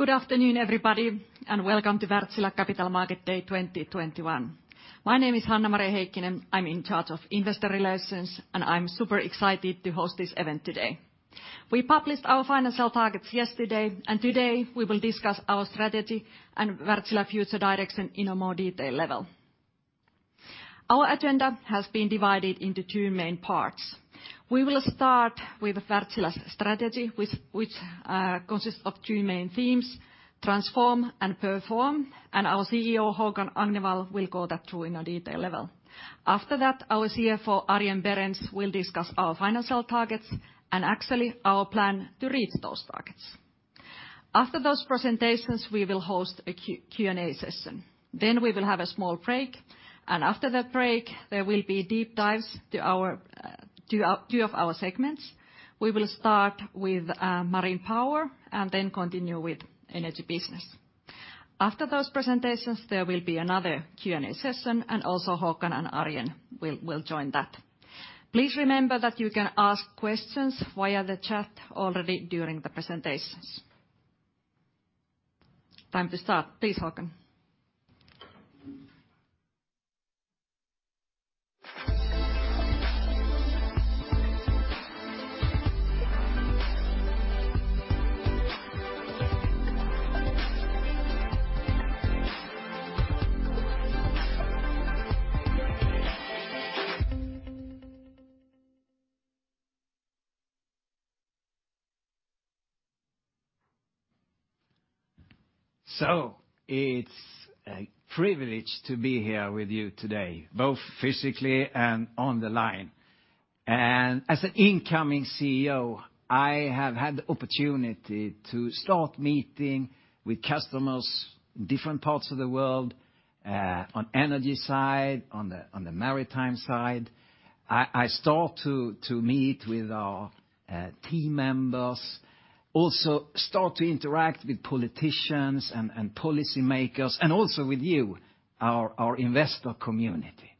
Good afternoon, everybody, and welcome to Wärtsilä Capital Markets Day 2021. My name is Hanna-Maria Heikkinen. I'm in charge of investor relations, and I'm super excited to host this event today. We published our financial targets yesterday, and today we will discuss our strategy and Wärtsilä future direction in a more detail level. Our agenda has been divided into two main parts. We will start with Wärtsilä's strategy, which consists of two main themes, transform and perform, and our CEO, Håkan Agnevall, will go that through in a detail level. After that, our CFO, Arjen Berends, will discuss our financial targets and actually our plan to reach those targets. After those presentations, we will host a Q&A session. Then we will have a small break, and after that break, there will be deep dives to two of our segments. We will start with Marine Power and then continue with Energy Business. After those presentations, there will be another Q&A session and also Håkan and Arjen will join that. Please remember that you can ask questions via the chat already during the presentations. Time to start. Please, Håkan. It's a privilege to be here with you today, both physically and on the line. As an incoming CEO, I have had the opportunity to start meeting with customers in different parts of the world, on energy side, on the maritime side. I start to meet with our team members, also start to interact with politicians and policymakers, and also with you, our investor community.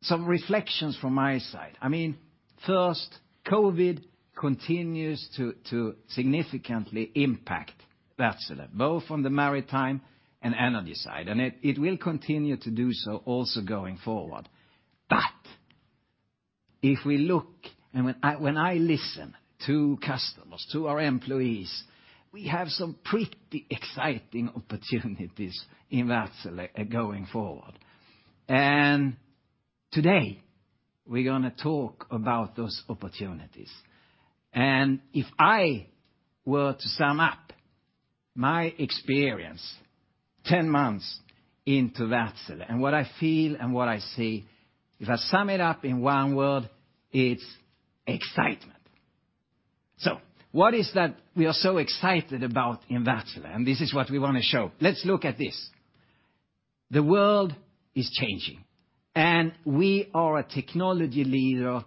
Some reflections from my side. I mean, first, COVID continues to significantly impact Wärtsilä, both on the maritime and energy side, and it will continue to do so also going forward. If we look, and when I listen to customers, to our employees, we have some pretty exciting opportunities in Wärtsilä going forward. Today we're gonna talk about those opportunities. If I were to sum up my experience ten months into Wärtsilä, and what I feel and what I see, if I sum it up in one word, it's excitement. What is that we are so excited about in Wärtsilä? This is what we wanna show. Let's look at this. The world is changing, and we are a technology leader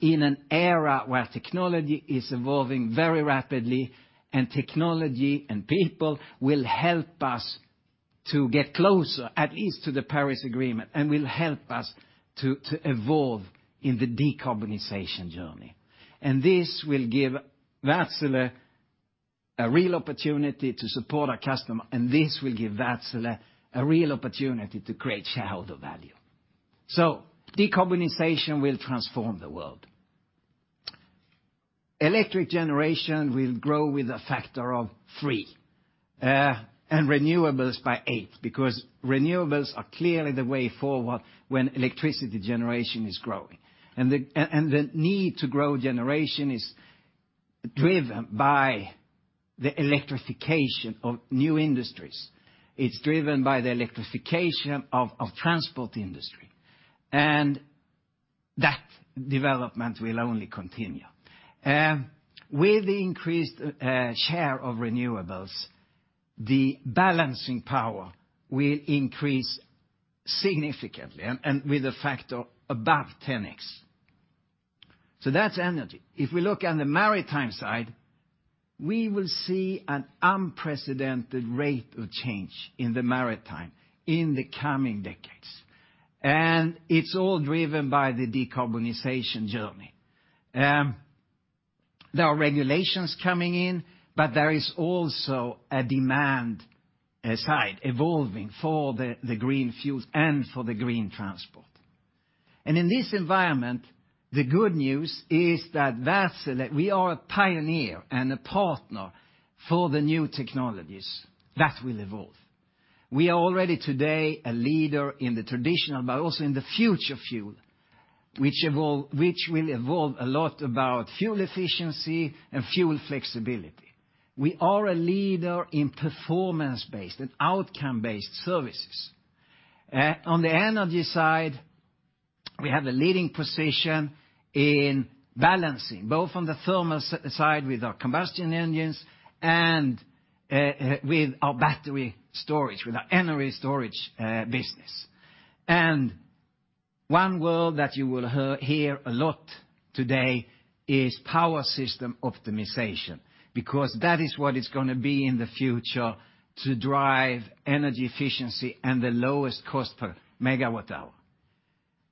in an era where technology is evolving very rapidly, and technology and people will help us to get closer, at least to the Paris Agreement, and will help us to evolve in the decarbonization journey. This will give Wärtsilä a real opportunity to support our customer, and this will give Wärtsilä a real opportunity to create shareholder value. Decarbonization will transform the world. Electric generation will grow with a factor of three, and renewables by 8, because renewables are clearly the way forward when electricity generation is growing. The need to grow generation is driven by the electrification of new industries. It's driven by the electrification of transport industry. That development will only continue. With increased share of renewables, the balancing power will increase significantly and with a factor above 10x. That's energy. If we look on the maritime side, we will see an unprecedented rate of change in the maritime in the coming decades. It's all driven by the decarbonization journey. There are regulations coming in, but there is also a demand side evolving for the green fuels and for the green transport. In this environment, the good news is that Wärtsilä, we are a pioneer and a partner for the new technologies that will evolve. We are already today a leader in the traditional, but also in the future fuel, which will evolve a lot about fuel efficiency and fuel flexibility. We are a leader in performance-based and outcome-based services. On the energy side, we have a leading position in balancing, both on the thermal side with our combustion engines and with our battery storage and energy storage business. One word that you will hear a lot today is power system optimization because that is what is gonna be in the future to drive energy efficiency and the lowest cost per megawatt hour.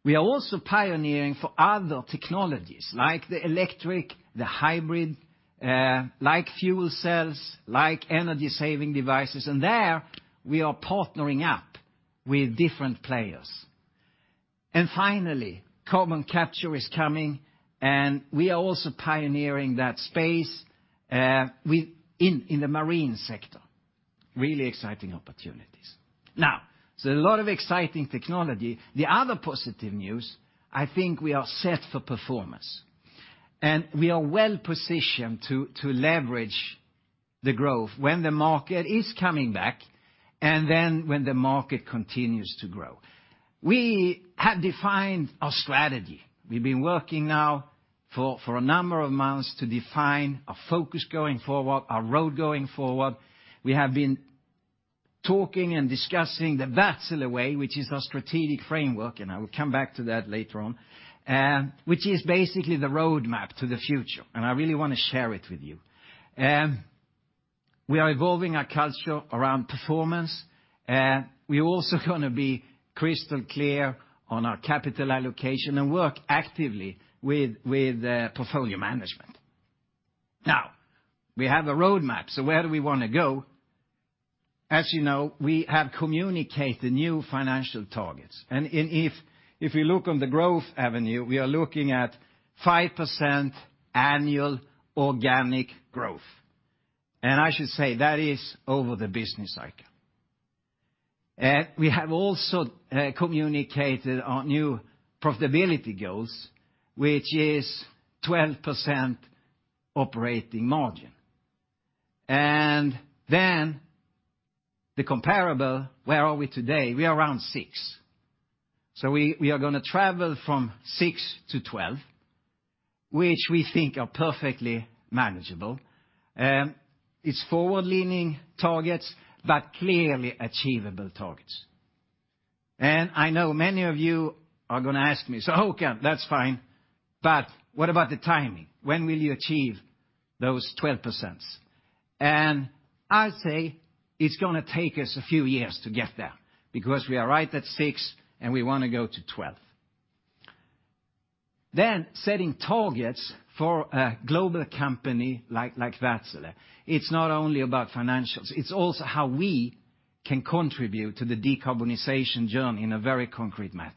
We are also pioneering for other technologies, like the electric, the hybrid, like fuel cells, like energy-saving devices, and there we are partnering up with different players. Finally, carbon capture is coming, and we are also pioneering that space in the marine sector. Really exciting opportunities. A lot of exciting technology. The other positive news, I think we are set for performance, and we are well-positioned to leverage the growth when the market is coming back and then when the market continues to grow. We have defined our strategy. We've been working now for a number of months to define our focus going forward, our roadmap going forward. We have been talking and discussing the Wärtsilä Way, which is our strategic framework, and I will come back to that later on, which is basically the roadmap to the future, and I really wanna share it with you. We are evolving our culture around performance. We also gonna be crystal clear on our capital allocation and work actively with portfolio management. Now, we have a roadmap, so where do we wanna go? As you know, we have communicated new financial targets, and if you look on the growth avenue, we are looking at 5% annual organic growth, and I should say that is over the business cycle. We have also communicated our new profitability goals, which is 12% operating margin. The comparable, where are we today? We are around 6%. We are gonna travel from 6% to 12%, which we think are perfectly manageable. It's forward-leaning targets but clearly achievable targets. I know many of you are gonna ask me, "So Håkan, that's fine, but what about the timing? When will you achieve those 12%?" I'd say it's gonna take us a few years to get there because we are right at 6%, and we wanna go to 12%. Setting targets for a global company like Wärtsilä, it's not only about financials, it's also how we can contribute to the decarbonization journey in a very concrete manner.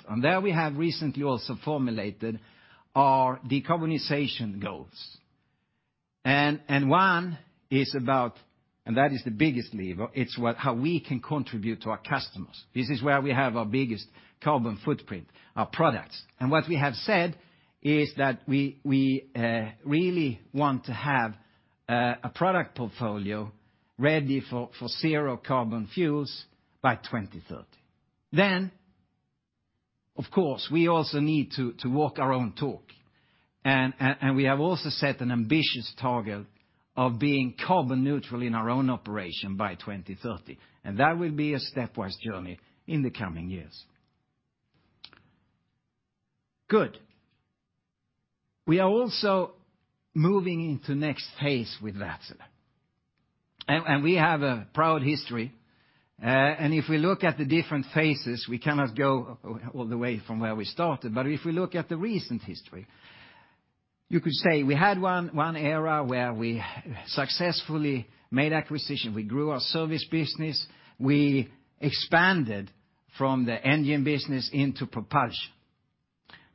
One is about that, and that is the biggest lever. It's how we can contribute to our customers. This is where we have our biggest carbon footprint, our products. What we have said is that we really want to have a product portfolio ready for zero carbon fuels by 2030. Of course, we also need to walk our own talk, and we have also set an ambitious target of being carbon neutral in our own operation by 2030, and that will be a stepwise journey in the coming years. Good. We are also moving into next phase with Wärtsilä, and we have a proud history, and if we look at the different phases, we cannot go all the way from where we started, but if we look at the recent history, you could say we had one era where we successfully made acquisition. We grew our service business. We expanded from the engine business into propulsion.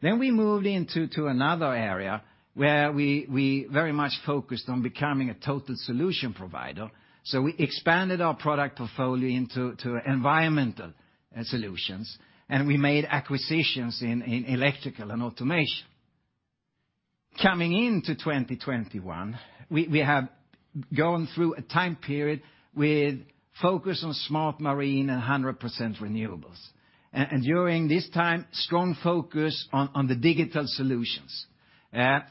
We moved into another area where we very much focused on becoming a total solution provider, so we expanded our product portfolio into environmental solutions, and we made acquisitions in electrical and automation. Coming into 2021, we have gone through a time period with focus on smart marine and 100% renewables, and during this time, strong focus on the digital solutions.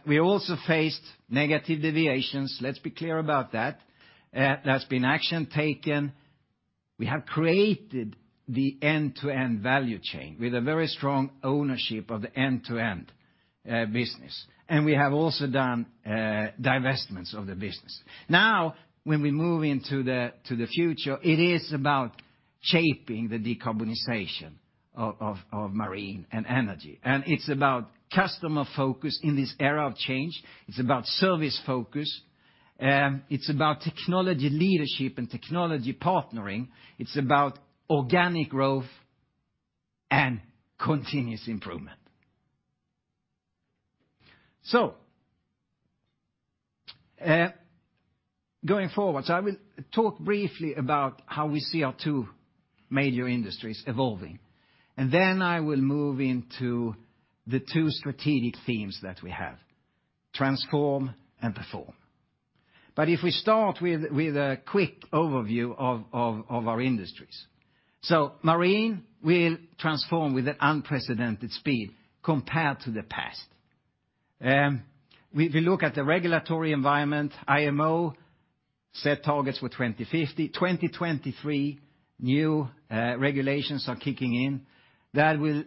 We also faced negative deviations, let's be clear about that. There's been action taken. We have created the end-to-end value chain with a very strong ownership of the end-to-end business, and we have also done divestments of the business. Now, when we move into the future, it is about shaping the decarbonization of marine and energy, and it's about customer focus in this era of change. It's about service focus. It's about technology leadership and technology partnering. It's about organic growth and continuous improvement. Going forward, I will talk briefly about how we see our two major industries evolving, and then I will move into the two strategic themes that we have, transform and perform. If we start with a quick overview of our industries, marine will transform with an unprecedented speed compared to the past. We look at the regulatory environment, IMO set targets for 2050. 2023, new regulations are kicking in that will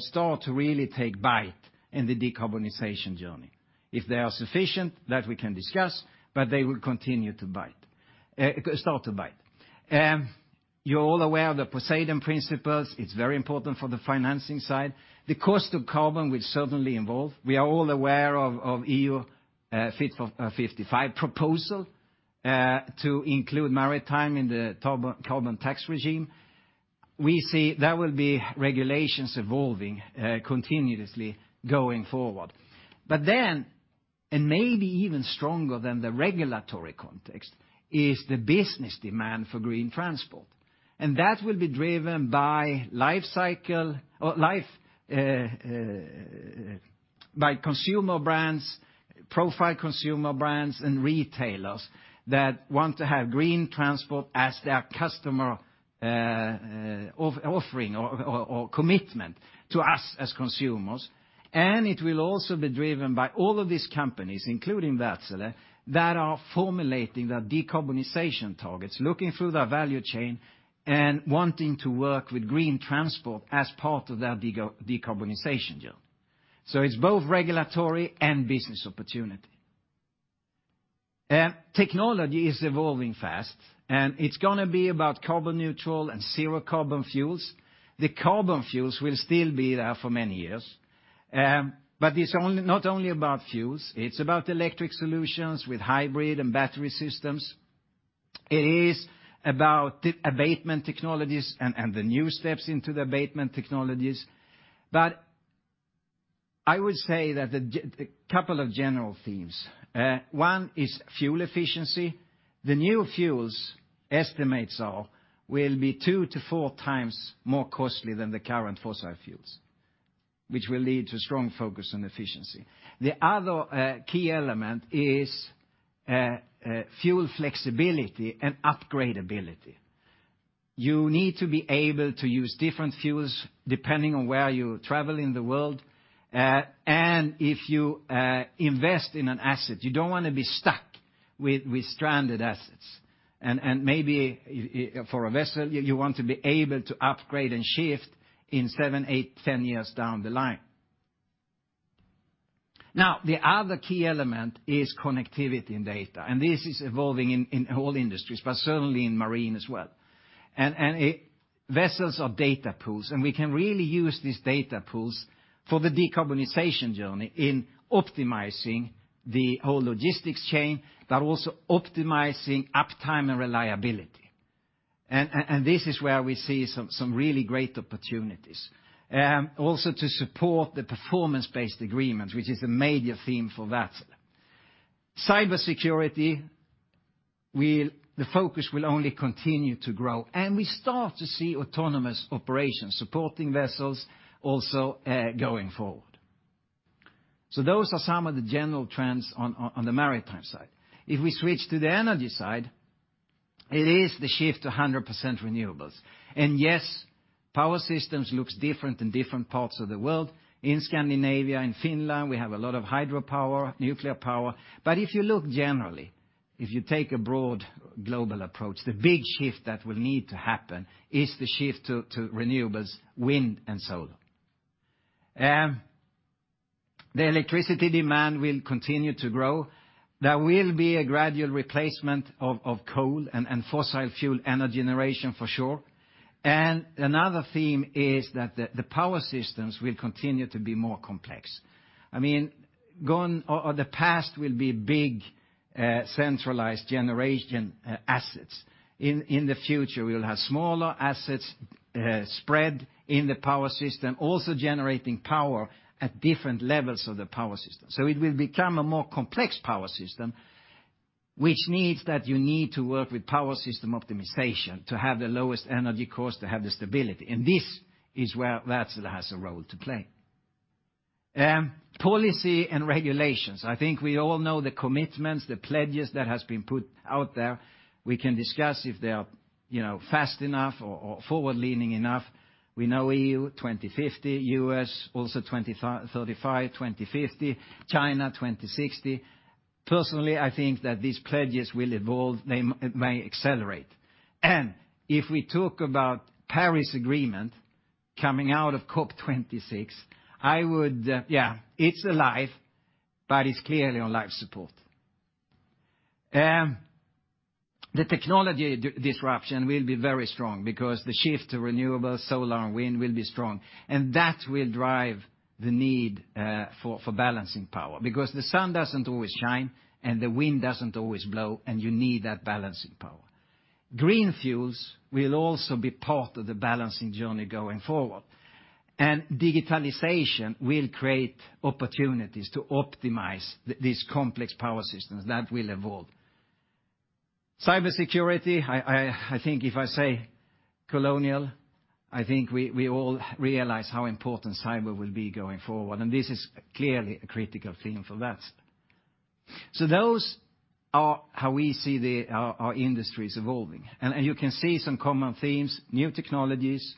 start to really take bite in the decarbonization journey. If they are sufficient, that we can discuss, they will continue to bite. You're all aware of the Poseidon Principles. It's very important for the financing side. The cost of carbon will certainly involve. We are all aware of EU ETS for 55 proposal to include maritime in the carbon tax regime. We see there will be regulations evolving continuously going forward. Maybe even stronger than the regulatory context is the business demand for green transport. That will be driven by life cycle or life by high-profile consumer brands and retailers that want to have green transport as their customer offering or commitment to us as consumers. It will also be driven by all of these companies, including Wärtsilä, that are formulating their decarbonization targets, looking through their value chain, and wanting to work with green transport as part of their decarbonization journey. It's both regulatory and business opportunity. Technology is evolving fast, and it's gonna be about carbon neutral and zero carbon fuels. The carbon fuels will still be there for many years, but it's not only about fuels, it's about electric solutions with hybrid and battery systems. It is about the abatement technologies and the new steps into the abatement technologies. I would say that the couple of general themes, one is fuel efficiency. The new fuels, estimates are, will be two to four times more costly than the current fossil fuels, which will lead to strong focus on efficiency. The other key element is fuel flexibility and upgradeability. You need to be able to use different fuels depending on where you travel in the world. If you invest in an asset, you don't wanna be stuck with stranded assets. Maybe for a vessel, you want to be able to upgrade and shift in seven, eight, 10 years down the line. Now, the other key element is connectivity and data, and this is evolving in all industries, but certainly in marine as well. Vessels are data pools, and we can really use these data pools for the decarbonization journey in optimizing the whole logistics chain, but also optimizing uptime and reliability. This is where we see some really great opportunities, also to support the performance-based agreement, which is a major theme for Wärtsilä. Cybersecurity, the focus will only continue to grow, and we start to see autonomous operations, supporting vessels also, going forward. Those are some of the general trends on the maritime side. If we switch to the energy side, it is the shift to 100% renewables. Yes, power systems looks different in different parts of the world. In Scandinavia and Finland, we have a lot of hydropower, nuclear power. If you look generally, if you take a broad global approach, the big shift that will need to happen is the shift to renewables, wind and solar. The electricity demand will continue to grow. There will be a gradual replacement of coal and fossil fuel energy generation for sure. Another theme is that the power systems will continue to be more complex. I mean, the past will be big centralized generation assets. In the future, we'll have smaller assets spread in the power system, also generating power at different levels of the power system. It will become a more complex power system, which needs that you need to work with power system optimization to have the lowest energy cost, to have the stability. This is where Wärtsilä has a role to play. Policy and regulations. I think we all know the commitments, the pledges that has been put out there. We can discuss if they are, you know, fast enough or forward-leaning enough. We know EU 2050, US also 2035, 2050, China, 2060. Personally, I think that these pledges will evolve, they may accelerate. If we talk about Paris Agreement coming out of COP26, I would, it's alive, but it's clearly on life support. The technology disruption will be very strong because the shift to renewable solar and wind will be strong, and that will drive the need for balancing power because the sun doesn't always shine and the wind doesn't always blow, and you need that balancing power. Green fuels will also be part of the balancing journey going forward. Digitalization will create opportunities to optimize these complex power systems that will evolve. Cybersecurity, I think if I say Colonial, I think we all realize how important cyber will be going forward, and this is clearly a critical theme for that. Those are how we see our industries evolving. You can see some common themes, new technologies,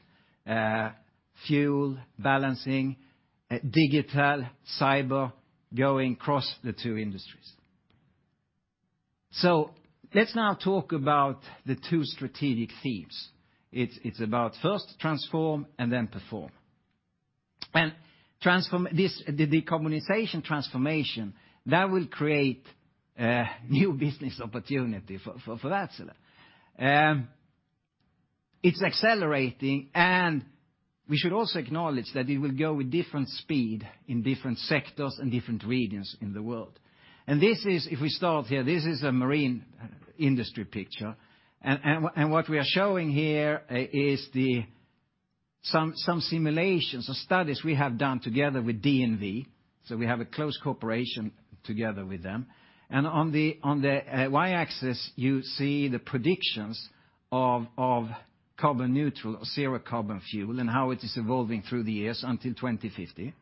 fuel balancing, digital, cyber going across the two industries. Let's now talk about the two strategic themes. It's about first transform and then perform. Transform the decarbonization transformation that will create new business opportunity for Wärtsilä. It's accelerating, we should also acknowledge that it will go with different speed in different sectors and different regions in the world. This is, if we start here, a marine industry picture. What we are showing here is some simulations or studies we have done together with DNV. We have a close cooperation together with them. On the y-axis, you see the predictions of carbon neutral zero carbon fuel, and how it is evolving through the years until 2050.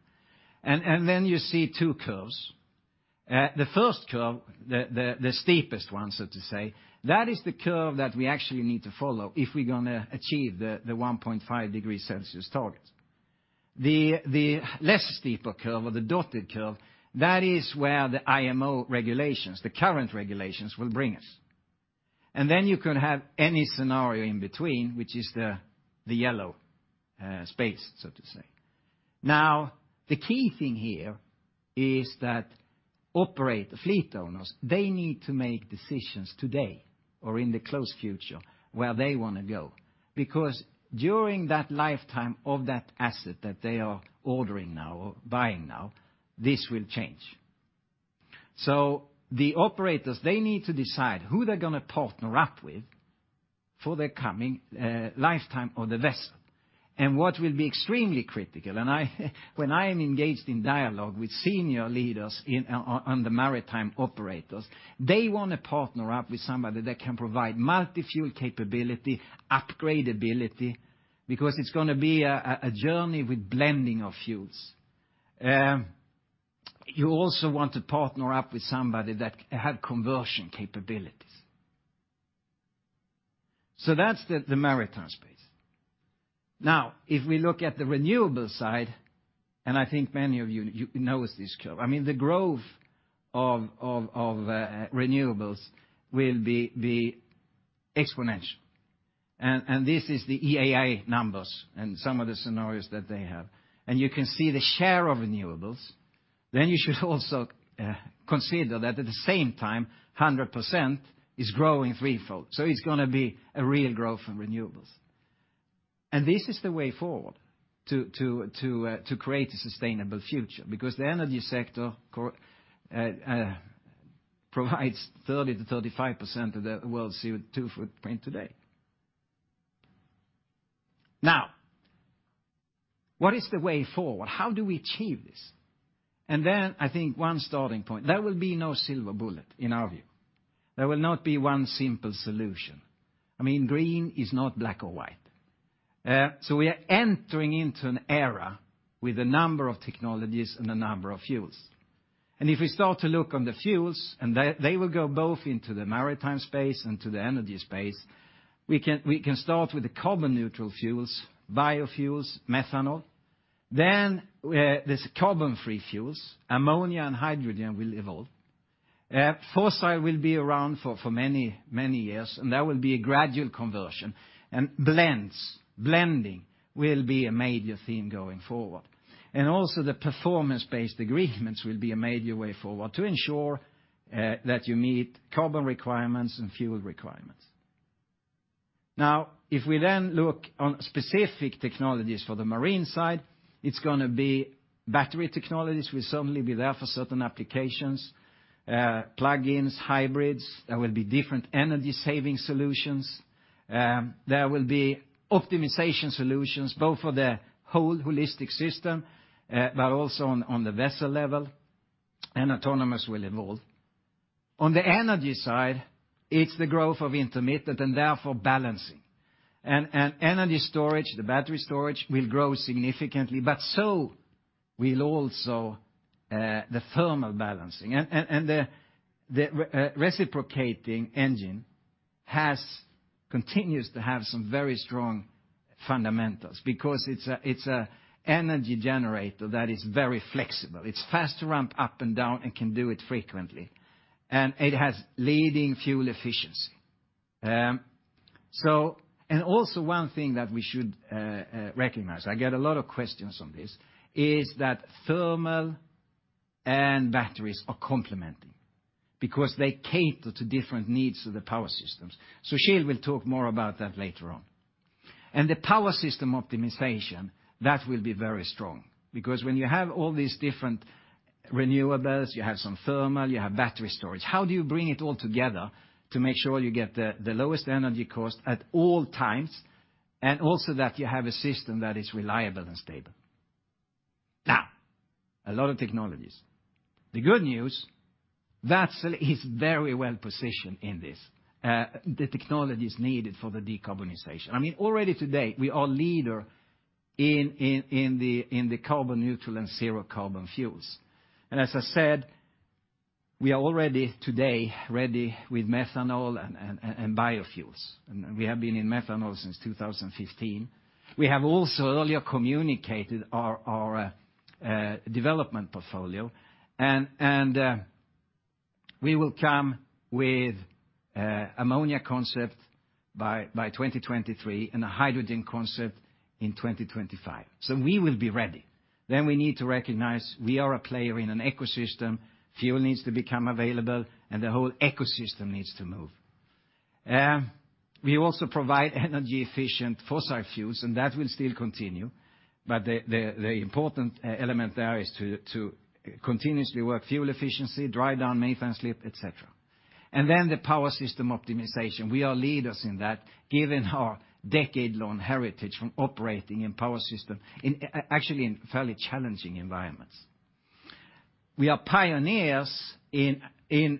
Then you see two curves. The first curve, the steepest one, so to say, that is the curve that we actually need to follow if we're gonna achieve the 1.5 degree Celsius target. The less steeper curve or the dotted curve, that is where the IMO regulations, the current regulations will bring us. Then you can have any scenario in between, which is the yellow space, so to say. Now, the key thing here is that fleet owners, they need to make decisions today or in the close future where they wanna go. Because during that lifetime of that asset that they are ordering now or buying now, this will change. The operators, they need to decide who they're gonna partner up with for the coming lifetime of the vessel. What will be extremely critical, when I am engaged in dialogue with senior leaders in on the maritime operators, they wanna partner up with somebody that can provide multi-fuel capability, upgrade ability, because it's gonna be a journey with blending of fuels. You also want to partner up with somebody that have conversion capabilities. That's the maritime space. Now, if we look at the renewable side, I think many of you knows this curve. I mean, the growth of renewables will be exponential. This is the EIA numbers and some of the scenarios that they have. You can see the share of renewables. You should also consider that at the same time, 100% is growing threefold. It's gonna be a real growth in renewables. This is the way forward to create a sustainable future because the energy sector provides 30%-35% of the world's CO2 footprint today. Now, what is the way forward? How do we achieve this? I think one starting point, there will be no silver bullet in our view. There will not be one simple solution. I mean, green is not black or white. We are entering into an era with a number of technologies and a number of fuels. If we start to look on the fuels, they will go both into the maritime space and to the energy space, we can start with the carbon neutral fuels, biofuels, methanol. There's carbon-free fuels, ammonia and hydrogen will evolve. Fossil will be around for many years, and there will be a gradual conversion. Blends, blending will be a major theme going forward. Also the performance-based agreements will be a major way forward to ensure that you meet carbon requirements and fuel requirements. Now, if we then look on specific technologies for the marine side, it's gonna be battery technologies will certainly be there for certain applications, plug-ins, hybrids. There will be different energy-saving solutions. There will be optimization solutions both for the whole holistic system, but also on the vessel level, and autonomous will evolve. On the energy side, it's the growth of intermittent and therefore balancing. Energy storage, the battery storage, will grow significantly, but so will also the thermal balancing. The reciprocating engine continues to have some very strong fundamentals because it's a energy generator that is very flexible. It's fast to ramp up and down and can do it frequently. It has leading fuel efficiency. Also one thing that we should recognize, I get a lot of questions on this, is that thermal and batteries are complementing because they cater to different needs of the power systems. Sushil Purohit will talk more about that later on. The power system optimization, that will be very strong because when you have all these different renewables, you have some thermal, you have battery storage. How do you bring it all together to make sure you get the lowest energy cost at all times, and also that you have a system that is reliable and stable? Now, a lot of technologies. The good news, Wärtsilä is very well-positioned in this, the technologies needed for the decarbonization. I mean, already today, we are leader in the carbon neutral and zero carbon fuels. As I said, we are already today ready with methanol and biofuels. We have been in methanol since 2015. We have also earlier communicated our development portfolio and we will come with ammonia concept by 2023 and a hydrogen concept in 2025. We will be ready. We need to recognize we are a player in an ecosystem, fuel needs to become available, and the whole ecosystem needs to move. We also provide energy efficient fossil fuels, and that will still continue. The important element there is to continuously work fuel efficiency, drive down methane slip, et cetera. The power system optimization. We are leaders in that given our decade-long heritage from operating in power system in, actually in fairly challenging environments. We are pioneers in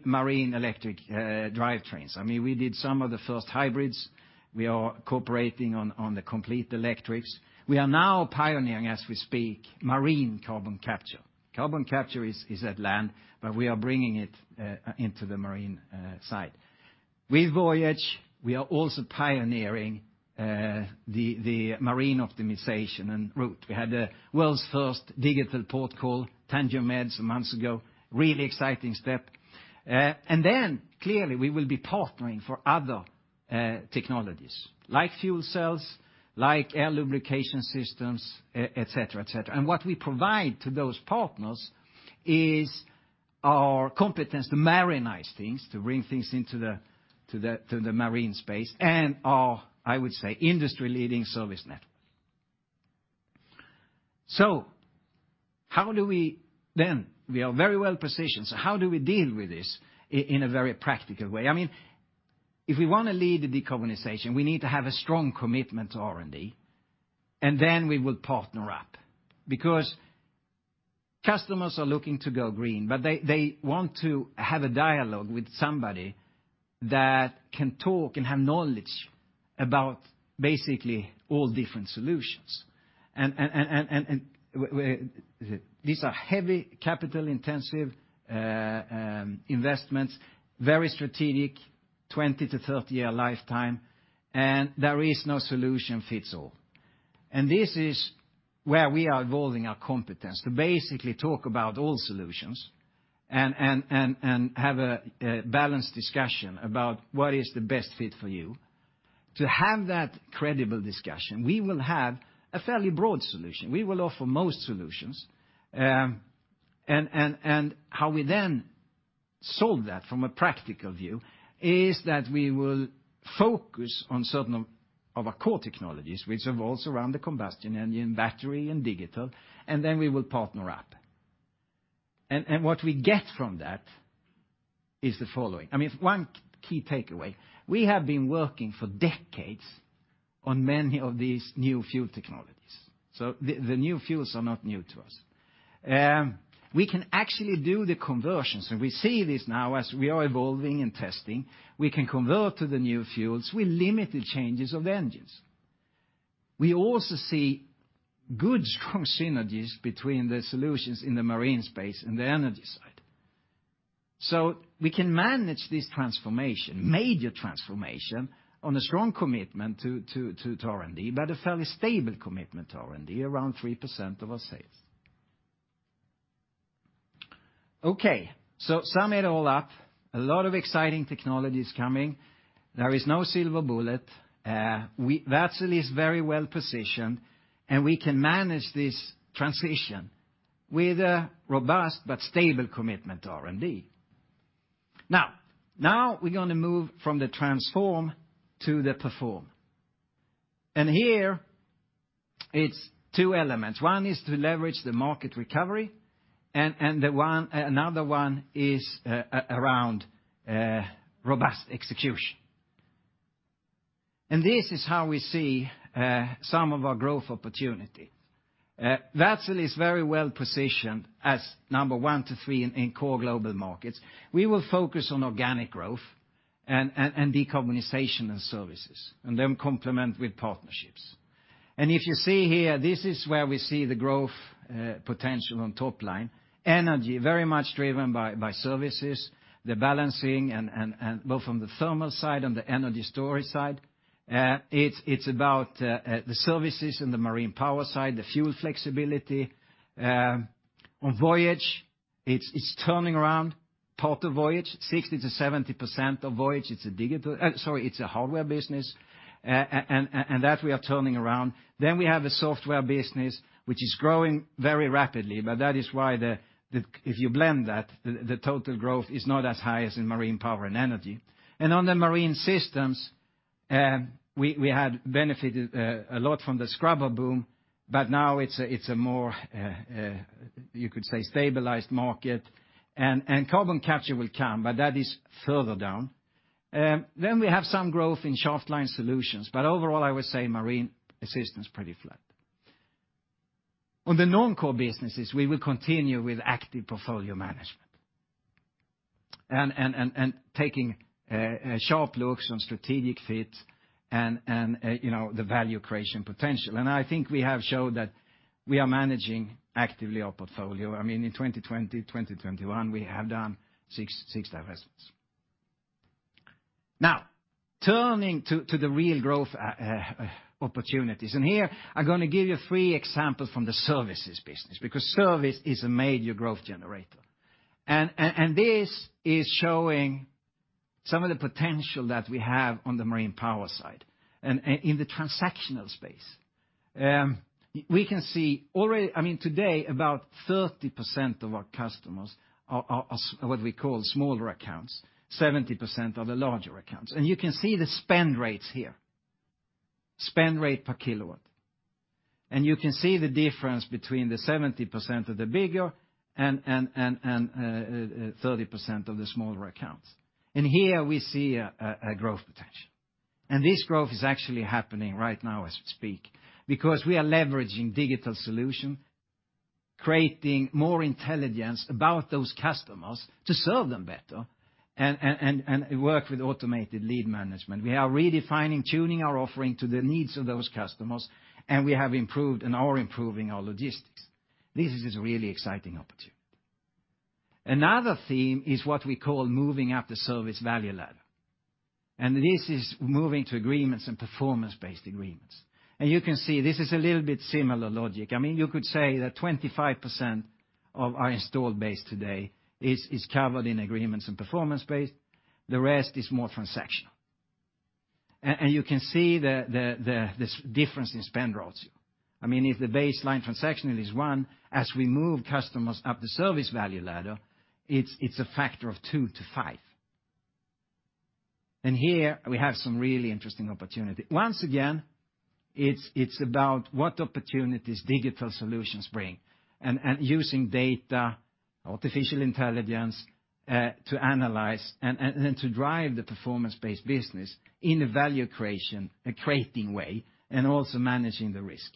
marine electric drivetrains. I mean, we did some of the first hybrids. We are cooperating on the complete electrics. We are now pioneering, as we speak, marine carbon capture. Carbon capture is at land, but we are bringing it into the marine side. With Voyage, we are also pioneering the marine optimization and route. We had the world's first digital port call, Tangier Med, some months ago, really exciting step. Clearly we will be partnering for other technologies like fuel cells, like air lubrication systems, et cetera, et cetera. What we provide to those partners is our competence to marinize things, to bring things into the marine space and our, I would say, industry-leading service network. We are very well positioned, so how do we deal with this in a very practical way? I mean, if we wanna lead the decarbonization, we need to have a strong commitment to R&D, and then we will partner up. Because customers are looking to go green, but they want to have a dialogue with somebody that can talk and have knowledge about basically all different solutions. These are heavy capital-intensive investments, very strategic, 20-30-year lifetime, and there is no solution fits all. This is where we are evolving our competence to basically talk about all solutions and have a balanced discussion about what is the best fit for you. To have that credible discussion, we will have a fairly broad solution. We will offer most solutions. How we then solve that from a practical view is that we will focus on certain of our core technologies, which revolves around the combustion engine, battery, and digital, and then we will partner up. What we get from that is the following. I mean, one key takeaway, we have been working for decades on many of these new fuel technologies, so the new fuels are not new to us. We can actually do the conversions, and we see this now as we are evolving and testing. We can convert to the new fuels with limited changes of engines. We also see good, strong synergies between the solutions in the marine space and the energy side. We can manage this major transformation on a strong commitment to R&D, but a fairly stable commitment to R&D, around 3% of our sales. Okay. Sum it all up, a lot of exciting technologies coming. There is no silver bullet. Wärtsilä is very well-positioned, and we can manage this transition with a robust but stable commitment to R&D. Now we're gonna move from the transform to the perform. Here it's two elements. One is to leverage the market recovery and another one is around robust execution. This is how we see some of our growth opportunity. Wärtsilä is very well-positioned as 1-3 in core global markets. We will focus on organic growth and decarbonization and services, and then complement with partnerships. If you see here, this is where we see the growth potential on top line. Energy, very much driven by services, the balancing and both from the thermal side and the energy storage side. It's about the services and the marine power side, the fuel flexibility. On Voyage, it's turning around total Voyage. 60%-70% of Voyage, it's a hardware business. That we are turning around. We have a software business which is growing very rapidly, but that is why if you blend that, the total growth is not as high as in Marine Power and Energy. On the Marine Systems, we had benefited a lot from the scrubber boom, but now it's a more stabilized market, you could say. Carbon capture will come, but that is further down. We have some growth in shaft line solutions. Overall, I would say Marine Systems pretty flat. On the non-core businesses, we will continue with active portfolio management, taking sharp looks on strategic fit and, you know, the value creation potential. I think we have showed that we are managing actively our portfolio. I mean, in 2020, 2021, we have done six divestments. Now, turning to the real growth opportunities. Here I'm gonna give you three examples from the services business, because service is a major growth generator. This is showing some of the potential that we have on the marine power side and in the transactional space. We can see already today, about 30% of our customers are what we call smaller accounts, 70% are the larger accounts. You can see the spend rates here, spend rate per Kilowatt. You can see the difference between the 70% of the bigger and 30% of the smaller accounts. Here we see a growth potential. This growth is actually happening right now as we speak, because we are leveraging digital solution, creating more intelligence about those customers to serve them better, and work with automated lead management. We are redefining, tuning our offering to the needs of those customers, and we have improved and are improving our logistics. This is a really exciting opportunity. Another theme is what we call moving up the service value ladder, and this is moving to agreements and performance-based agreements. You can see this is a little bit similar logic. I mean, you could say that 25% of our installed base today is covered in agreements and performance-based, the rest is more transactional. You can see this difference in spend rates. I mean, if the baseline transactional is one, as we move customers up the service value ladder, it's a factor of two to five. Here we have some really interesting opportunity. Once again, it's about what opportunities digital solutions bring and using data, artificial intelligence, to analyze and then to drive the performance-based business in a value-creating way, and also managing the risk.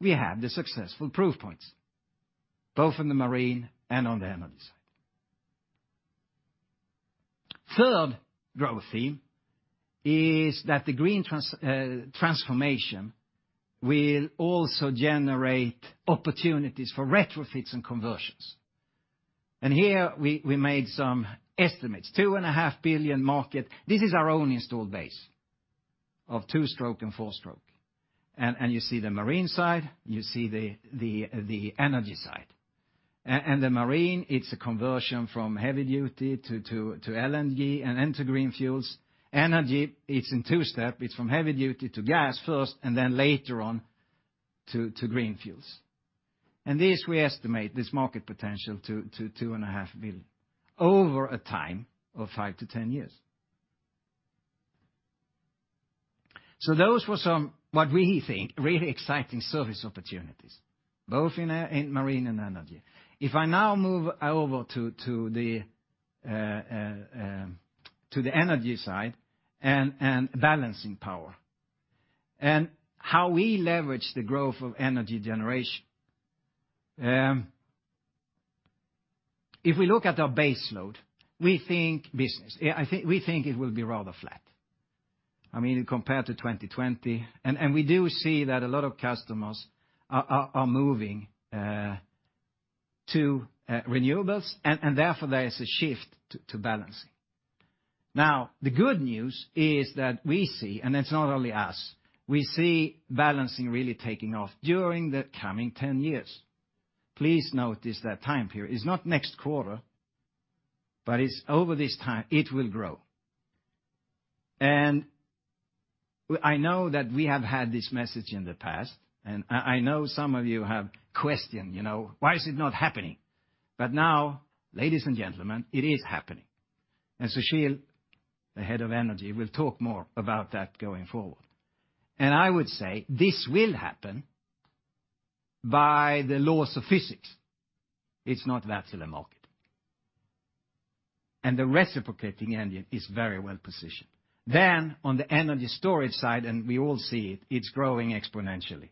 We have the successful proof points, both on the marine and on the energy side. Third growth theme is that the green transformation will also generate opportunities for retrofits and conversions. Here we made some estimates, 2.5 billion market. This is our own installed base of two-stroke and four-stroke. You see the marine side, you see the energy side. The marine, it's a conversion from heavy fuel to LNG and into green fuels. Energy, it's in two steps. It's from heavy fuel to gas first, and then later on to green fuels. This we estimate, this market potential to 2.5 billion over a time of five to 10 years. Those were some, what we think, really exciting service opportunities, both in marine and energy. If I now move over to the energy side and balancing power, and how we leverage the growth of energy generation. If we look at our baseload business. We think it will be rather flat, I mean, compared to 2020. We do see that a lot of customers are moving to renewables, and therefore there is a shift to balancing. Now, the good news is that we see, and it's not only us, we see balancing really taking off during the coming 10 years. Please notice that time period. It's not next quarter, but it's over this time, it will grow. I know that we have had this message in the past, and I know some of you have questioned, you know, why is it not happening. But now, ladies and gentlemen, it is happening. Sushil, the Head of Energy, will talk more about that going forward. I would say this will happen by the laws of physics. It's not that's the market. The reciprocating engine is very well-positioned. On the energy storage side, and we all see it's growing exponentially.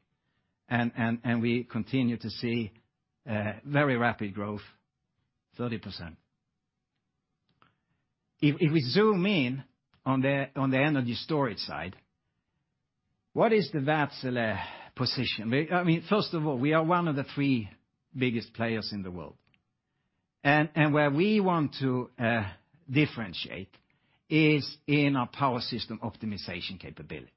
We continue to see very rapid growth, 30%. If we zoom in on the energy storage side, what is the Wärtsilä position? I mean, first of all, we are one of the three biggest players in the world. Where we want to differentiate is in our power system optimization capabilities.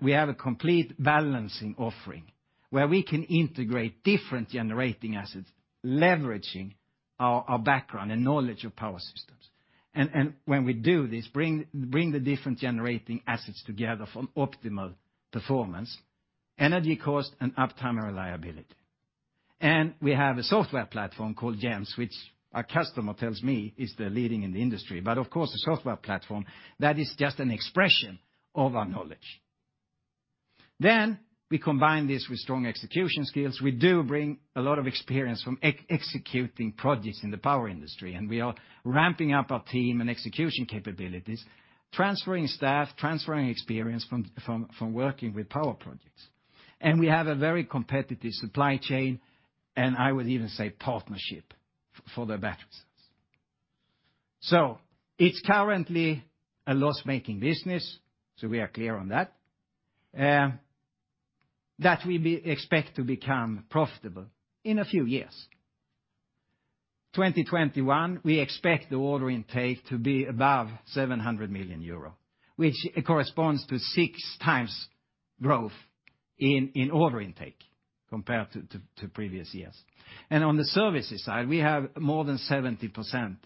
We have a complete balancing offering where we can integrate different generating assets, leveraging our background and knowledge of power systems. When we do this, bring the different generating assets together for optimal performance, energy cost, and uptime reliability. We have a software platform called GEMS, which a customer tells me is the leading in the industry, but of course, a software platform that is just an expression of our knowledge. We combine this with strong execution skills. We do bring a lot of experience from executing projects in the power industry, and we are ramping up our team and execution capabilities, transferring staff, transferring experience from working with power projects. We have a very competitive supply chain, and I would even say partnership for the battery cells. It's currently a loss-making business, so we are clear on that we expect to become profitable in a few years. 2021, we expect the order intake to be above 700 million euro, which corresponds to six times growth in order intake compared to previous years. On the services side, we have more than 70%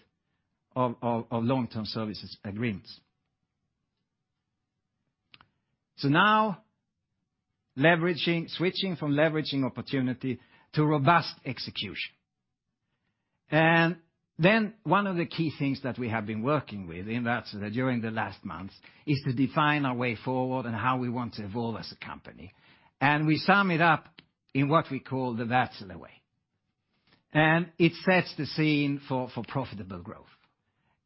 of long-term services agreements. Now switching from leveraging opportunity to robust execution. One of the key things that we have been working with in Wärtsilä during the last months is to define our way forward and how we want to evolve as a company. We sum it up in what we call the Wärtsilä Way. It sets the scene for profitable growth.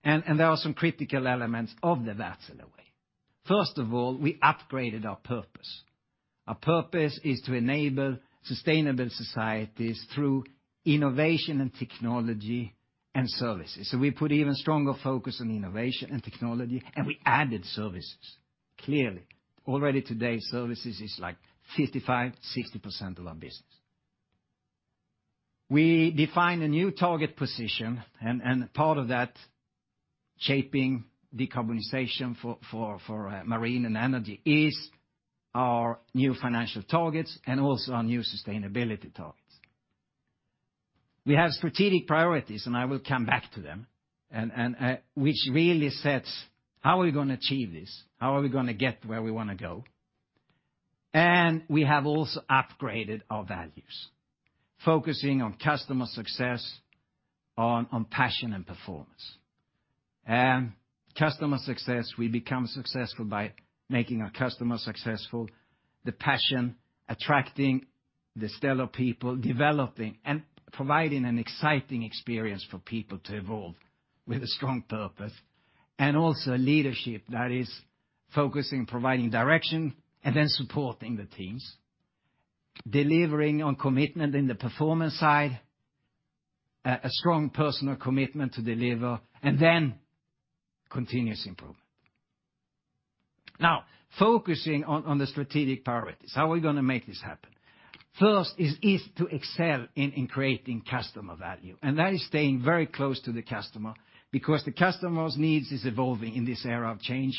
There are some critical elements of the Wärtsilä Way. First of all, we upgraded our purpose. Our purpose is to enable sustainable societies through innovation and technology and services. We put even stronger focus on innovation and technology, and we added services clearly. Already today, services is like 55%-60% of our business. We define a new target position and part of that shaping decarbonization for marine and energy is our new financial targets and also our new sustainability targets. We have strategic priorities, and I will come back to them, which really sets how are we gonna achieve this, how are we gonna get where we wanna go. We have also upgraded our values, focusing on customer success, passion and performance. Customer success, we become successful by making our customers successful. The passion, attracting the stellar people, developing and providing an exciting experience for people to evolve with a strong purpose. Also leadership that is focusing, providing direction, and then supporting the teams. Delivering on commitment in the performance side, strong personal commitment to deliver, and then continuous improvement. Now, focusing on the strategic priorities, how are we gonna make this happen? First is to excel in creating customer value, and that is staying very close to the customer because the customer's needs is evolving in this era of change.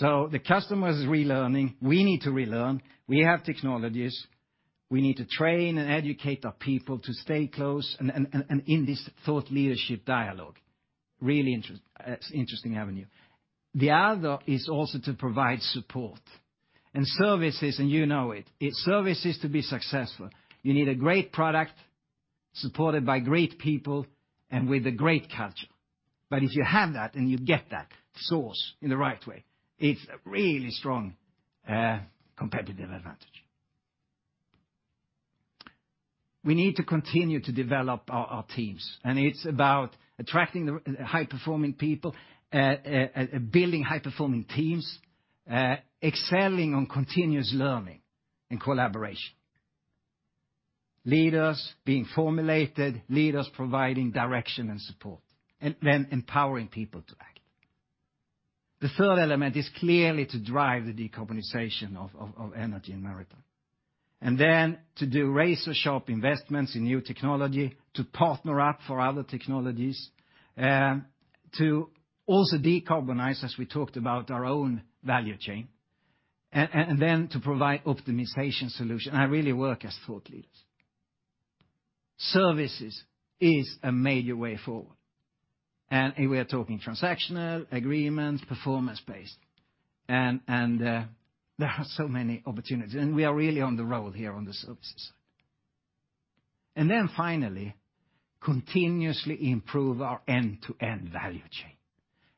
The customer is relearning, we need to relearn, we have technologies, we need to train and educate our people to stay close and in this thought leadership dialogue, really interesting avenue. The other is also to provide support and services, and you know it. It's services to be successful. You need a great product supported by great people and with a great culture. If you have that and you get that source in the right way, it's a really strong competitive advantage. We need to continue to develop our teams, and it's about attracting the high-performing people, building high-performing teams, excelling on continuous learning and collaboration. Leaders being formulated, leaders providing direction and support, and then empowering people to act. The third element is clearly to drive the decarbonization of energy and maritime, and then to do razor-sharp investments in new technology, to partner up for other technologies, to also decarbonize, as we talked about, our own value chain, and then to provide optimization solution and really work as thought leaders. Services is a major way forward, and we are talking transactional agreements, performance-based, there are so many opportunities, and we are really on the roll here on the services side. Finally, continuously improve our end-to-end value chain.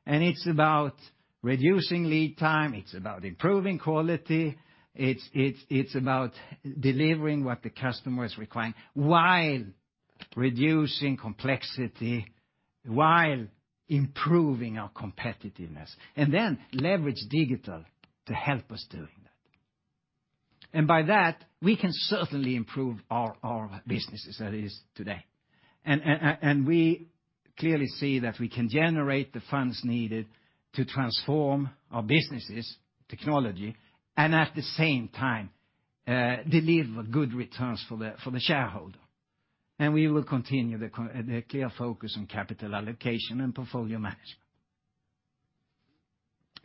It's about reducing lead time, it's about improving quality, it's about delivering what the customer is requiring while reducing complexity, while improving our competitiveness, and then leverage digital to help us doing that. By that, we can certainly improve our businesses as it is today. We clearly see that we can generate the funds needed to transform our businesses' technology and at the same time, deliver good returns for the shareholder. We will continue the clear focus on capital allocation and portfolio management.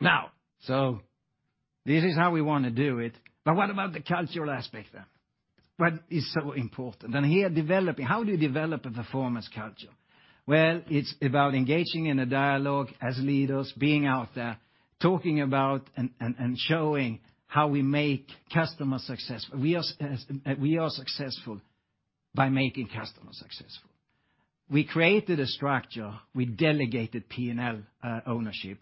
Now, this is how we wanna do it, but what about the cultural aspect then? What is so important? Here, developing. How do you develop a performance culture? Well, it's about engaging in a dialogue as leaders, being out there, talking about and showing how we make customers successful. We are successful by making customers successful. We created a structure, we delegated P&L ownership,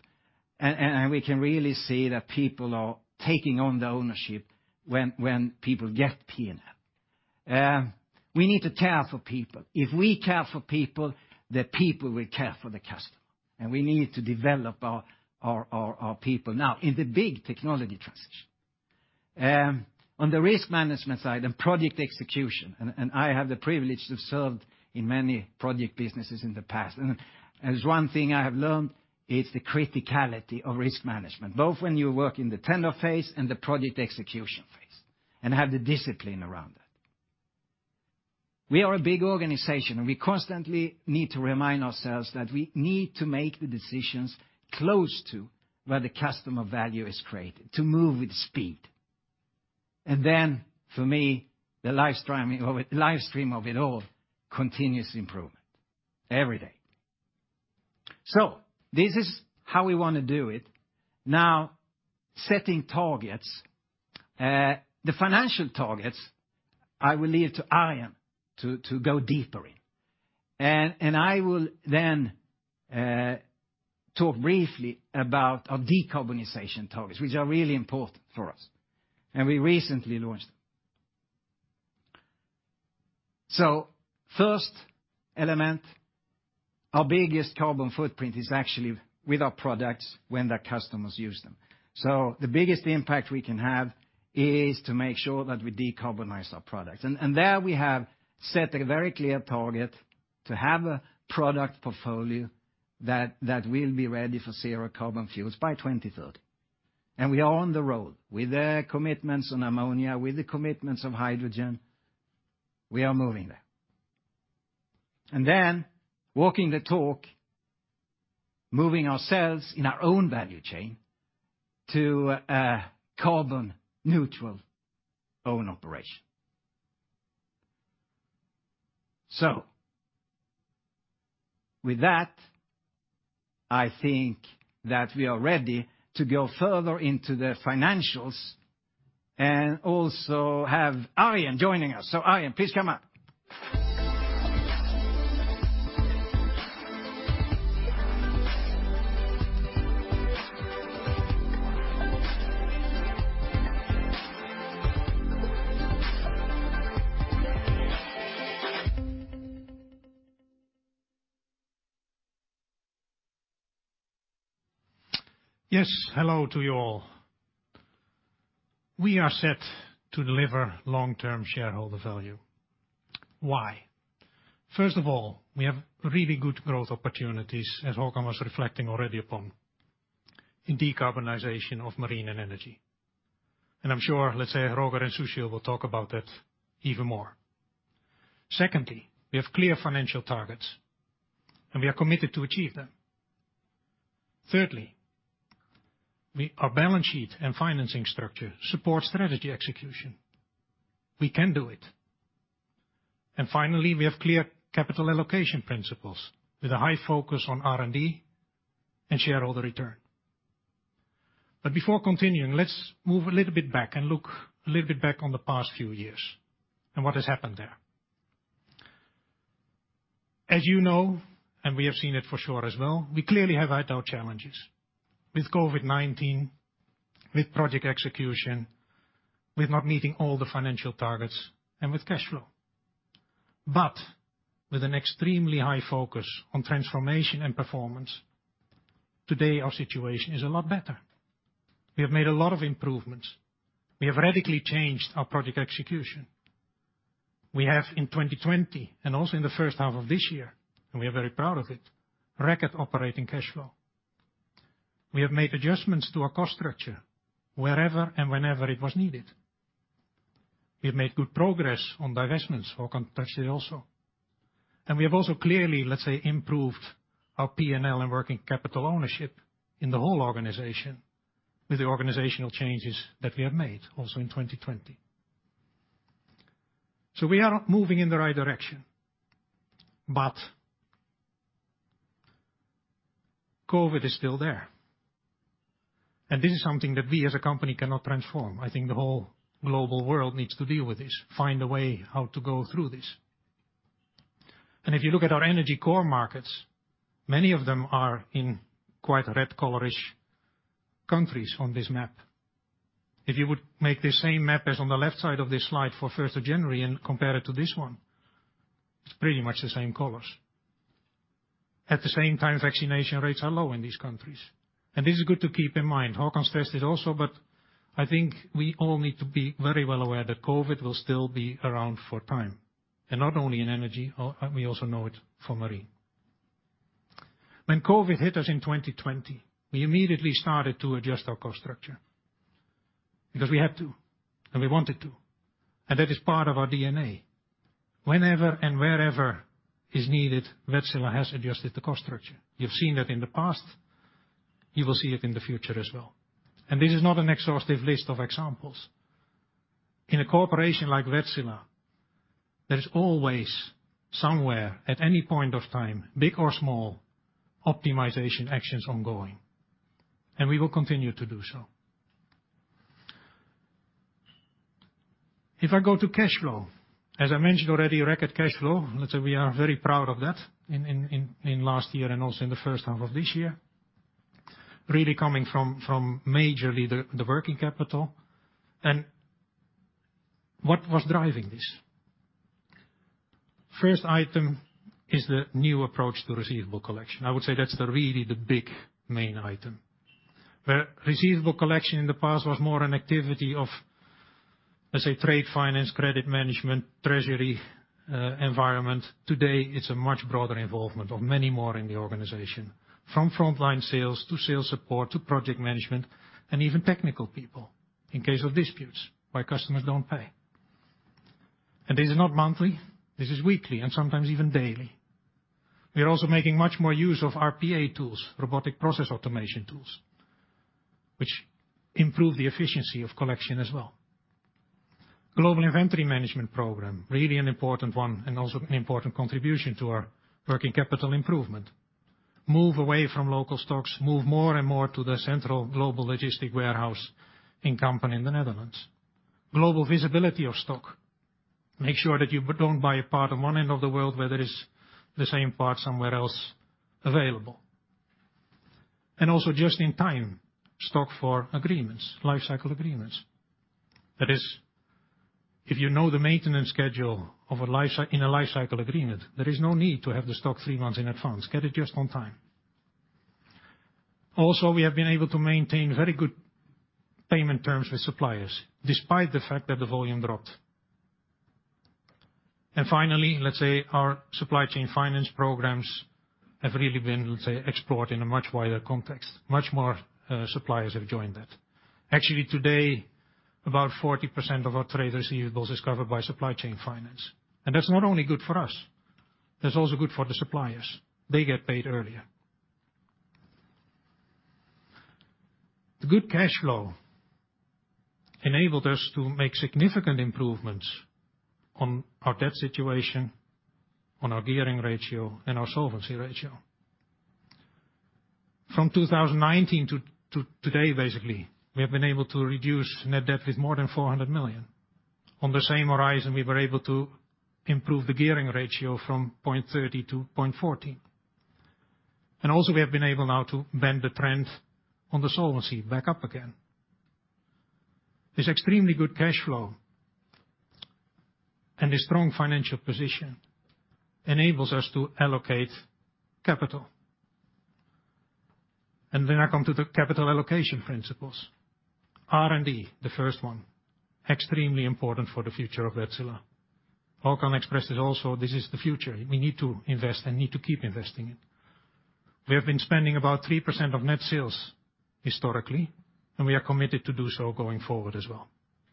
and we can really see that people are taking on the ownership when people get P&L. We need to care for people. If we care for people, the people will care for the customer, and we need to develop our people now in the big technology transition. On the risk management side and project execution, and I have the privilege to have served in many project businesses in the past. As one thing I have learned, it's the criticality of risk management, both when you work in the tender phase and the project execution phase, and have the discipline around that. We are a big organization, and we constantly need to remind ourselves that we need to make the decisions close to where the customer value is created to move with speed. For me, the live stream of it all, continuous improvement every day. This is how we wanna do it. Now, setting targets. The financial targets, I will leave to Arjen to go deeper in. I will then talk briefly about our decarbonization targets, which are really important for us, and we recently launched them. First element, our biggest carbon footprint is actually with our products when the customers use them. The biggest impact we can have is to make sure that we decarbonize our products. There we have set a very clear target to have a product portfolio that will be ready for zero carbon fuels by 2030. We are on the road with the commitments on ammonia, with the commitments of hydrogen. We are moving there. Then walking the talk, moving ourselves in our own value chain to a carbon neutral own operation. With that, I think that we are ready to go further into the financials and also have Arjen joining us. Arjen, please come up. Yes, hello to you all. We are set to deliver long-term shareholder value. Why? First of all, we have really good growth opportunities, as Håkan was reflecting already upon, in decarbonization of marine and energy. I'm sure, let's say Roger and Sushil will talk about that even more. Secondly, we have clear financial targets, and we are committed to achieve them. Thirdly, our balance sheet and financing structure support strategy execution. We can do it. Finally, we have clear capital allocation principles with a high focus on R&D and shareholder return. Before continuing, let's move a little bit back and look a little bit back on the past few years and what has happened there. As you know, and we have seen it for sure as well, we clearly have had our challenges with COVID-19, with project execution, with not meeting all the financial targets, and with cash flow. With an extremely high focus on transformation and performance, today our situation is a lot better. We have made a lot of improvements. We have radically changed our project execution. We have, in 2020 and also in the first half of this year, record operating cash flow, and we are very proud of it. We have made adjustments to our cost structure wherever and whenever it was needed. We have made good progress on divestments, Håkan touched it also. We have also clearly, let's say, improved our P&L and working capital ownership in the whole organization with the organizational changes that we have made also in 2020. We are moving in the right direction, but COVID is still there. This is something that we as a company cannot transform. I think the whole global world needs to deal with this, find a way how to go through this. If you look at our energy core markets, many of them are in quite red color-ish countries on this map. If you would make the same map as on the left side of this slide for first of January and compare it to this one, it's pretty much the same colors. At the same time, vaccination rates are low in these countries, and this is good to keep in mind. Håkan stressed it also, but I think we all need to be very well aware that COVID will still be around for time, and not only in energy, we also know it for marine. When COVID hit us in 2020, we immediately started to adjust our cost structure because we had to, and we wanted to, and that is part of our DNA. Whenever and wherever is needed, Wärtsilä has adjusted the cost structure. You've seen that in the past, you will see it in the future as well. This is not an exhaustive list of examples. In a corporation like Wärtsilä, there's always somewhere at any point of time, big or small, optimization actions ongoing, and we will continue to do so. If I go to cash flow, as I mentioned already, record cash flow, let's say we are very proud of that in last year and also in the first half of this year, really coming from majorly the working capital. What was driving this? First item is the new approach to receivable collection. I would say that's really the big main item. Where receivable collection in the past was more an activity of, let's say, trade finance, credit management, treasury, environment. Today, it's a much broader involvement of many more in the organization, from frontline sales to sales support, to project management, and even technical people in case of disputes where customers don't pay. This is not monthly, this is weekly and sometimes even daily. We are also making much more use of RPA tools, robotic process automation tools, which improve the efficiency of collection as well. Global inventory management program, really an important one and also an important contribution to our working capital improvement. Move away from local stocks, move more and more to the central global logistic warehouse in Kampen in the Netherlands. Global visibility of stock. Make sure that you don't buy a part on one end of the world where there is the same part somewhere else available. Also just in time stock for agreements, life cycle agreements. That is, if you know the maintenance schedule of a life cycle agreement, there is no need to have the stock three months in advance. Get it just on time. Also, we have been able to maintain very good payment terms with suppliers, despite the fact that the volume dropped. Finally, let's say our supply chain finance programs have really been, let's say, explored in a much wider context. Much more suppliers have joined that. Actually today, about 40% of our trade receivables is covered by supply chain finance. That's not only good for us, that's also good for the suppliers. They get paid earlier. The good cash flow enabled us to make significant improvements on our debt situation, on our gearing ratio and our solvency ratio. From 2019 to today, basically, we have been able to reduce net debt with more than 400 million. On the same horizon, we were able to improve the gearing ratio from 0.30 to 0.40. We have been able now to bend the trend on the solvency back up again. This extremely good cash flow and a strong financial position enables us to allocate capital. Then I come to the capital allocation principles. R&D, the first one, extremely important for the future of Wärtsilä. Håkan expressed it also, this is the future. We need to invest and need to keep investing in. We have been spending about 3% of net sales historically, and we are committed to do so going forward as well.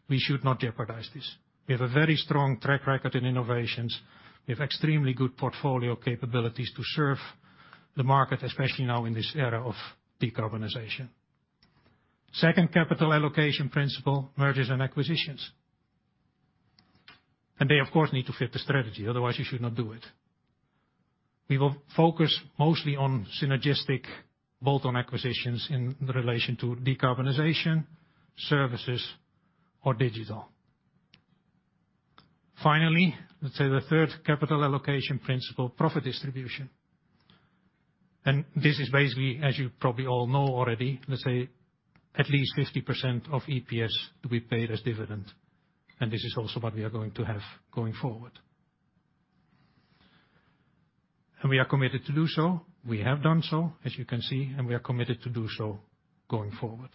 We should not jeopardize this. We have a very strong track record in innovations. We have extremely good portfolio capabilities to serve the market, especially now in this era of decarbonization. Second capital allocation principle, mergers and acquisitions. They of course need to fit the strategy, otherwise you should not do it. We will focus mostly on synergistic, bolt-on acquisitions in relation to decarbonization, services or digital. Finally, let's say the third capital allocation principle, profit distribution. This is basically, as you probably all know already, let's say at least 50% of EPS to be paid as dividend. This is also what we are going to have going forward. We are committed to do so. We have done so, as you can see, and we are committed to do so going forward.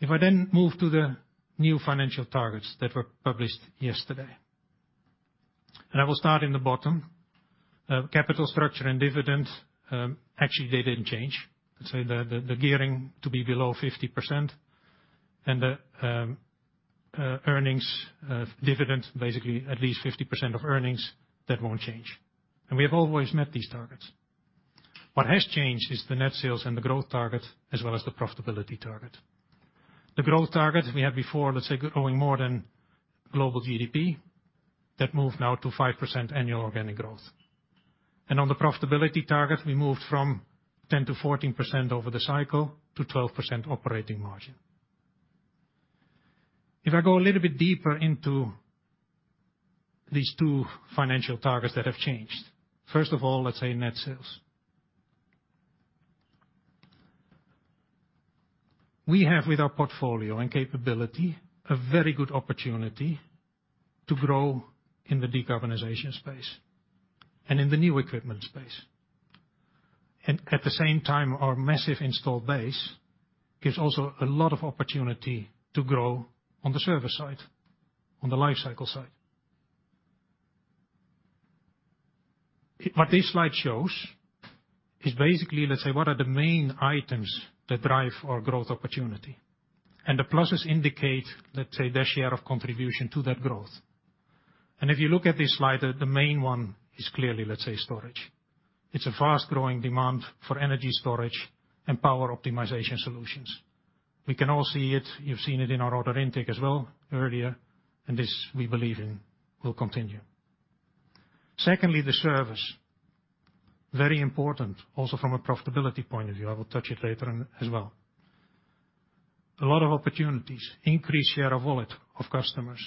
If I then move to the new financial targets that were published yesterday, I will start at the bottom. Capital structure and dividends, actually they didn't change. Let's say the gearing to be below 50% and the earnings dividend, basically at least 50% of earnings, that won't change. We have always met these targets. What has changed is the net sales and the growth target, as well as the profitability target. The growth target we had before, let's say growing more than global GDP, that moved now to 5% annual organic growth. On the profitability target, we moved from 10%-14% over the cycle to 12% operating margin. If I go a little bit deeper into these two financial targets that have changed. First of all, let's say net sales. We have with our portfolio and capability, a very good opportunity to grow in the decarbonization space and in the new equipment space. At the same time, our massive installed base gives also a lot of opportunity to grow on the service side, on the life cycle side. What this slide shows is basically, let's say, what are the main items that drive our growth opportunity? The pluses indicate, let's say, their share of contribution to that growth. If you look at this slide, the main one is clearly, let's say storage. It's a fast-growing demand for energy storage and power optimization solutions. We can all see it. You've seen it in our order intake as well earlier, and this we believe in will continue. Secondly, the service, very important also from a profitability point of view. I will touch it later on as well. A lot of opportunities, increased share of wallet of customers,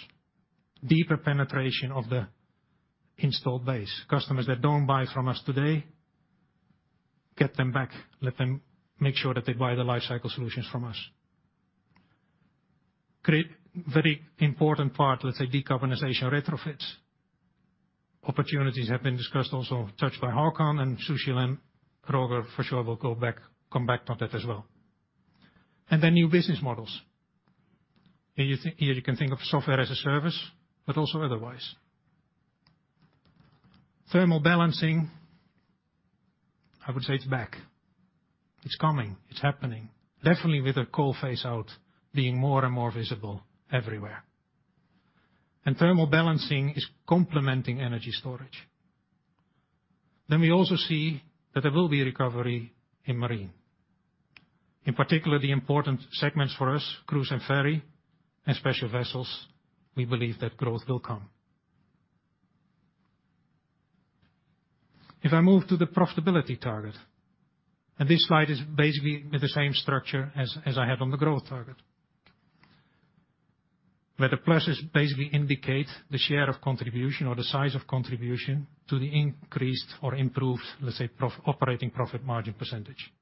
deeper penetration of the installed base. Customers that don't buy from us today. Get them back, let them make sure that they buy the lifecycle solutions from us. Create very important part, let's say, decarbonization retrofits. Opportunities have been discussed, also touched by Håkan and Sushil, and Roger for sure will come back on that as well. Then new business models. Here you can think of software as a service, but also otherwise. Thermal balancing, I would say it's back. It's coming, it's happening. Definitely with the coal phase out being more and more visible everywhere. Thermal balancing is complementing energy storage. We also see that there will be recovery in marine. In particular, the important segments for us, cruise and ferry, and special vessels, we believe that growth will come. If I move to the profitability target, and this slide is basically with the same structure as I had on the growth target. Where the pluses basically indicate the share of contribution or the size of contribution to the increased or improved, let's say, operating profit margin percentage.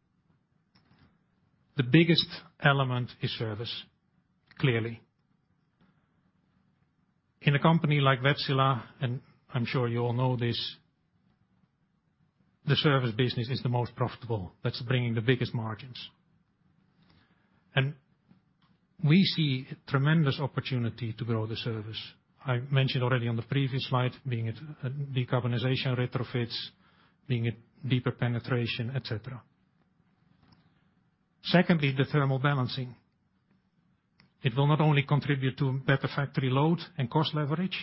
The biggest element is service, clearly. In a company like Wärtsilä, and I'm sure you all know this, the service business is the most profitable. That's bringing the biggest margins. We see tremendous opportunity to grow the service. I mentioned already on the previous slide, being it decarbonization retrofits, being it deeper penetration, et cetera. Secondly, the thermal balancing. It will not only contribute to better factory load and cost leverage,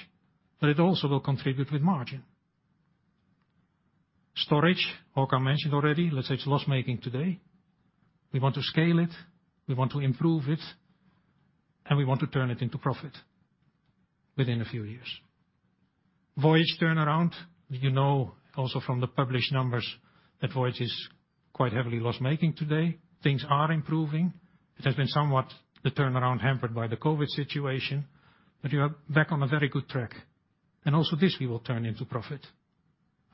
but it also will contribute with margin. Storage, Håkan mentioned already, let's say it's loss-making today. We want to scale it, we want to improve it, and we want to turn it into profit within a few years. Voyage turnaround, you know also from the published numbers that Voyage is quite heavily loss-making today. Things are improving. It has been somewhat the turnaround hampered by the COVID situation, but we are back on a very good track. Also this we will turn into profit,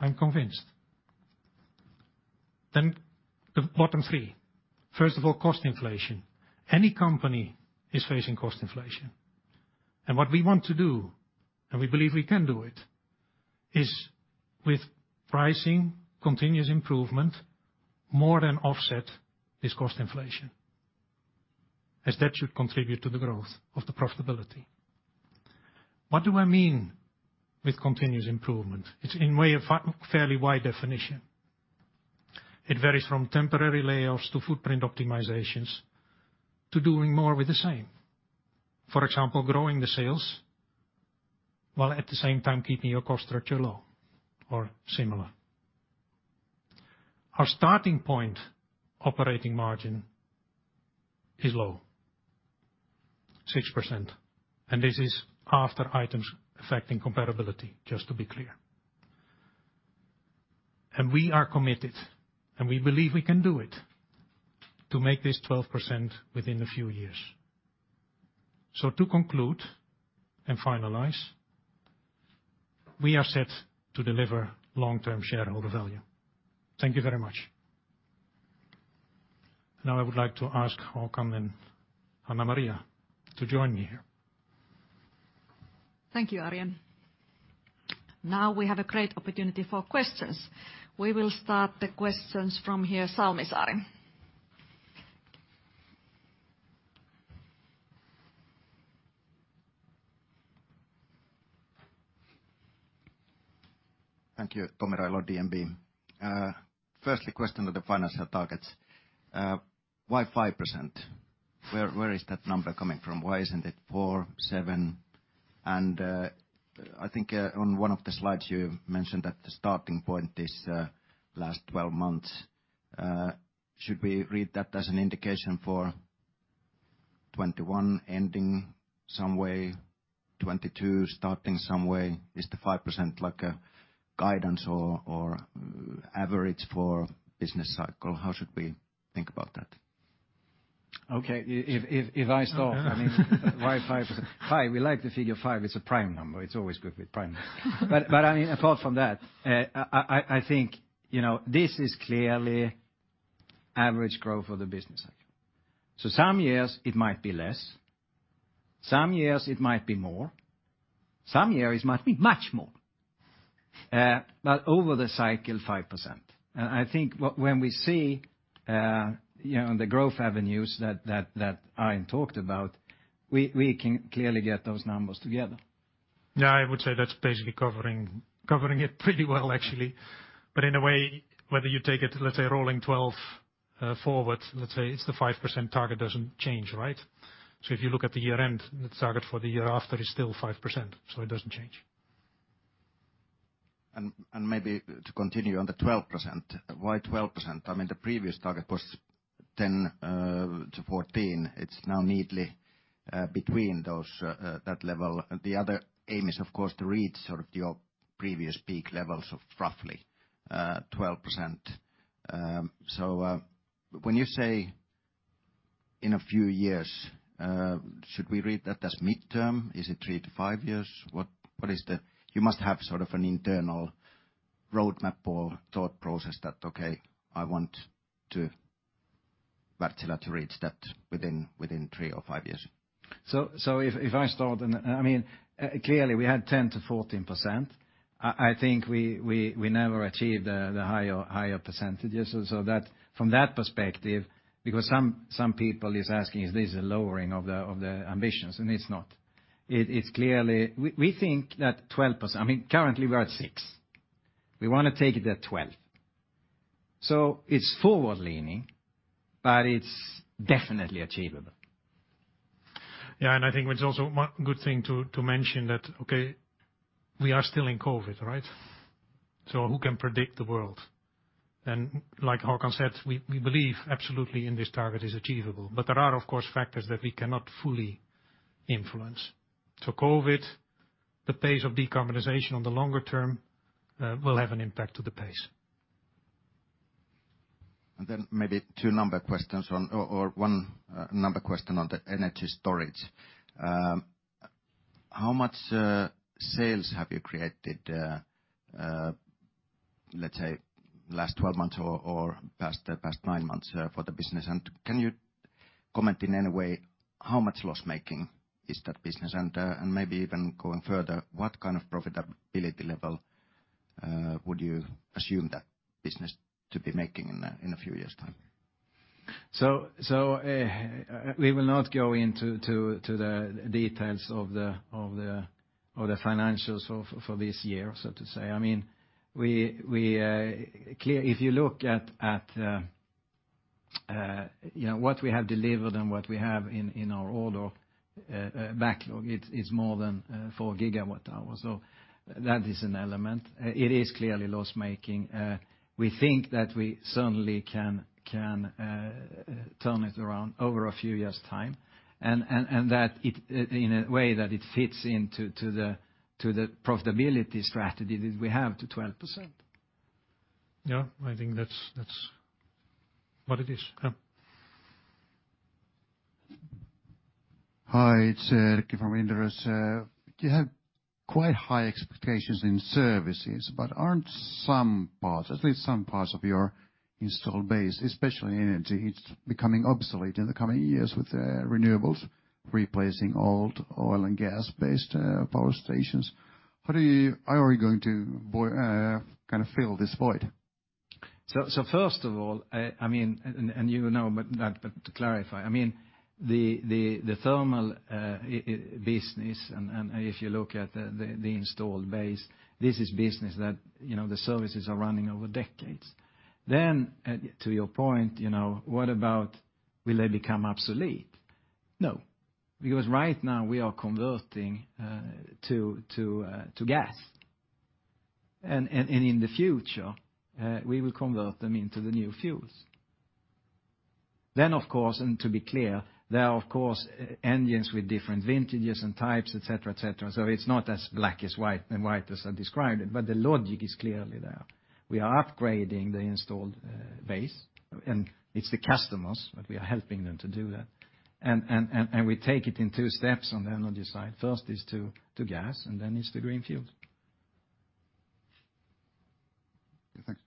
I'm convinced. The bottom three. First of all, cost inflation. Any company is facing cost inflation. What we want to do, and we believe we can do it, is with pricing, continuous improvement, more than offset this cost inflation, as that should contribute to the growth of the profitability. What do I mean with continuous improvement? It's in a way a fairly wide definition. It varies from temporary layoffs to footprint optimizations, to doing more with the same. For example, growing the sales while at the same time keeping your cost structure low or similar. Our starting point operating margin is low, 6%, and this is after items affecting comparability, just to be clear. We are committed, and we believe we can do it, to make this 12% within a few years. To conclude and finalize, we are set to deliver long-term shareholder value. Thank you very much. Now I would like to ask Håkan and Hanna-Maria to join me here. Thank you, Arjen. Now we have a great opportunity for questions. We will start the questions from here, Salmisaari. Thank you, Tom [intelligent guess], DNB. Firstly, question on the financial targets. Why 5%? Where is that number coming from? Why isn't it four, seven? I think on one of the slides you mentioned that the starting point is last 12 months. Should we read that as an indication for 2021 ending some way, 2022 starting some way? Is the 5% like a guidance or average for business cycle? How should we think about that? Okay. I mean, why 5%? five, we like the figure five, it's a prime number. It's always good with prime numbers. But I mean, apart from that, I think, you know, this is clearly average growth for the business cycle. Some years it might be less, some years it might be more, some years it might be much more. But over the cycle, 5%. I think when we see, you know, the growth avenues that Arjen talked about, we can clearly get those numbers together. Yeah, I would say that's basically covering it pretty well, actually. In a way, whether you take it, let's say, rolling 12 forward, let's say it's the 5% target doesn't change, right? If you look at the year-end, the target for the year after is still 5%, so it doesn't change. Maybe to continue on the 12%. Why 12%? I mean, the previous target was 10%- 14%. It's now neatly between those, that level. The other aim is of course to reach sort of your previous peak levels of roughly 12%. When you say in a few years, should we read that as midterm? Is it three to five years? What is the. You must have sort of an internal roadmap or thought process that, okay, I want to Wärtsilä to reach that within three or five years. I mean, clearly we had 10%-14%. I think we never achieved the higher percentages. From that perspective, because some people is asking is this a lowering of the ambitions, and it's not. It's clearly we think that 12%. I mean, currently we're at 6%. We wanna take it at 12%. It's forward-leaning, but it's definitely achievable. Yeah, I think it's also one good thing to mention that, okay, we are still in COVID, right? Who can predict the world? Like Håkan said, we believe absolutely and this target is achievable. There are, of course, factors that we cannot fully influence. COVID, the pace of decarbonization on the longer term, will have an impact to the pace. Maybe one number question on the energy storage. How much sales have you created, let's say, last 12 months or past nine months, for the business? Can you comment in any way how much loss-making is that business? Maybe even going further, what kind of profitability level would you assume that business to be making in a few years' time? We will not go into the details of the financials for this year, so to say. I mean, if you look at you know what we have delivered and what we have in our order backlog, it's more than 4 GWh. That is an element. It is clearly loss-making. We think that we certainly can turn it around over a few years' time, and that it in a way that it fits into the profitability strategy that we have to 12%. Yeah. I think that's what it is. Yeah. Hi, it's Ricky from Inderes. You have quite high expectations in services, but aren't some parts, at least some parts of your installed base, especially in energy, it's becoming obsolete in the coming years with renewables replacing old oil and gas-based power stations? How are you going to kind of fill this void? First of all, I mean, you know, but that, but to clarify, I mean, the thermal business and if you look at the installed base, this is business that, you know, the services are running over decades. To your point, you know, what about will they become obsolete? No, because right now we are converting to gas. In the future, we will convert them into the new fuels. Of course, to be clear, there are of course engines with different vintages and types, et cetera. It's not as black and white as I described it, but the logic is clearly there. We are upgrading the installed base, and it's the customers, but we are helping them to do that. we take it in two steps on the energy side. First is to gas, and then it's the green field. Thanks.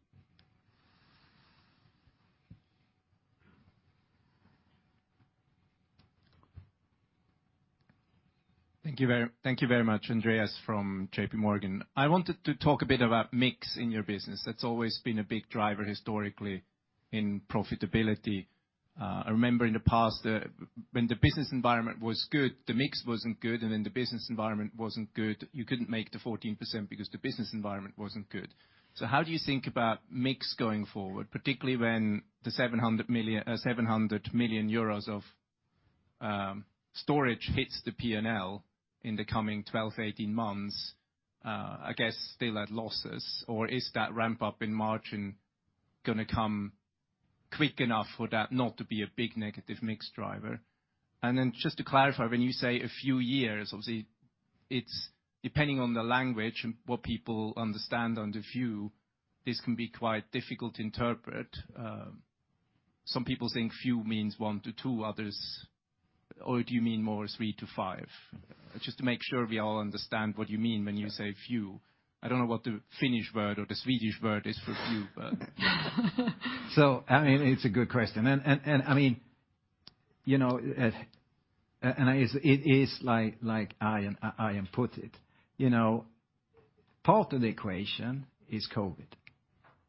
Thank you very much, Andreas from J.P. Morgan. I wanted to talk a bit about mix in your business. That's always been a big driver historically in profitability. I remember in the past, when the business environment was good, the mix wasn't good, and then the business environment wasn't good. You couldn't make the 14% because the business environment wasn't good. How do you think about mix going forward, particularly when the 700 million euros of storage hits the P&L in the coming 12-18 months, I guess still at losses? Or is that ramp up in margin gonna come quick enough for that not to be a big negative mix driver? Just to clarify, when you say a few years, obviously it's depending on the language and what people understand under few, this can be quite difficult to interpret. Some people think few means one to two, others or do you mean more three to five? Just to make sure we all understand what you mean when you say few. I don't know what the Finnish word or the Swedish word is for few, but. I mean, it's a good question. I mean, you know, it is like I put it. You know, part of the equation is COVID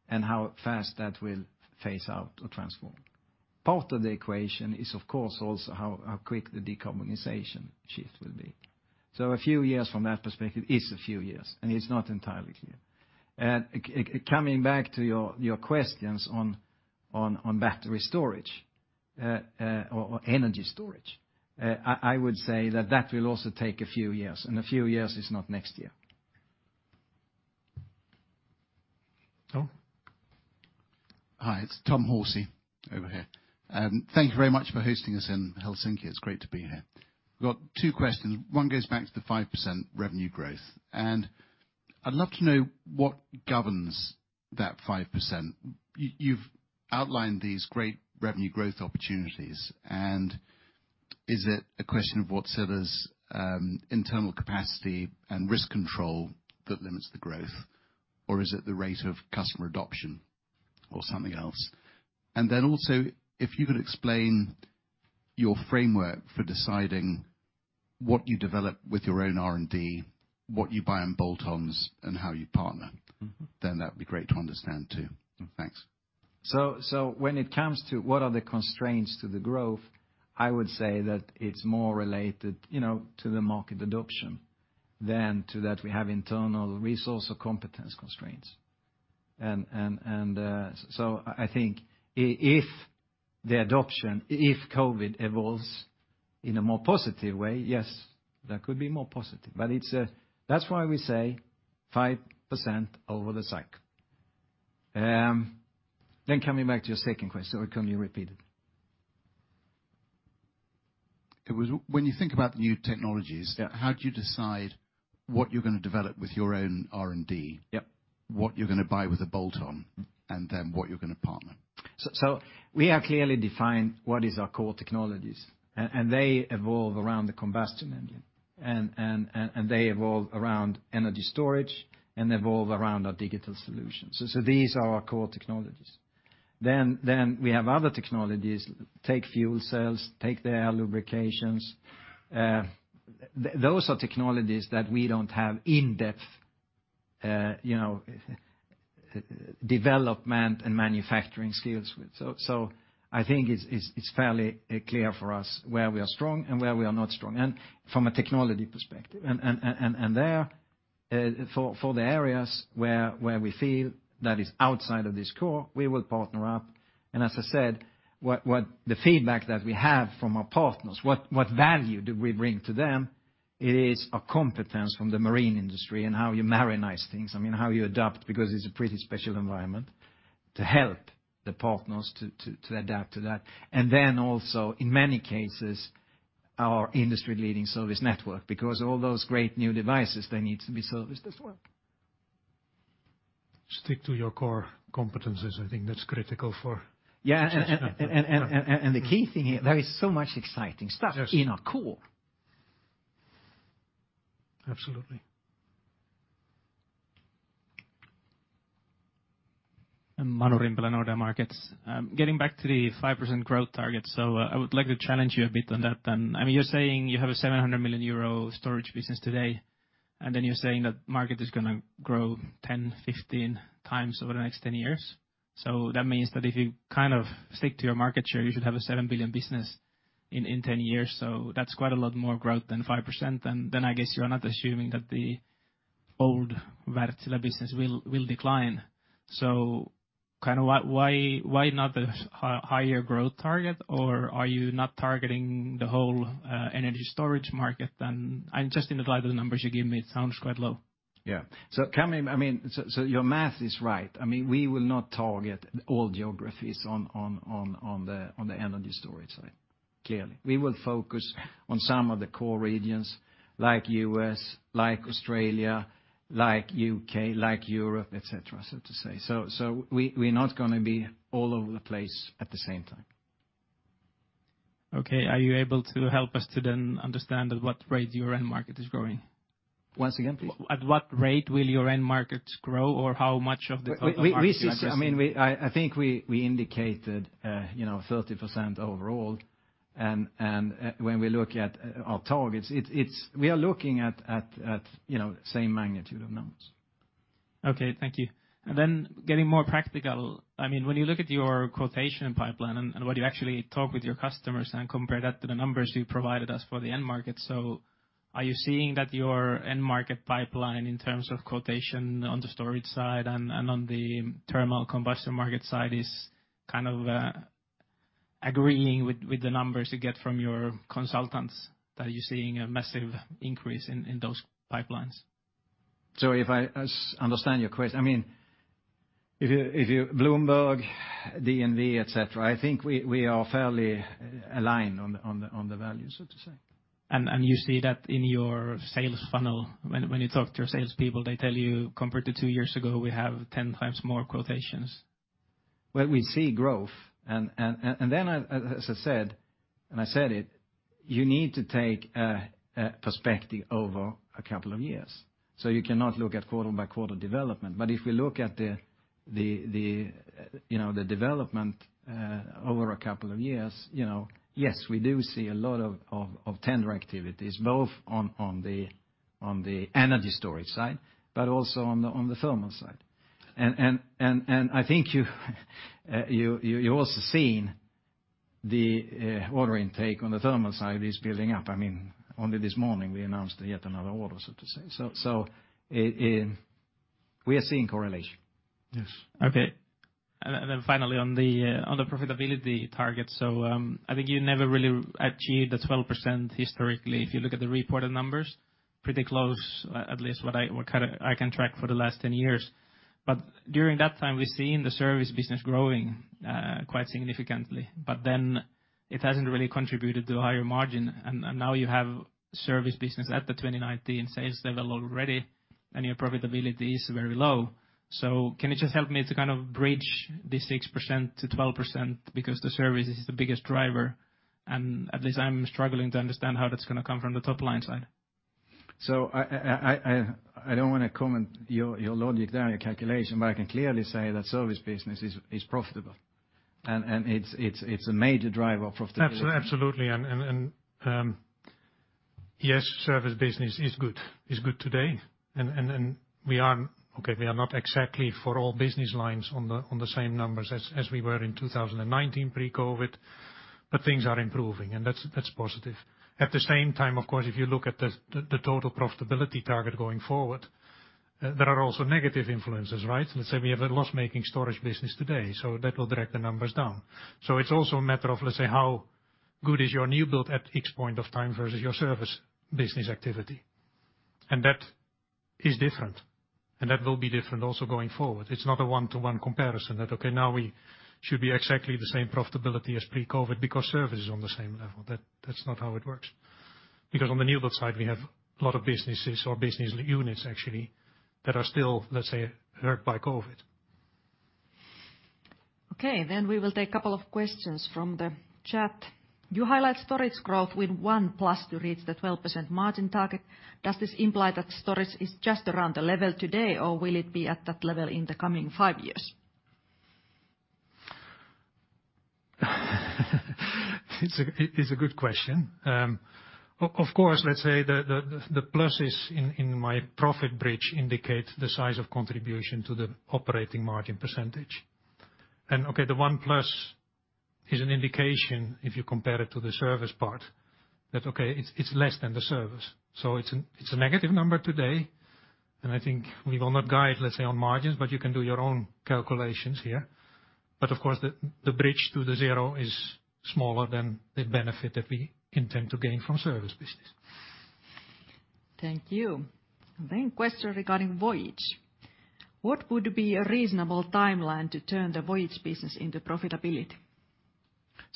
and how fast that will phase out or transform. Part of the equation is of course also how quick the decarbonization shift will be. A few years from that perspective is a few years, and it's not entirely clear. Coming back to your questions on battery storage or energy storage, I would say that will also take a few years, and a few years is not next year. Tom? Hi, it's Tom Skogman over here. Thank you very much for hosting us in Helsinki. It's great to be here. Got two questions. One goes back to the 5% revenue growth. Two- I'd love to know what governs that 5%. You've outlined these great revenue growth opportunities, and is it a question of sales or internal capacity and risk control that limits the growth? Or is it the rate of customer adoption or something else? Also if you could explain your framework for deciding what you develop with your own R&D, what you buy in bolt-ons, and how you partner. Mm-hmm. That'd be great to understand too. Thanks. When it comes to what are the constraints to the growth, I would say that it's more related, you know, to the market adoption than to that we have internal resource or competence constraints. I think if COVID evolves in a more positive way, yes, that could be more positive. That's why we say 5% over the cycle. Coming back to your second question, or can you repeat it? It was when you think about new technologies. Yeah. How do you decide what you're gonna develop with your own R&D? Yep. What you're gonna buy with a bolt-on, and then what you're gonna partner? We have clearly defined what is our core technologies, and they revolve around the combustion engine, and they revolve around energy storage and revolve around our digital solutions. These are our core technologies. We have other technologies, take fuel cells, take the lubrication. Those are technologies that we don't have in-depth, you know, development and manufacturing skills with. I think it's fairly clear for us where we are strong and where we are not strong and from a technology perspective. There, for the areas where we feel that is outside of this core, we will partner up. As I said, what the feedback that we have from our partners, what value do we bring to them is a competence from the marine industry and how you marinize things. I mean, how you adapt, because it's a pretty special environment to help the partners to adapt to that. Then also in many cases, our industry-leading service network, because all those great new devices, they need to be serviced as well. Stick to your core competencies. I think that's critical for Yeah. The key thing here, there is so much exciting stuff. Yes. in our core. Absolutely. Manuel Losa, Bank of America. Getting back to the 5% growth target. I would like to challenge you a bit on that then. I mean, you're saying you have a 700 million euro storage business today, and then you're saying that market is gonna grow 10-15 times over the next 10 years. That means that if you kind of stick to your market share, you should have a 7 billion business in 10 years. That's quite a lot more growth than 5%. I guess you're not assuming that the old Wärtsilä business will decline. Why not a higher growth target? Or are you not targeting the whole energy storage market then? Just in the light of the numbers you give me, it sounds quite low. Your math is right. I mean, we will not target all geographies on the energy storage side. Clearly. We will focus on some of the core regions like U.S., like Australia, like U.K., like Europe, et cetera, so to say. We're not gonna be all over the place at the same time. Okay. Are you able to help us to then understand at what rate your end market is growing? Once again, please. At what rate will your end markets grow or how much of the total market you're addressing? We see. I mean, I think we indicated, you know, 30% overall. When we look at our targets, it's, we are looking at, you know, same magnitude amounts. Okay. Thank you. Then getting more practical. I mean, when you look at your quotation pipeline and what you actually talk with your customers and compare that to the numbers you provided us for the end market, so are you seeing that your end market pipeline in terms of quotation on the storage side and on the terminal combustion market side is kind of agreeing with the numbers you get from your consultants? Are you seeing a massive increase in those pipelines? If I understand your question, I mean, if you, Bloomberg, DNV, etc., I think we are fairly aligned on the value, so to say. You see that in your sales funnel. When you talk to your salespeople, they tell you, "Compared to two years ago, we have 10x more quotations. Well, we see growth. As I said, and I said it, you need to take a perspective over a couple of years, so you cannot look at quarter-by-quarter development. If we look at, you know, the development over a couple of years, you know, yes, we do see a lot of tender activities, both on the energy storage side, but also on the thermal side. I think you've also seen the order intake on the thermal side is building up. I mean, only this morning we announced yet another order, so to say. We are seeing correlation. Yes. Okay. Finally on the profitability target. I think you never really achieved the 12% historically, if you look at the reported numbers, pretty close, at least what kinda I can track for the last 10 years. During that time, we've seen the service business growing quite significantly. It hasn't really contributed to a higher margin, and now you have service business at the 2019 sales level already, and your profitability is very low. Can you just help me to kind of bridge the 6%-12%, because the service is the biggest driver, and at least I'm struggling to understand how that's gonna come from the top-line side. I don't wanna comment your logic there, your calculation, but I can clearly say that service business is profitable. It's a major driver of profitability. Absolutely. Yes, service business is good today. We are not exactly for all business lines on the same numbers as we were in 2019 pre-COVID, but things are improving, and that's positive. At the same time, of course, if you look at the total profitability target going forward, there are also negative influences, right? Let's say we have a loss-making storage business today, so that will drag the numbers down. It's also a matter of, let's say, how good is your new build at a point in time versus your service business activity. That is different, and that will be different also going forward. It's not a one-to-one comparison that, okay, now we should be exactly the same profitability as pre-COVID because service is on the same level. That, that's not how it works. Because on the new build side, we have a lot of businesses or business units actually that are still, let's say, hurt by COVID. Okay, we will take a couple of questions from the chat. You highlight storage growth with 1+ to reach the 12% margin target. Does this imply that storage is just around the level today, or will it be at that level in the coming five years? It's a good question. Of course, let's say the pluses in my profit bridge indicate the size of contribution to the operating margin percentage. Okay, the one plus is an indication if you compare it to the service part, that okay, it's less than the service. It's a negative number today, and I think we will not guide, let's say, on margins, but you can do your own calculations here. Of course, the bridge to the zero is smaller than the benefit that we intend to gain from service business. Thank you. Question regarding Voyage. What would be a reasonable timeline to turn the Voyage Business into profitability?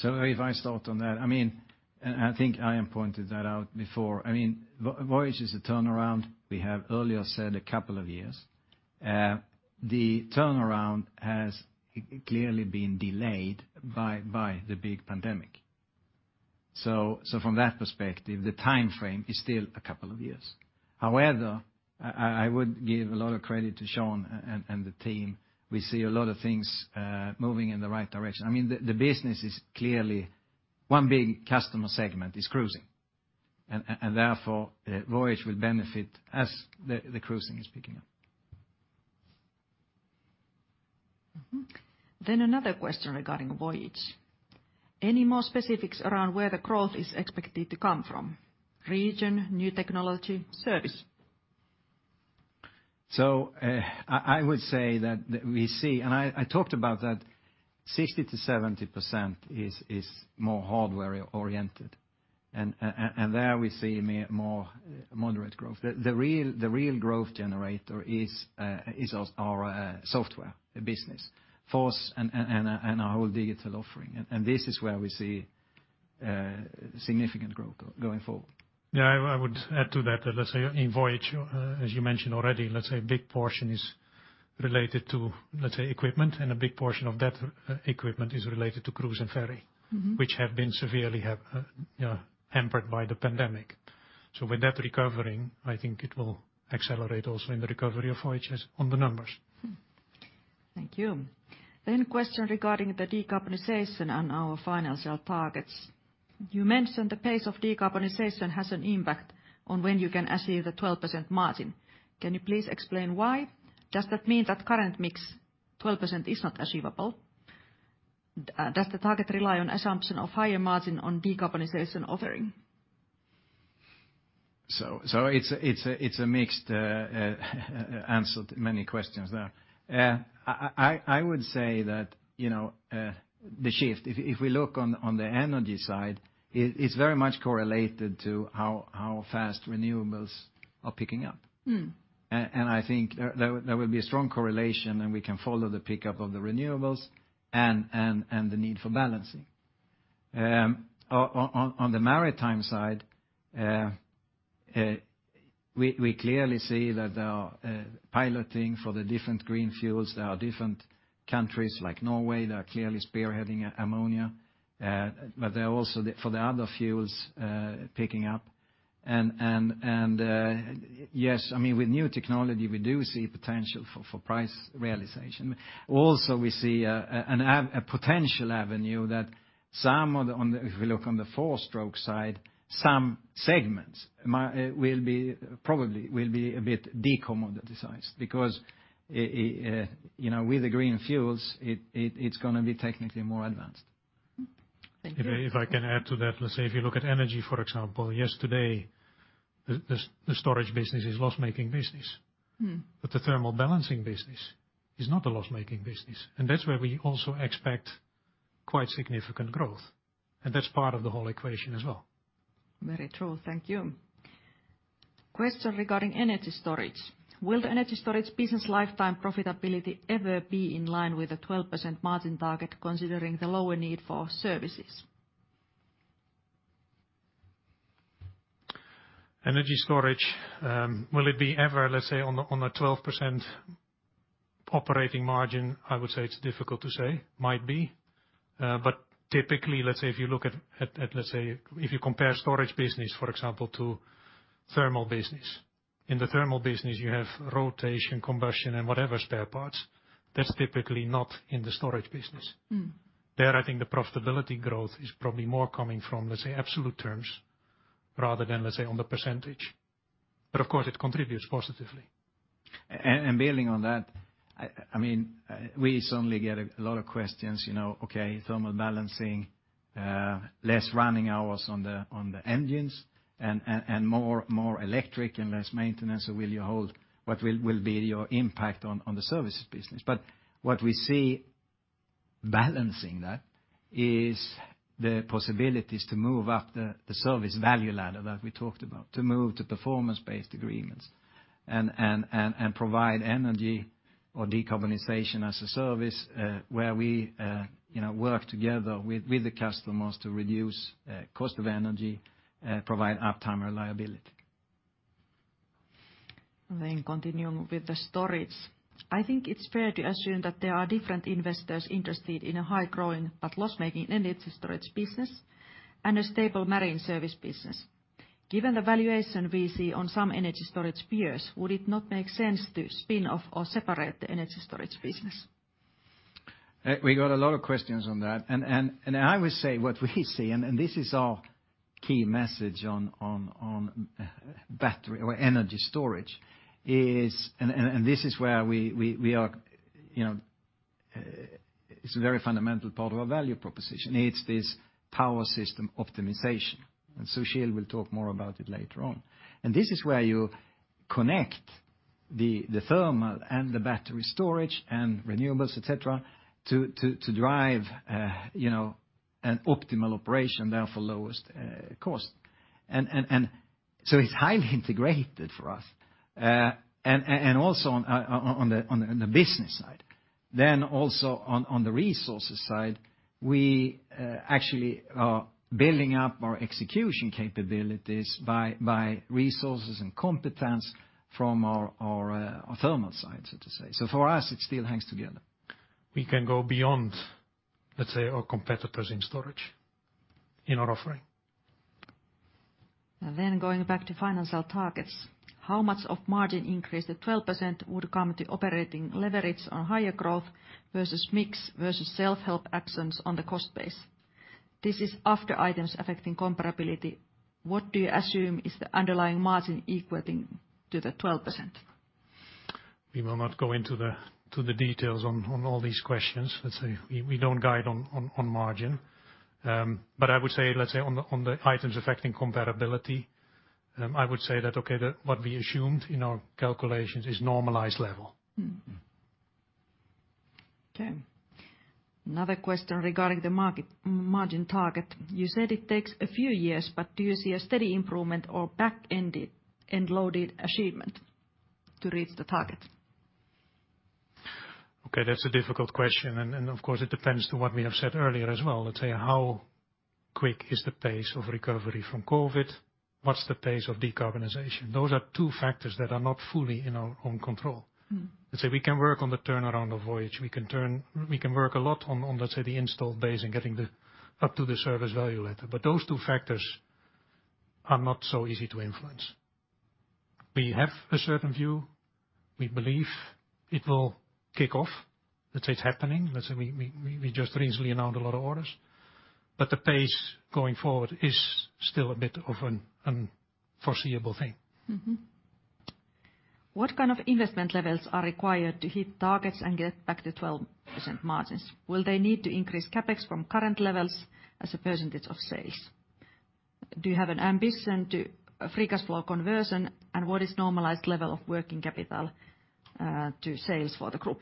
If I start on that, I mean, I think I have pointed that out before, I mean, Voyage is a turnaround, we have earlier said a couple of years. The turnaround has clearly been delayed by the big pandemic. From that perspective, the timeframe is still a couple of years. However, I would give a lot of credit to Sean and the team. We see a lot of things moving in the right direction. I mean, the business is clearly one big customer segment, cruising. Therefore, Voyage will benefit as the cruising is picking up. Another question regarding Voyage. Any more specifics around where the growth is expected to come from? Region, new technology, service? I would say that we see, and I talked about that 60%-70% is more hardware oriented. There we see more moderate growth. The real growth generator is our software business, Force and our whole digital offering. This is where we see significant growth going forward. Yeah, I would add to that. Let's say in Voyage, as you mentioned already, let's say a big portion is related to, let's say, equipment, and a big portion of that equipment is related to cruise and ferry. Mm-hmm... which have been severely, you know, hampered by the pandemic. With that recovering, I think it will accelerate also in the recovery of Voyages on the numbers. Thank you. Question regarding the decarbonization and our financial targets. You mentioned the pace of decarbonization has an impact on when you can achieve the 12% margin. Can you please explain why? Does that mean that current mix 12% is not achievable? Does the target rely on assumption of higher margin on decarbonization offering? It's a mixed answer to many questions there. I would say that, you know, the shift, if we look on the energy side, it's very much correlated to how fast renewables are picking up. Mm. I think there will be a strong correlation, and we can follow the pickup of the renewables and the need for balancing. On the maritime side, we clearly see that there are piloting for the different green fuels. There are different countries like Norway that are clearly spearheading ammonia. But there are also, for the other fuels, picking up. Yes, I mean, with new technology, we do see potential for price realization. Also, we see a potential avenue that if we look on the four-stroke side, some segments will probably be a bit de-commoditized because, you know, with the green fuels, it's gonna be technically more advanced. Thank you. If I can add to that, let's say if you look at energy, for example, yes, today the storage business is loss-making business. Mm. The thermal balancing business is not a loss-making business. That's where we also expect quite significant growth. That's part of the whole equation as well. Very true. Thank you. Question regarding energy storage. Will the energy storage business lifetime profitability ever be in line with the 12% margin target considering the lower need for services? Energy storage, will it be ever, let's say, on a 12% operating margin? I would say it's difficult to say. Might be. Typically, let's say if you look at, if you compare storage business, for example, to thermal business. In the thermal business you have rotation, combustion, and whatever spare parts. That's typically not in the storage business. Mm. There, I think the profitability growth is probably more coming from, let's say, absolute terms rather than, let's say, on the percentage. Of course it contributes positively. Building on that, I mean, we certainly get a lot of questions, you know, okay, thermal balancing, less running hours on the engines and more electric and less maintenance. What will be your impact on the services business? What we see balancing that is the possibilities to move up the service value ladder that we talked about, to move to performance-based agreements and provide energy or decarbonization as a service, where we, you know, work together with the customers to reduce cost of energy, provide uptime reliability. Continuing with the storage. I think it's fair to assume that there are different investors interested in a high growing but loss-making energy storage business and a stable marine service business. Given the valuation we see on some energy storage peers, would it not make sense to spin off or separate the energy storage business? We got a lot of questions on that. I will say what we see, and this is our key message on battery or energy storage. This is where we are, you know, it's a very fundamental part of our value proposition, it's this power system optimization. Sushil will talk more about it later on. This is where you connect the thermal and the battery storage and renewables, et cetera, to drive, you know, an optimal operation, therefore lowest cost. So it's highly integrated for us. Also on the business side, also on the resources side, we actually are building up our execution capabilities by resources and competence from our thermal side, so to say. For us, it still hangs together. We can go beyond, let's say, our competitors in storage in our offering. Going back to financial targets. How much of margin increase the 12% would come to operating leverage on higher growth versus mix, versus self-help actions on the cost base? This is after items affecting comparability. What do you assume is the underlying margin equating to the 12%? We will not go into the details on all these questions. Let's say we don't guide on margin. I would say, let's say on the items affecting comparability, I would say that, okay, what we assumed in our calculations is normalized level. Mm. Mm. Okay. Another question regarding the margin target. You said it takes a few years, but do you see a steady improvement or back-ended end-loaded achievement to reach the target? Okay, that's a difficult question. Of course it depends on what we have said earlier as well. Let's say, how quick is the pace of recovery from COVID? What's the pace of decarbonization? Those are two factors that are not fully in our own control. Mm. Let's say we can work on the turnaround of Voyage. We can work a lot on, let's say, the installed base and getting up to the service value ladder. Those two factors are not so easy to influence. We have a certain view. We believe it will kick off. Let's say it's happening. Let's say we just recently announced a lot of orders, but the pace going forward is still a bit of an unforeseeable thing. Mm-hmm. What kind of investment levels are required to hit targets and get back to 12% margins? Will they need to increase CapEx from current levels as a percentage of sales? Do you have an ambition to free cash flow conversion? What is the normalized level of working capital to sales for the group?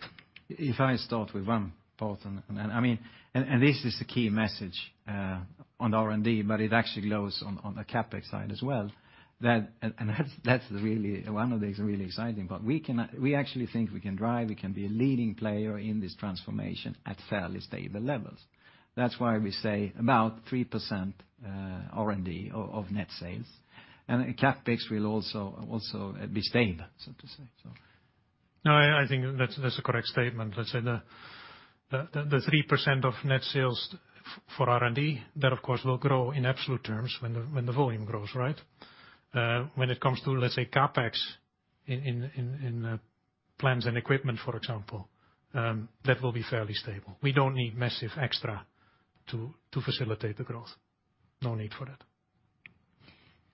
If I start with one part, this is the key message on R&D, but it actually goes on the CapEx side as well, that that's really one of the exciting parts. We actually think we can be a leading player in this transformation at fairly stable levels. That's why we say about 3% R&D of net sales, and CapEx will also be stable, so to say. No, I think that's a correct statement. Let's say the 3% of net sales for R&D, that of course will grow in absolute terms when the volume grows, right? When it comes to, let's say, CapEx in plants and equipment, for example, that will be fairly stable. We don't need massive extra to facilitate the growth. No need for that.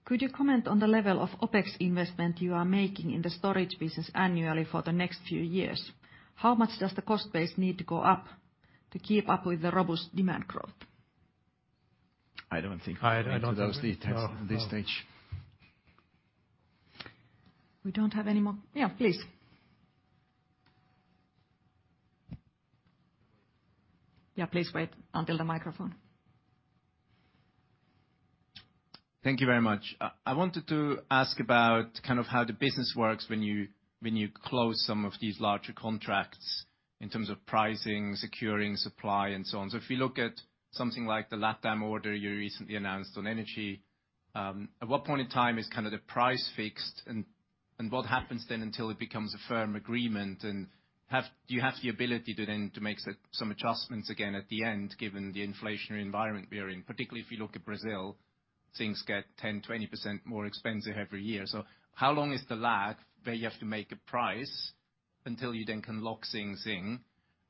Could you comment on the level of OpEx investment you are making in the storage business annually for the next few years? How much does the cost base need to go up to keep up with the robust demand growth? I don't think- I don't know those details. No. at this stage. We don't have any more. Yeah, please. Yeah, please wait until the microphone. Thank you very much. I wanted to ask about kind of how the business works when you close some of these larger contracts in terms of pricing, securing supply and so on. If you look at something like the LatAm order you recently announced on energy, at what point in time is kind of the price fixed and what happens then until it becomes a firm agreement? Do you have the ability to then make some adjustments again at the end, given the inflationary environment we are in? Particularly if you look at Brazil, things get 10%-20% more expensive every year. How long is the lag where you have to make a price until you then can lock things in?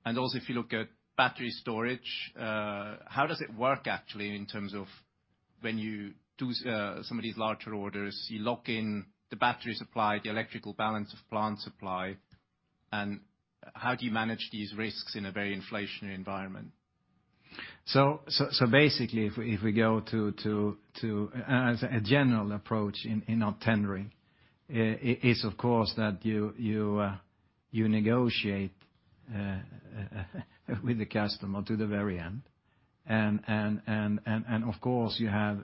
If you look at battery storage, how does it work actually in terms of when you do some of these larger orders, you lock in the battery supply, the electrical balance of plant supply, and how do you manage these risks in a very inflationary environment? Basically, if we go to as a general approach in our tendering, is of course that you negotiate with the customer to the very end. Of course you have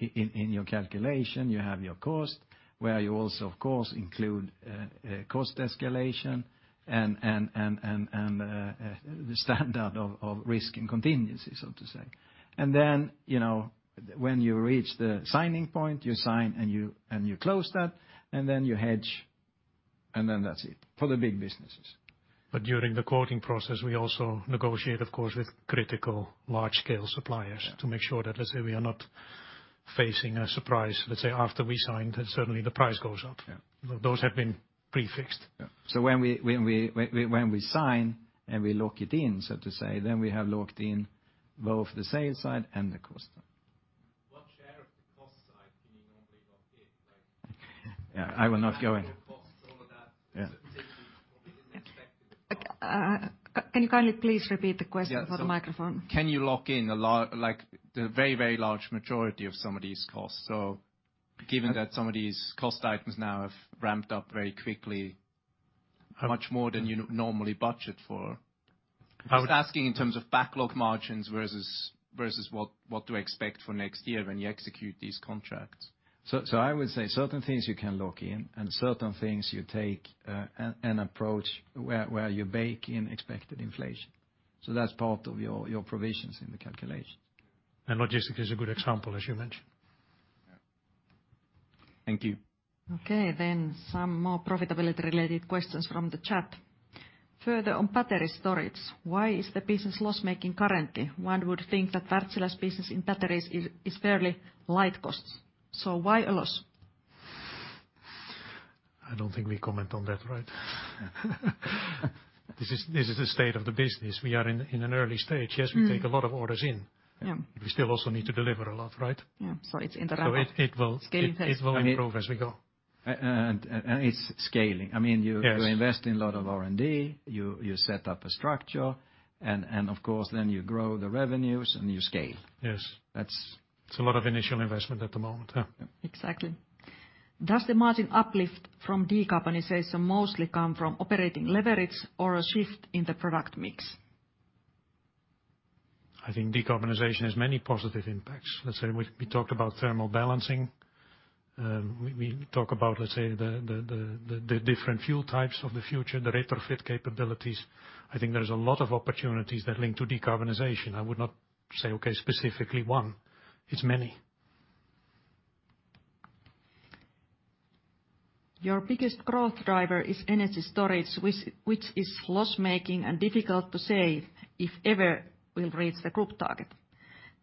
in your calculation you have your cost, where you also of course include cost escalation and the standard of risk and contingencies, so to say. You know, when you reach the signing point, you sign and you close that, and then you hedge, and that's it for the big businesses. During the quoting process, we also negotiate of course with critical large-scale suppliers. Yeah. to make sure that, let's say we are not facing a surprise, let's say after we signed, certainly the price goes up. Yeah. Those have been prefixed. When we sign and we lock it in, so to say, then we have locked in both the sales side and the cost. [inaudible] Yeah. [inaudible] Yeah. [inaudible] Can you kindly please repeat the question through the microphone? Can you lock in, like, the very, very large majority of some of these costs? Given that some of these cost items now have ramped up very quickly, much more than you normally budget for. How- I was asking in terms of backlog margins versus what to expect for next year when you execute these contracts? I would say certain things you can lock in, and certain things you take an approach where you bake in expected inflation. That's part of your provisions in the calculation. Logistics is a good example, as you mentioned. Yeah. Thank you. Okay, some more profitability related questions from the chat. Further on battery storage, why is the business loss-making currently? One would think that Wärtsilä's business in batteries is fairly light costs. Why a loss? I don't think we comment on that, right? Yeah. This is the state of the business. We are in an early stage. Yes. Mm. We take a lot of orders in. Yeah. We still also need to deliver a lot, right? Yeah. It's in the scaling phase. It will improve as we go. It's scaling. I mean. Yes. You invest in a lot of R&D, you set up a structure, and of course then you grow the revenues and you scale. Yes. That's- It's a lot of initial investment at the moment. Yeah. Yeah. Exactly. Does the margin uplift from decarbonization mostly come from operating leverage or a shift in the product mix? I think decarbonization has many positive impacts. Let's say we talked about thermal balancing. We talk about, let's say, the different fuel types of the future, the retrofit capabilities. I think there's a lot of opportunities that link to decarbonization. I would not say, okay, specifically one. It's many. Your biggest growth driver is energy storage, which is loss-making and difficult to say if it will ever reach the group target.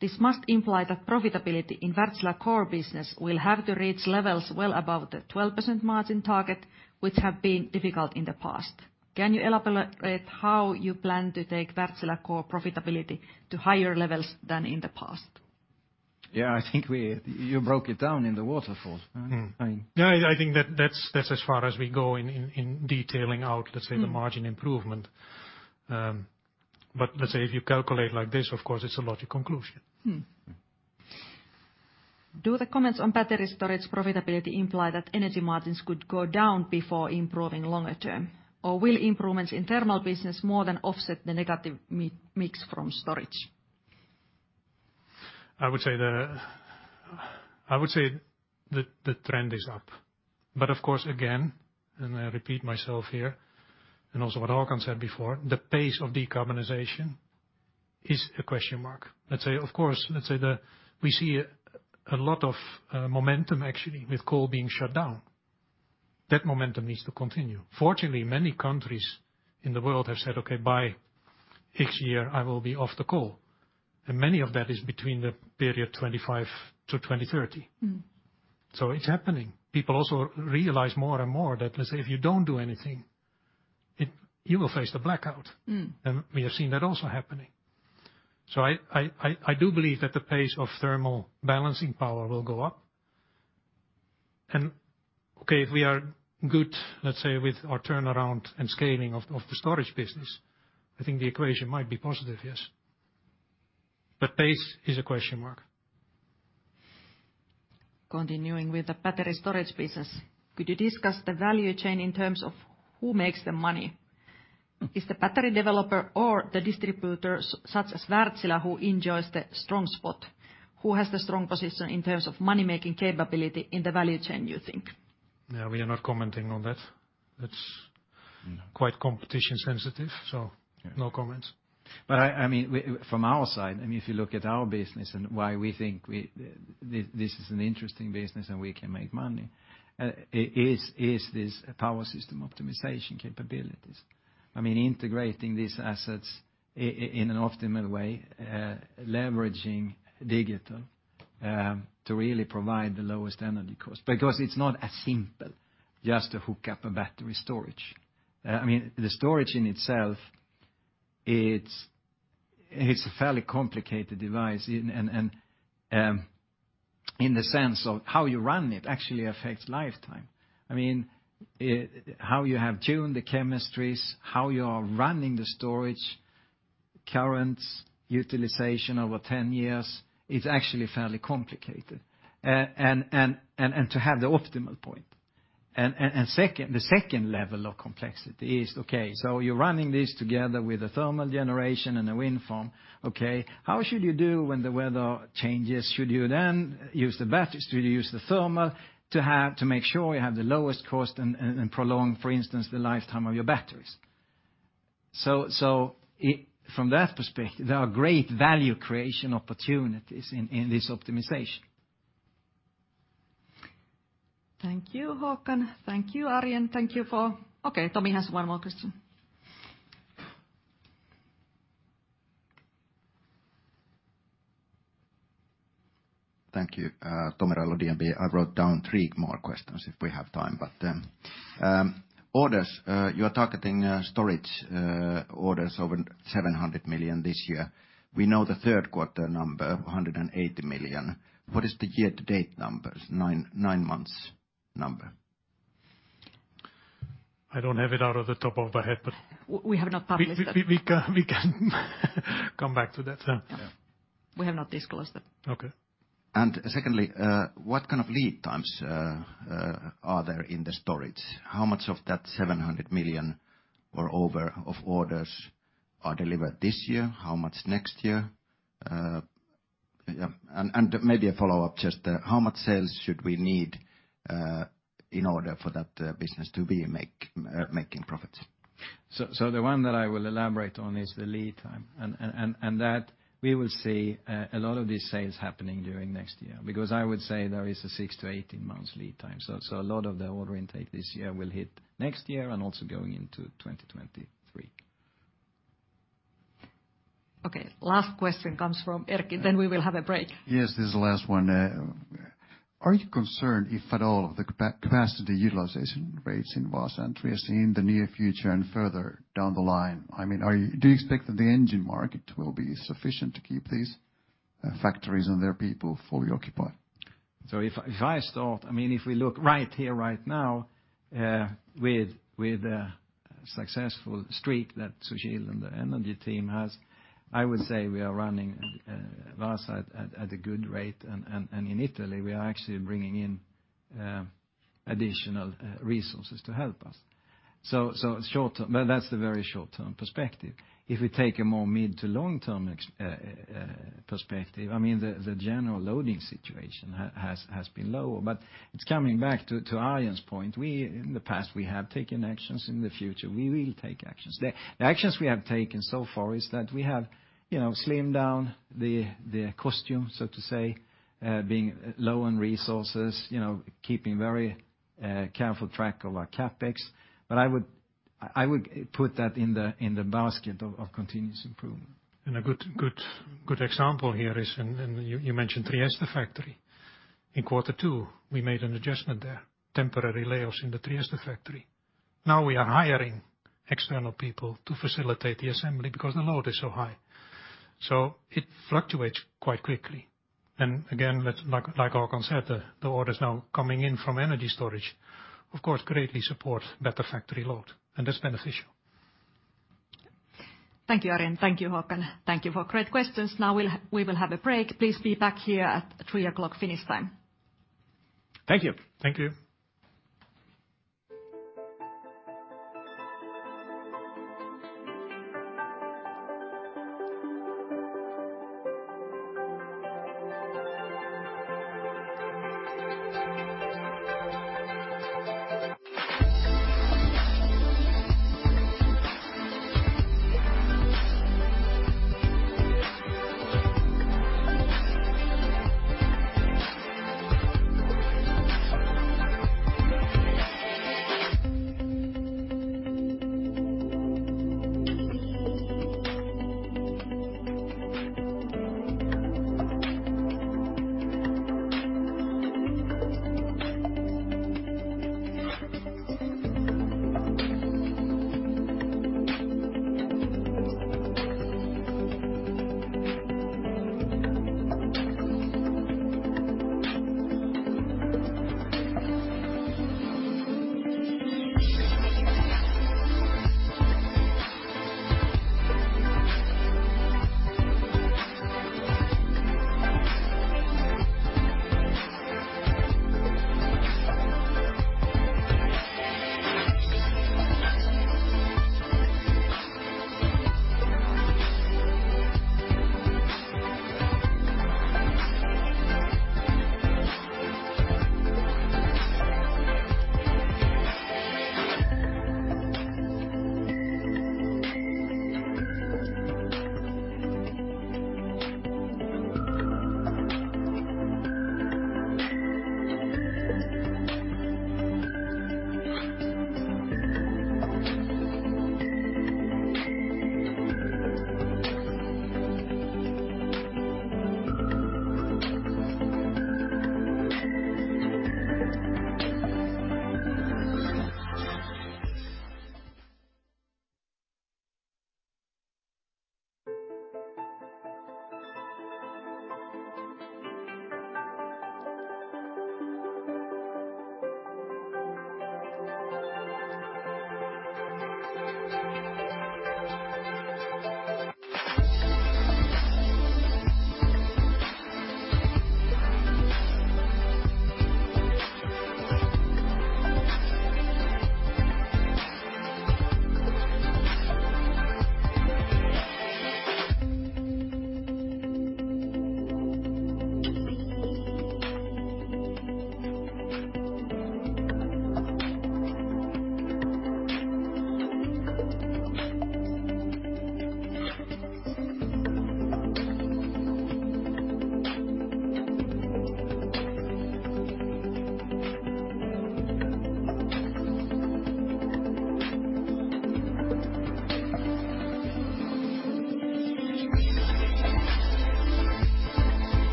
This must imply that profitability in Wärtsilä core business will have to reach levels well above the 12% margin target, which have been difficult in the past. Can you elaborate how you plan to take Wärtsilä core profitability to higher levels than in the past? Yeah, I think you broke it down in the waterfall. Right? I mean... Yeah, I think that's as far as we go in detailing out, let's say. Mm. The margin improvement. Let's say if you calculate like this, of course it's a logical conclusion. Mm. Mm. Do the comments on battery storage profitability imply that energy margins could go down before improving longer term? Or will improvements in thermal business more than offset the negative margin mix from storage? I would say the trend is up. Of course, again, and I repeat myself here, and also what Håkan said before, the pace of decarbonization is a question mark. Let's say, of course, we see a lot of momentum actually with coal being shut down. That momentum needs to continue. Fortunately, many countries in the world have said, "Okay, by X year I will be off the coal." Many of that is between the period 2025-2030. Mm. It's happening. People also realize more and more that, let's say, if you don't do anything, you will face the blackout. Mm. We have seen that also happening. I do believe that the pace of thermal balancing power will go up. Okay, if we are good, let's say, with our turnaround and scaling of the storage business, I think the equation might be positive, yes. Pace is a question mark. Continuing with the battery storage business, could you discuss the value chain in terms of who makes the money? Is the battery developer or the distributors such as Wärtsilä who enjoys the strong spot? Who has the strong position in terms of money-making capability in the value chain, you think? Yeah, we are not commenting on that. That's quite competition sensitive, so no comments. I mean, from our side, I mean, if you look at our business and why we think this is an interesting business and we can make money, is this power system optimization capabilities. I mean, integrating these assets in an optimal way, leveraging digital, to really provide the lowest energy cost. Because it's not as simple just to hook up a battery storage. I mean, the storage in itself, it's a fairly complicated device in the sense of how you run it actually affects lifetime. I mean, how you have tuned the chemistries, how you are running the storage, currents, utilization over 10 years, it's actually fairly complicated. And to have the optimal point. Second, the second level of complexity is, okay, so you're running this together with a thermal generation and a wind farm. Okay, how should you do when the weather changes? Should you then use the batteries? Do you use the thermal to have to make sure you have the lowest cost and prolong, for instance, the lifetime of your batteries? It from that perspective, there are great value creation opportunities in this optimization. Thank you, Håkan. Thank you, Arjen. Okay, Tom has one more question. Thank you. Tom [intelligent guess], DNB. I wrote down three more questions if we have time. Orders, you are targeting storage orders over 700 million this year. We know the third quarter number, 180 million. What is the year-to-date numbers, nine months number? I don't have it off the top of my head. We have not published that. We can come back to that. Yeah. We have not disclosed it. Okay. Secondly, what kind of lead times are there in the storage? How much of that 700 million or over of orders are delivered this year? How much next year? Yeah, and maybe a follow-up, just how much sales should we need in order for that business to be making profits? The one that I will elaborate on is the lead time, and that we will see a lot of these sales happening during next year, because I would say there is a six to 18 months lead time. A lot of the order intake this year will hit next year and also going into 2023. Okay, last question comes from Erkki, then we will have a break. Yes, this is the last one. Are you concerned, if at all, of the capacity utilization rates in Vaasa and Trieste in the near future and further down the line? I mean, do you expect that the engine market will be sufficient to keep these factories and their people fully occupied? If we look right here, right now, with the successful streak that Sushil and the energy team has, I would say we are running Vaasa at a good rate, and in Italy, we are actually bringing in additional resources to help us. Short term, that's the very short-term perspective. If we take a more mid- to long-term perspective, I mean, the general loading situation has been low. It's coming back to Arjen's point. In the past, we have taken actions. In the future, we will take actions. The actions we have taken so far is that we have, you know, slimmed down the cost base, so to say, being low on resources, you know, keeping very careful track of our CapEx. I would put that in the basket of continuous improvement. A good example here is you mentioned Trieste factory. In quarter two, we made an adjustment there, temporary layoffs in the Trieste factory. Now we are hiring external people to facilitate the assembly because the load is so high. It fluctuates quite quickly. Again, like Håkan said, the orders now coming in from energy storage, of course, greatly support better factory load, and that's beneficial. Thank you, Arjen. Thank you, Håkan. Thank you for great questions. Now we will have a break. Please be back here at 3:00 P.M. Finnish time. Thank you.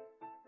Thank you.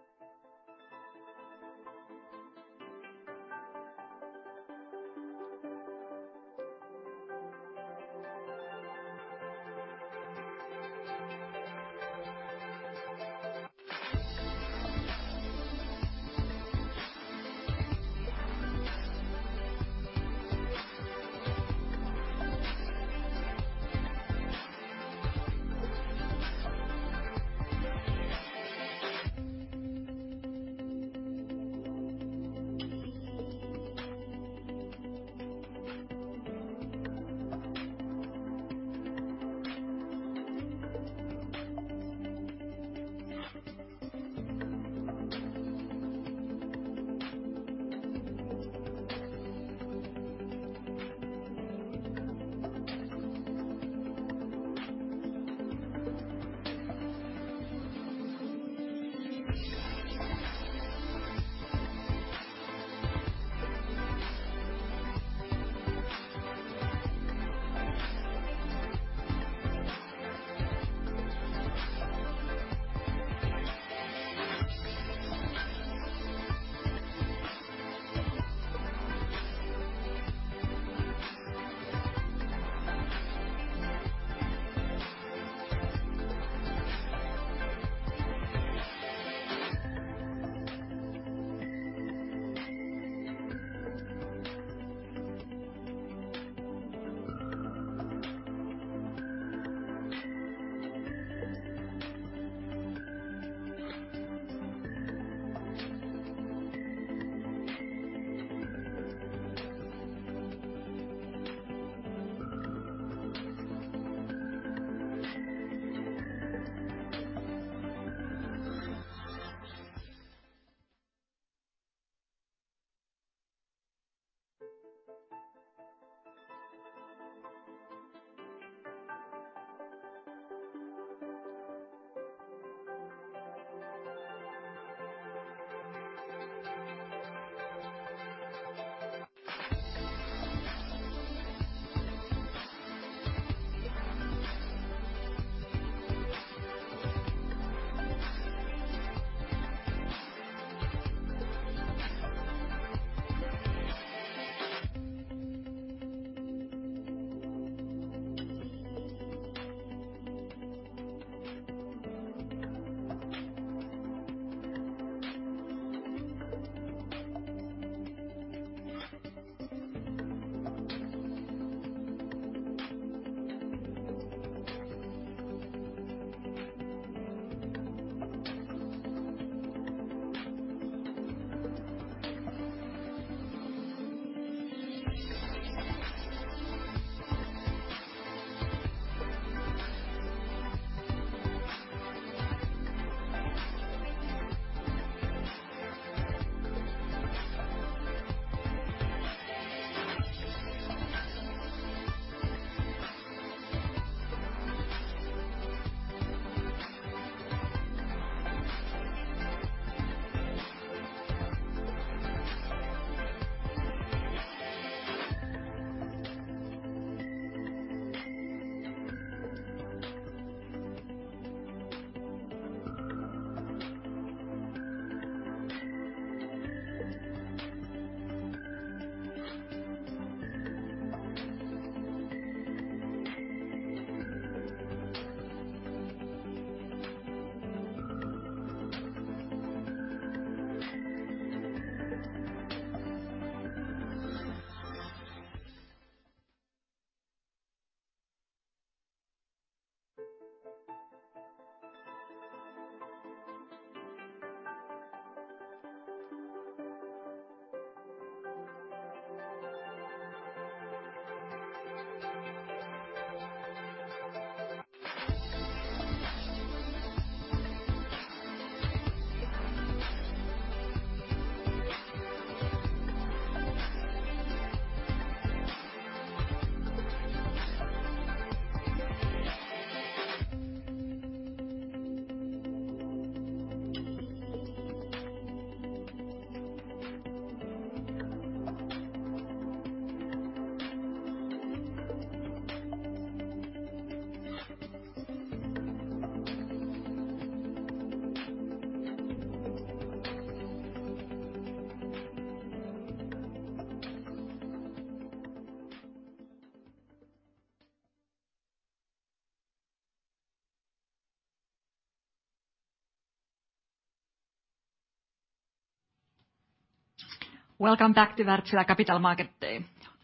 Welcome back to Wärtsilä Capital Market Day.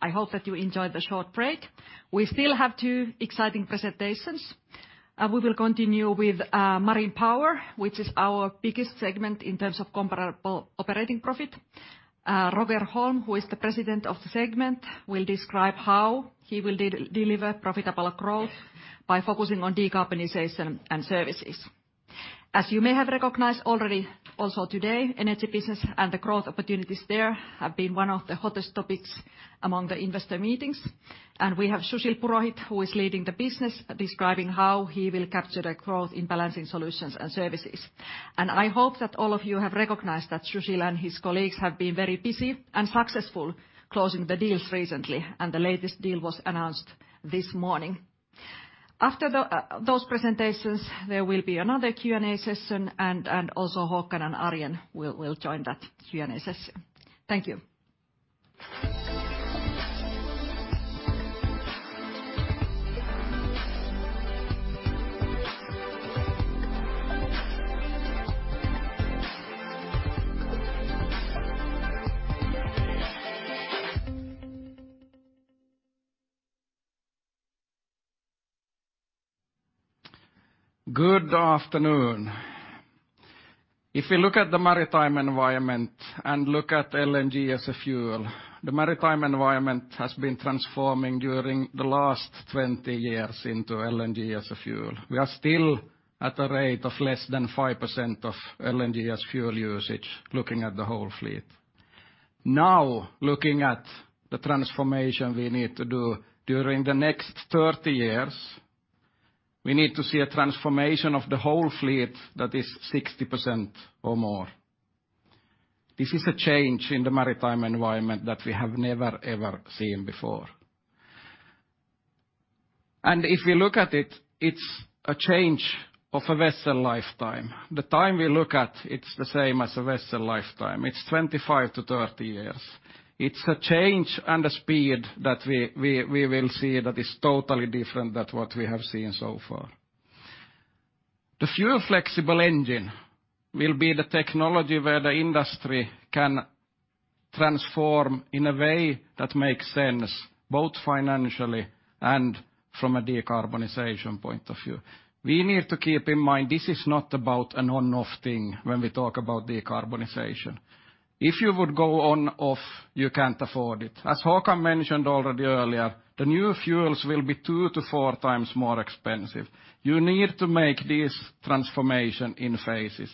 I hope that you enjoyed the short break. We still have two exciting presentations. We will continue with Marine Power, which is our biggest segment in terms of comparable operating profit. Roger Holm, who is the President of the segment, will describe how he will deliver profitable growth by focusing on decarbonization and services. As you may have recognized already, also today, energy business and the growth opportunities there have been one of the hottest topics among the investor meetings. We have Sushil Purohit, who is leading the business, describing how he will capture the growth in balancing solutions and services. I hope that all of you have recognized that Sushil and his colleagues have been very busy and successful closing the deals recently, and the latest deal was announced this morning. After those presentations, there will be another Q&A session and also Håkan and Arjen will join that Q&A session. Thank you. Good afternoon. If you look at the maritime environment and look at LNG as a fuel, the maritime environment has been transforming during the last 20 years into LNG as a fuel. We are still at a rate of less than 5% of LNG as fuel usage, looking at the whole fleet. Now, looking at the transformation we need to do during the next 30 years, we need to see a transformation of the whole fleet that is 60% or more. This is a change in the maritime environment that we have never, ever seen before. If we look at it's a change of a vessel lifetime. The time we look at, it's the same as a vessel lifetime. It's 25-30 years. It's a change and a speed that we will see that is totally different than what we have seen so far. The fuel flexible engine will be the technology where the industry can transform in a way that makes sense, both financially and from a decarbonization point of view. We need to keep in mind, this is not about an on/off thing when we talk about decarbonization. If you would go on/off, you can't afford it. As Håkan mentioned already earlier, the new fuels will be 2-4 times more expensive. You need to make this transformation in phases.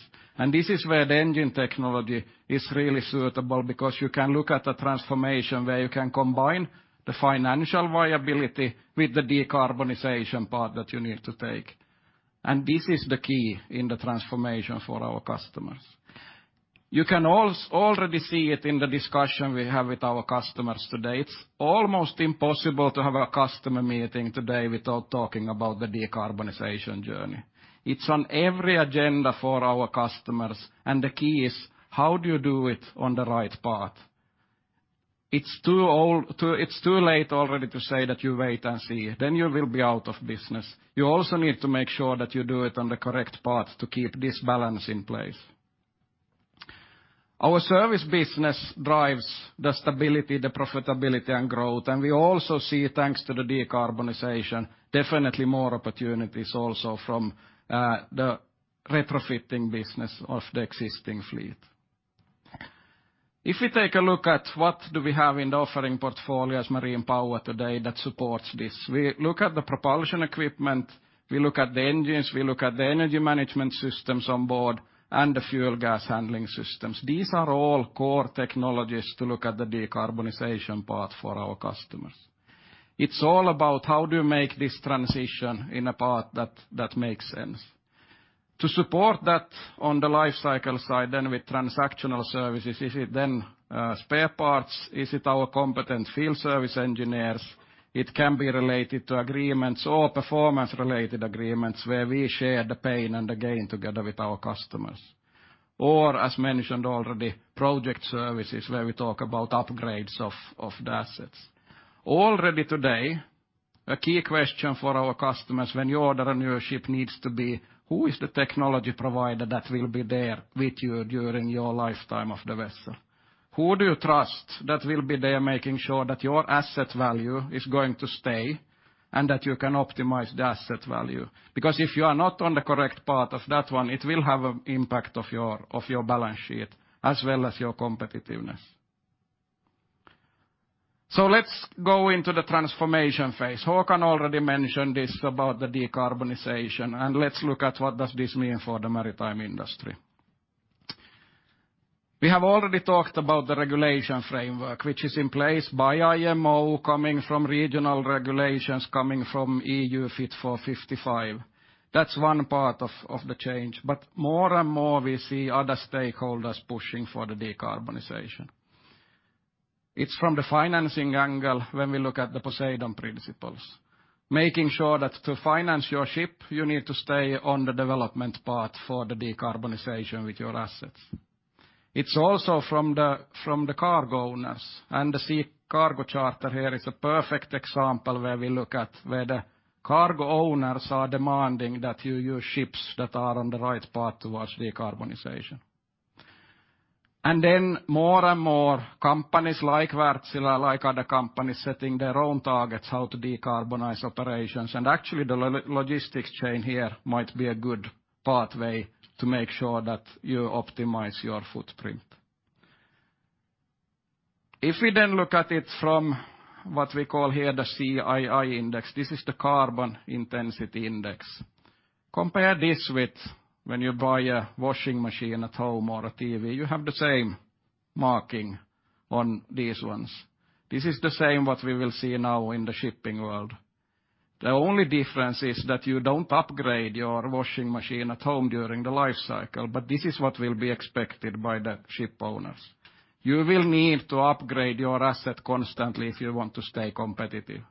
This is where the engine technology is really suitable because you can look at the transformation where you can combine the financial viability with the decarbonization part that you need to take. This is the key in the transformation for our customers. You can already see it in the discussion we have with our customers today. It's almost impossible to have a customer meeting today without talking about the decarbonization journey. It's on every agenda for our customers, and the key is, how do you do it on the right path? It's too late already to say that you wait and see, then you will be out of business. You also need to make sure that you do it on the correct path to keep this balance in place. Our service business drives the stability, the profitability, and growth, and we also see, thanks to the decarbonization, definitely more opportunities also from the retrofitting business of the existing fleet. If we take a look at what we have in the offering portfolio as Marine Power today that supports this, we look at the propulsion equipment, we look at the engines, we look at the energy management systems on board, and the fuel gas handling systems. These are all core technologies to look at the decarbonization path for our customers. It's all about how do you make this transition in a path that makes sense. To support that on the life cycle side with transactional services, is it spare parts? Is it our competent field service engineers? It can be related to agreements or performance-related agreements where we share the pain and the gain together with our customers. Or, as mentioned already, project services where we talk about upgrades of the assets. Already today, a key question for our customers when you order a new ship needs to be, who is the technology provider that will be there with you during your lifetime of the vessel? Who do you trust that will be there making sure that your asset value is going to stay. And that you can optimize the asset value. Because if you are not on the correct path of that one, it will have an impact of your balance sheet as well as your competitiveness. Let's go into the transformation phase. Håkan already mentioned this about the decarbonization, and let's look at what does this mean for the maritime industry. We have already talked about the regulation framework, which is in place by IMO, coming from regional regulations, coming from EU ETS for 55. That's one part of the change. More and more, we see other stakeholders pushing for the decarbonization. It's from the financing angle when we look at the Poseidon Principles. Making sure that to finance your ship, you need to stay on the development path for the decarbonization with your assets. It's also from the cargo owners, and the Sea Cargo Charter here is a perfect example where we look at where the cargo owners are demanding that you use ships that are on the right path towards decarbonization. More and more companies like Wärtsilä, like other companies, setting their own targets, how to decarbonize operations. Actually, the logistics chain here might be a good pathway to make sure that you optimize your footprint. If we then look at it from what we call here the CII index, this is the Carbon Intensity Index. Compare this with when you buy a washing machine at home or a TV, you have the same marking on these ones. This is the same what we will see now in the shipping world. The only difference is that you don't upgrade your washing machine at home during the life cycle, but this is what will be expected by the ship owners. You will need to upgrade your asset constantly if you want to stay competitive.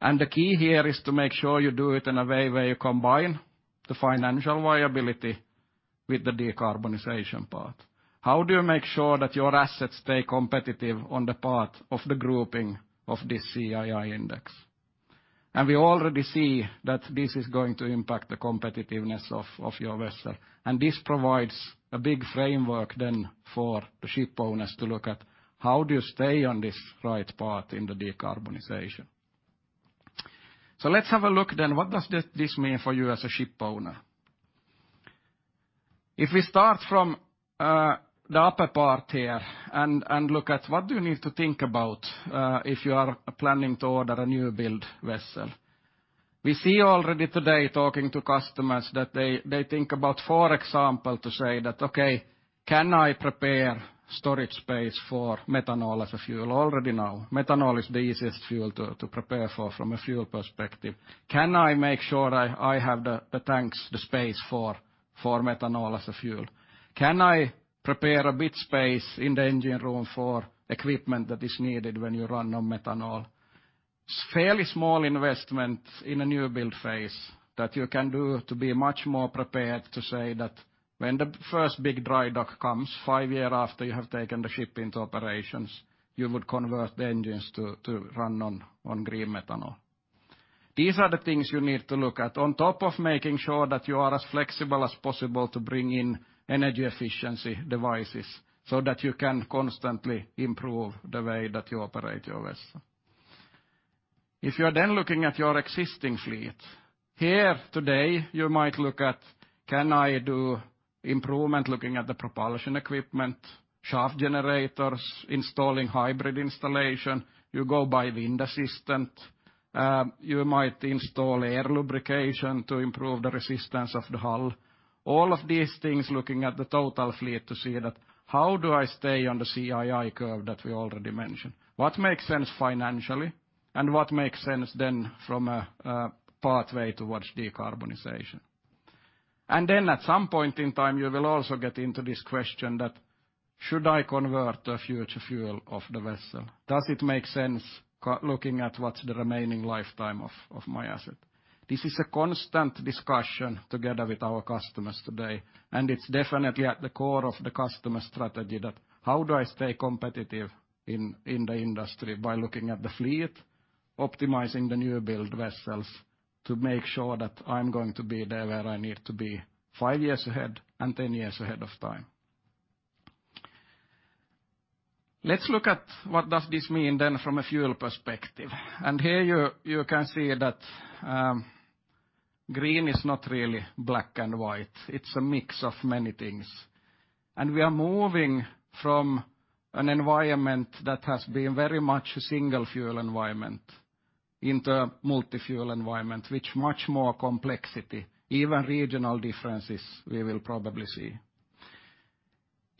The key here is to make sure you do it in a way where you combine the financial viability with the decarbonization part. How do you make sure that your assets stay competitive on the path of the grouping of this CII index? We already see that this is going to impact the competitiveness of your vessel. This provides a big framework then for the ship owners to look at how do you stay on this right path in the decarbonization. Let's have a look then, what does this mean for you as a ship owner? If we start from the upper part here and look at what do you need to think about if you are planning to order a new build vessel. We see already today talking to customers that they think about, for example, to say that, "Okay, can I prepare storage space for methanol as a fuel already now?" Methanol is the easiest fuel to prepare for from a fuel perspective. Can I make sure I have the tanks, the space for methanol as a fuel? Can I prepare a bit of space in the engine room for equipment that is needed when you run on methanol? It's a fairly small investment in a new build phase that you can do to be much more prepared to say that when the first big dry dock comes five years after you have taken the ship into operations, you would convert the engines to run on green methanol. These are the things you need to look at on top of making sure that you are as flexible as possible to bring in energy efficiency devices so that you can constantly improve the way that you operate your vessel. If you are then looking at your existing fleet, here today, you might look at, "Can I do improvement looking at the propulsion equipment, shaft generators, installing hybrid installation?" You go by wind assistance, you might install air lubrication to improve the resistance of the hull. All of these things, looking at the total fleet to see that, how do I stay on the CII curve that we already mentioned? What makes sense financially, and what makes sense then from a pathway towards decarbonization? Then at some point in time, you will also get into this question that, "Should I convert a future fuel of the vessel? Does it make sense looking at what's the remaining lifetime of my asset? This is a constant discussion together with our customers today, and it's definitely at the core of the customer strategy that, "How do I stay competitive in the industry by looking at the fleet, optimizing the new build vessels to make sure that I'm going to be there where I need to be five years ahead and 10 years ahead of time?" Let's look at what does this mean then from a fuel perspective. Here you can see that green is not really black and white. It's a mix of many things. We are moving from an environment that has been very much a single fuel environment into a multi-fuel environment, with much more complexity, even regional differences we will probably see.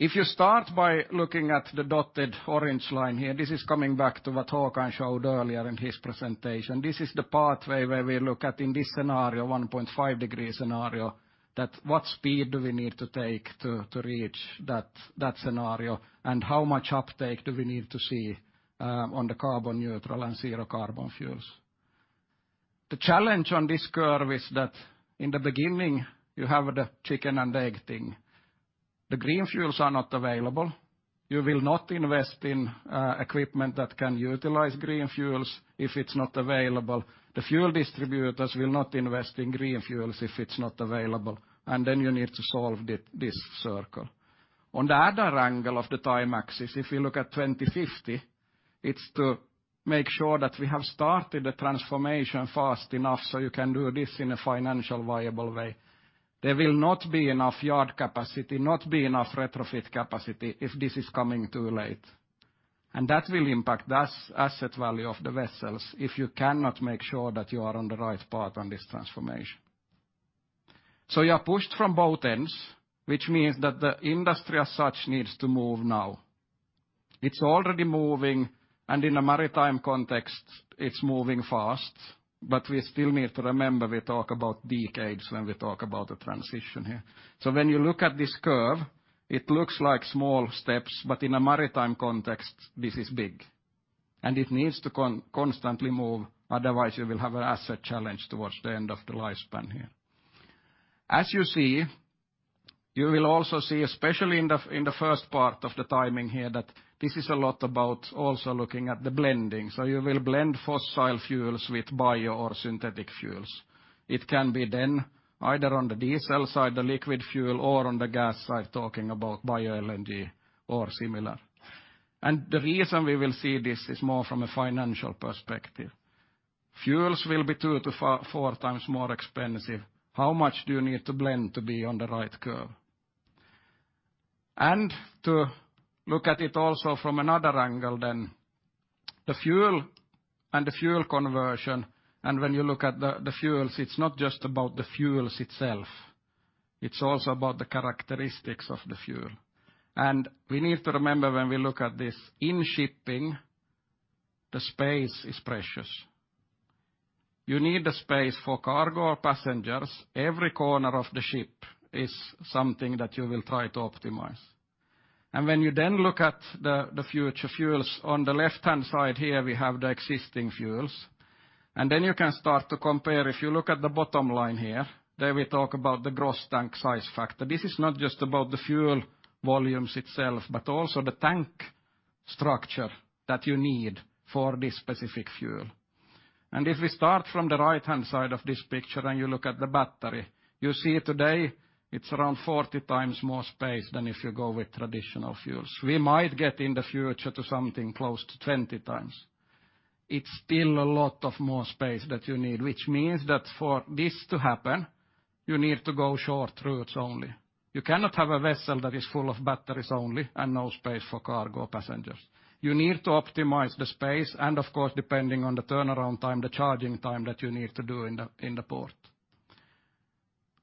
If you start by looking at the dotted orange line here, this is coming back to what Håkan showed earlier in his presentation. This is the pathway where we look at in this scenario, 1.5 degree scenario, that what speed do we need to take to reach that scenario, and how much uptake do we need to see on the carbon neutral and zero carbon fuels? The challenge on this curve is that in the beginning, you have the chicken and egg thing. The green fuels are not available. You will not invest in equipment that can utilize green fuels if it's not available. The fuel distributors will not invest in green fuels if it's not available. You need to solve this circle. On the other angle of the time axis, if you look at 2050, it's to make sure that we have started the transformation fast enough, so you can do this in a financially viable way. There will not be enough yard capacity, nor enough retrofit capacity if this is coming too late. That will impact the asset value of the vessels if you cannot make sure that you are on the right path on this transformation. You are pushed from both ends, which means that the industry as such needs to move now. It's already moving, and in a maritime context, it's moving fast, but we still need to remember we talk about decades when we talk about the transition here. When you look at this curve, it looks like small steps, but in a maritime context, this is big. It needs to constantly move, otherwise, you will have an asset challenge towards the end of the lifespan here. As you see, you will also see, especially in the first part of the timing here, that this is a lot about also looking at the blending. You will blend fossil fuels with bio or synthetic fuels. It can be then either on the diesel side, the liquid fuel, or on the gas side, talking about bio LNG or similar. The reason we will see this is more from a financial perspective. Fuels will be 2-4 times more expensive. How much do you need to blend to be on the right curve? To look at it also from another angle then, the fuel and the fuel conversion, and when you look at the fuels, it's not just about the fuels itself, it's also about the characteristics of the fuel. We need to remember when we look at this, in shipping, the space is precious. You need the space for cargo or passengers. Every corner of the ship is something that you will try to optimize. When you then look at the future fuels, on the left-hand side here, we have the existing fuels. Then you can start to compare. If you look at the bottom line here, there we talk about the gross tank size factor. This is not just about the fuel volumes itself, but also the tank structure that you need for this specific fuel. If we start from the right-hand side of this picture, and you look at the battery, you see today it's around 40x more space than if you go with traditional fuels. We might get in the future to something close to 20x. It's still a lot of more space that you need, which means that for this to happen, you need to go short routes only. You cannot have a vessel that is full of batteries only and no space for cargo or passengers. You need to optimize the space and, of course, depending on the turnaround time, the charging time that you need to do in the port.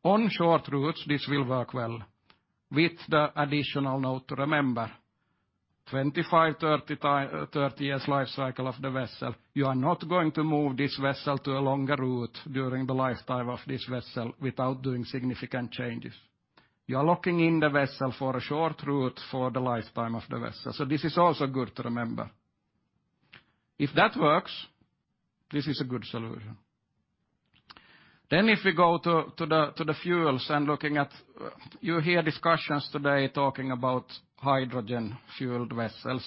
On short routes, this will work well with the additional note to remember, 25, 30 years life cycle of the vessel. You are not going to move this vessel to a longer route during the lifetime of this vessel without doing significant changes. You are locking in the vessel for a short route for the lifetime of the vessel. This is also good to remember. If that works, this is a good solution. If we go to the fuels and looking at, you hear discussions today talking about hydrogen-fueled vessels.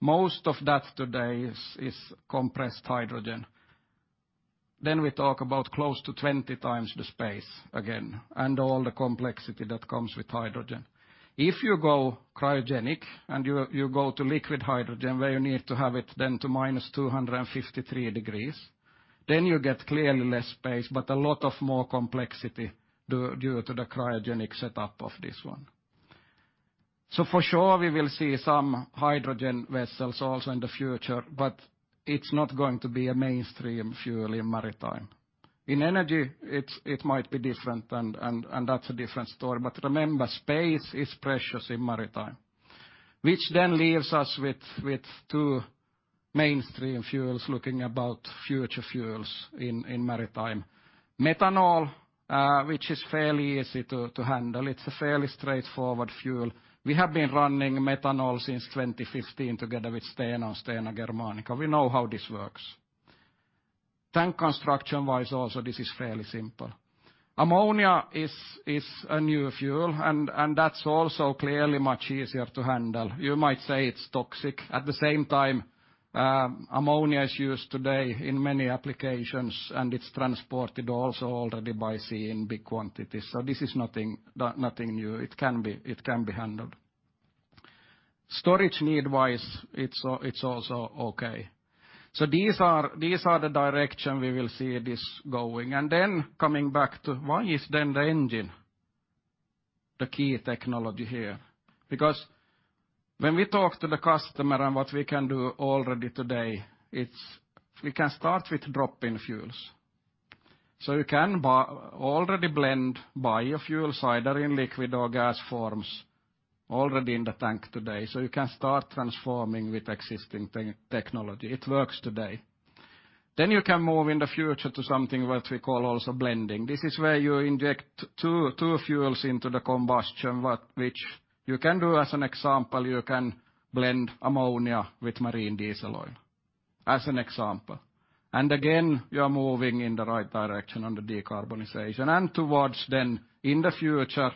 Most of that today is compressed hydrogen. We talk about close to 20x the space again and all the complexity that comes with hydrogen. If you go cryogenic, you go to liquid hydrogen, where you need to have it then to -253 degrees, then you get clearly less space, but a lot more complexity due to the cryogenic setup of this one. For sure, we will see some hydrogen vessels also in the future, but it's not going to be a mainstream fuel in maritime. In energy, it might be different, and that's a different story. Remember, space is precious in maritime, which then leaves us with two mainstream fuels looking about future fuels in maritime. Methanol, which is fairly easy to handle. It's a fairly straightforward fuel. We have been running methanol since 2015 together with Stena and Stena Germanica. We know how this works. Tank construction-wise also, this is fairly simple. Ammonia is a newer fuel and that's also clearly much easier to handle. You might say it's toxic. At the same time, ammonia is used today in many applications, and it's transported also already by sea in big quantities. This is nothing new. It can be handled. Storage need-wise, it's also okay. These are the direction we will see this going. Then coming back to why is then the engine the key technology here? Because when we talk to the customer on what we can do already today, it's. We can start with drop-in fuels. You can already blend biofuel, either in liquid or gas forms, already in the tank today. You can start transforming with existing technology. It works today. You can move in the future to something what we call also blending. This is where you inject two fuels into the combustion, which you can do, as an example, you can blend ammonia with marine diesel oil, as an example. Again, you are moving in the right direction on the decarbonization. Towards then, in the future,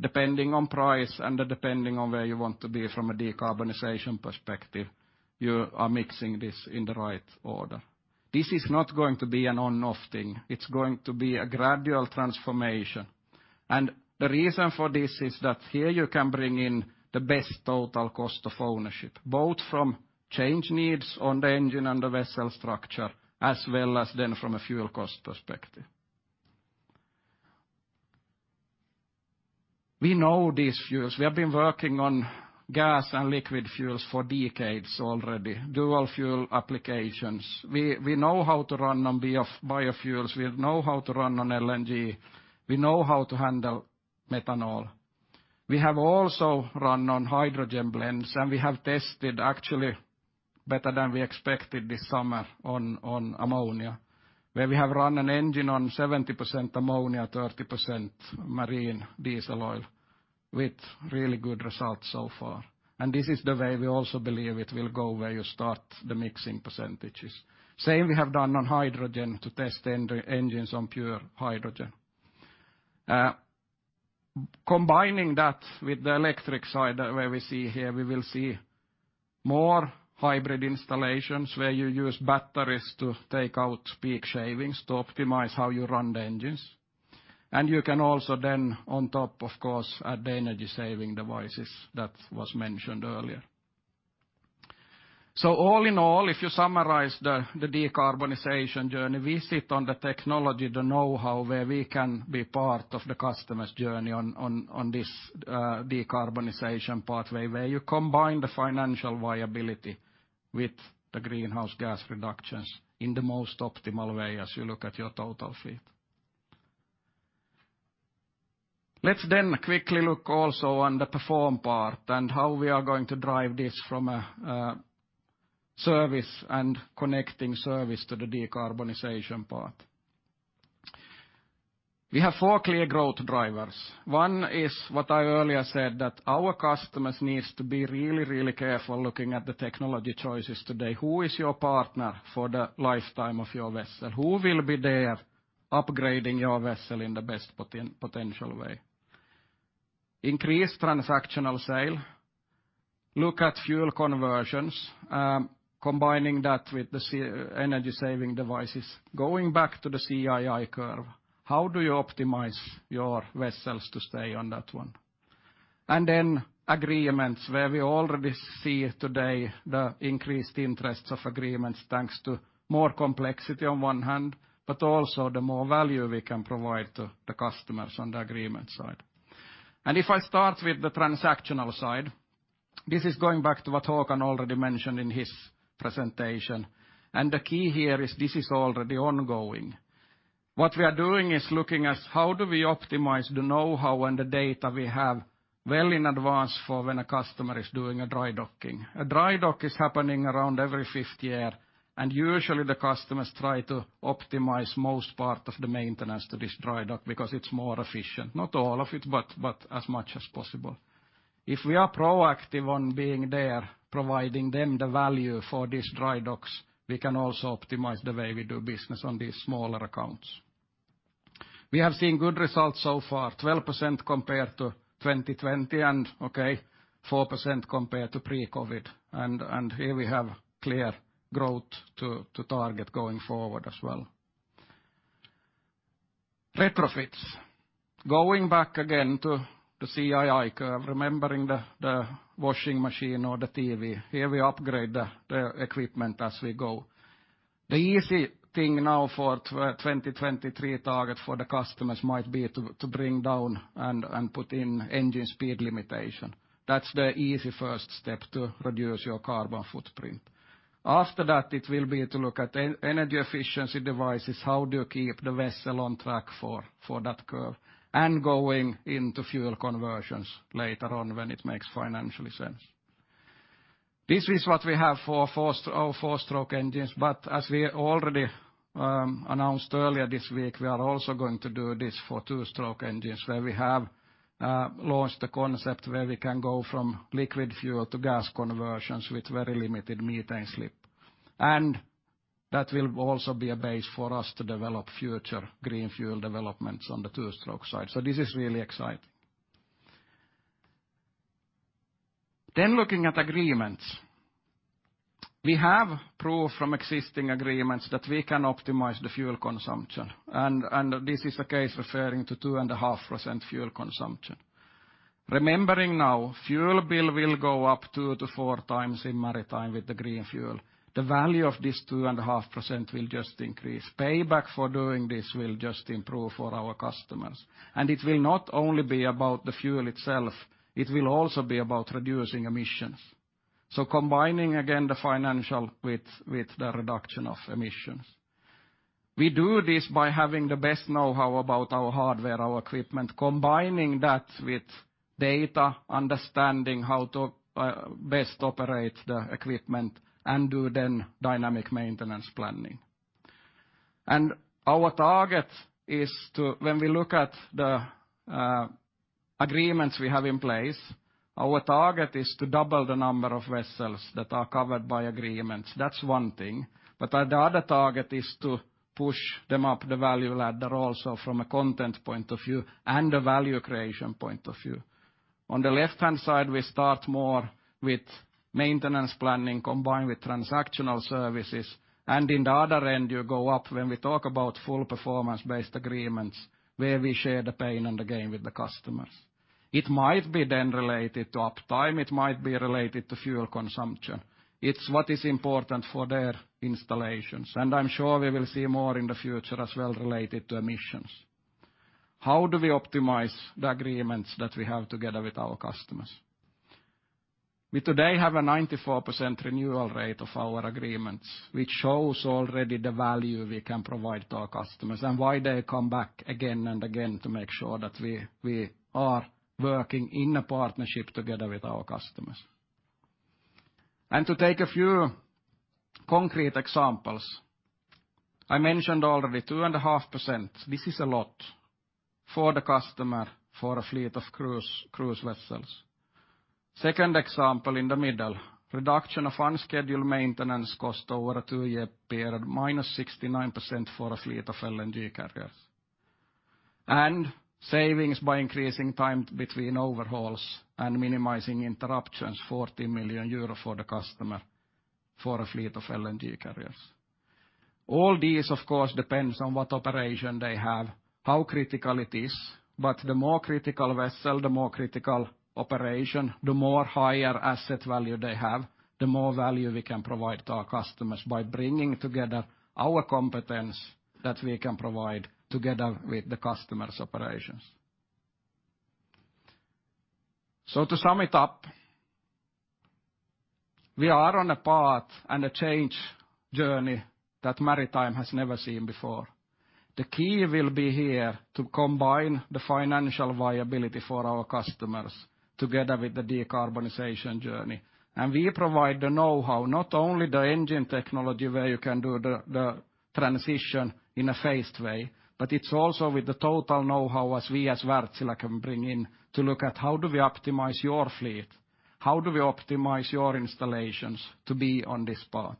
depending on price and depending on where you want to be from a decarbonization perspective, you are mixing this in the right order. This is not going to be an on/off thing. It's going to be a gradual transformation. The reason for this is that here you can bring in the best total cost of ownership, both from change needs on the engine and the vessel structure, as well as then from a fuel cost perspective. We know these fuels. We have been working on gas and liquid fuels for decades already, dual fuel applications. We know how to run on biofuels. We know how to run on LNG. We know how to handle methanol. We have also run on hydrogen blends, and we have tested actually better than we expected this summer on ammonia, where we have run an engine on 70% ammonia, 30% marine diesel oil with really good results so far. This is the way we also believe it will go where you start the mixing percentages. Same we have done on hydrogen to test the engines on pure hydrogen. Combining that with the electric side where we see here, we will see more hybrid installations where you use batteries to take out peak shavings to optimize how you run the engines. You can also then on top, of course, add the energy saving devices that was mentioned earlier. All in all, if you summarize the decarbonization journey, we sit on the technology, the know-how, where we can be part of the customer's journey on this decarbonization pathway, where you combine the financial viability with the greenhouse gas reductions in the most optimal way as you look at your total fleet. Let's quickly look also on the perform part and how we are going to drive this from a service and connecting service to the decarbonization part. We have four clear growth drivers. One is what I earlier said, that our customers needs to be really careful looking at the technology choices today. Who is your partner for the lifetime of your vessel? Who will be there upgrading your vessel in the best potential way? Increase transactional sale, look at fuel conversions, combining that with the energy saving devices. Going back to the CII curve, how do you optimize your vessels to stay on that one? Agreements where we already see today the increased interest in agreements, thanks to more complexity on one hand, but also the more value we can provide to the customers on the agreement side. If I start with the transactional side, this is going back to what Håkan already mentioned in his presentation. The key here is this is already ongoing. What we are doing is looking at how do we optimize the know-how and the data we have well in advance for when a customer is doing a dry docking. A dry dock is happening around every fifth year, and usually the customers try to optimize most part of the maintenance to this dry dock because it's more efficient, not all of it, but as much as possible. If we are proactive on being there, providing them the value for these dry docks, we can also optimize the way we do business on these smaller accounts. We have seen good results so far, 12% compared to 2020 and okay, 4% compared to pre-COVID. Here we have clear growth to target going forward as well. Retrofits. Going back again to the CII curve, remembering the washing machine or the TV. Here we upgrade the equipment as we go. The easy thing now for 2023 target for the customers might be to bring down and put in engine speed limitation. That's the easy first step to reduce your carbon footprint. After that, it will be to look at energy efficiency devices. How do you keep the vessel on track for that curve? Going into fuel conversions later on when it makes financial sense. This is what we have for our four-stroke engines. As we already announced earlier this week, we are also going to do this for two-stroke engines, where we have launched the concept where we can go from liquid fuel to gas conversions with very limited methane slip. That will also be a base for us to develop future green fuel developments on the two-stroke side. This is really exciting. Looking at agreements. We have proof from existing agreements that we can optimize the fuel consumption. This is a case referring to 2.5% fuel consumption. Remembering now, fuel bill will go up two to four times in maritime with the green fuel. The value of this 2.5% will just increase. Payback for doing this will just improve for our customers. It will not only be about the fuel itself, it will also be about reducing emissions. Combining again the financial with the reduction of emissions. We do this by having the best know-how about our hardware, our equipment, combining that with data, understanding how to best operate the equipment and do then dynamic maintenance planning. When we look at the agreements we have in place, our target is to double the number of vessels that are covered by agreements. That's one thing. The other target is to push them up the value ladder also from a content point of view and a value creation point of view. On the left-hand side, we start more with maintenance planning combined with transactional services. In the other end, you go up when we talk about full performance-based agreements where we share the pain and the gain with the customers. It might be then related to uptime, it might be related to fuel consumption. It's what is important for their installations, and I'm sure we will see more in the future as well related to emissions. How do we optimize the agreements that we have together with our customers? We today have a 94% renewal rate of our agreements, which shows already the value we can provide to our customers and why they come back again and again to make sure that we are working in a partnership together with our customers. To take a few concrete examples, I mentioned already 2.5%. This is a lot for the customer, for a fleet of cruise vessels. Second example in the middle, reduction of unscheduled maintenance cost over a two-year period, -69% for a fleet of LNG carriers. Savings by increasing time between overhauls and minimizing interruptions, 40 million euro for the customer for a fleet of LNG carriers. All these of course depends on what operation they have, how critical it is. The more critical vessel, the more critical operation, the more higher asset value they have, the more value we can provide to our customers by bringing together our competence that we can provide together with the customer's operations. To sum it up, we are on a path and a change journey that maritime has never seen before. The key will be here to combine the financial viability for our customers together with the decarbonization journey. We provide the know-how, not only the engine technology where you can do the transition in a phased way, but it's also with the total know-how as we as Wärtsilä can bring in to look at how do we optimize your fleet, how do we optimize your installations to be on this path?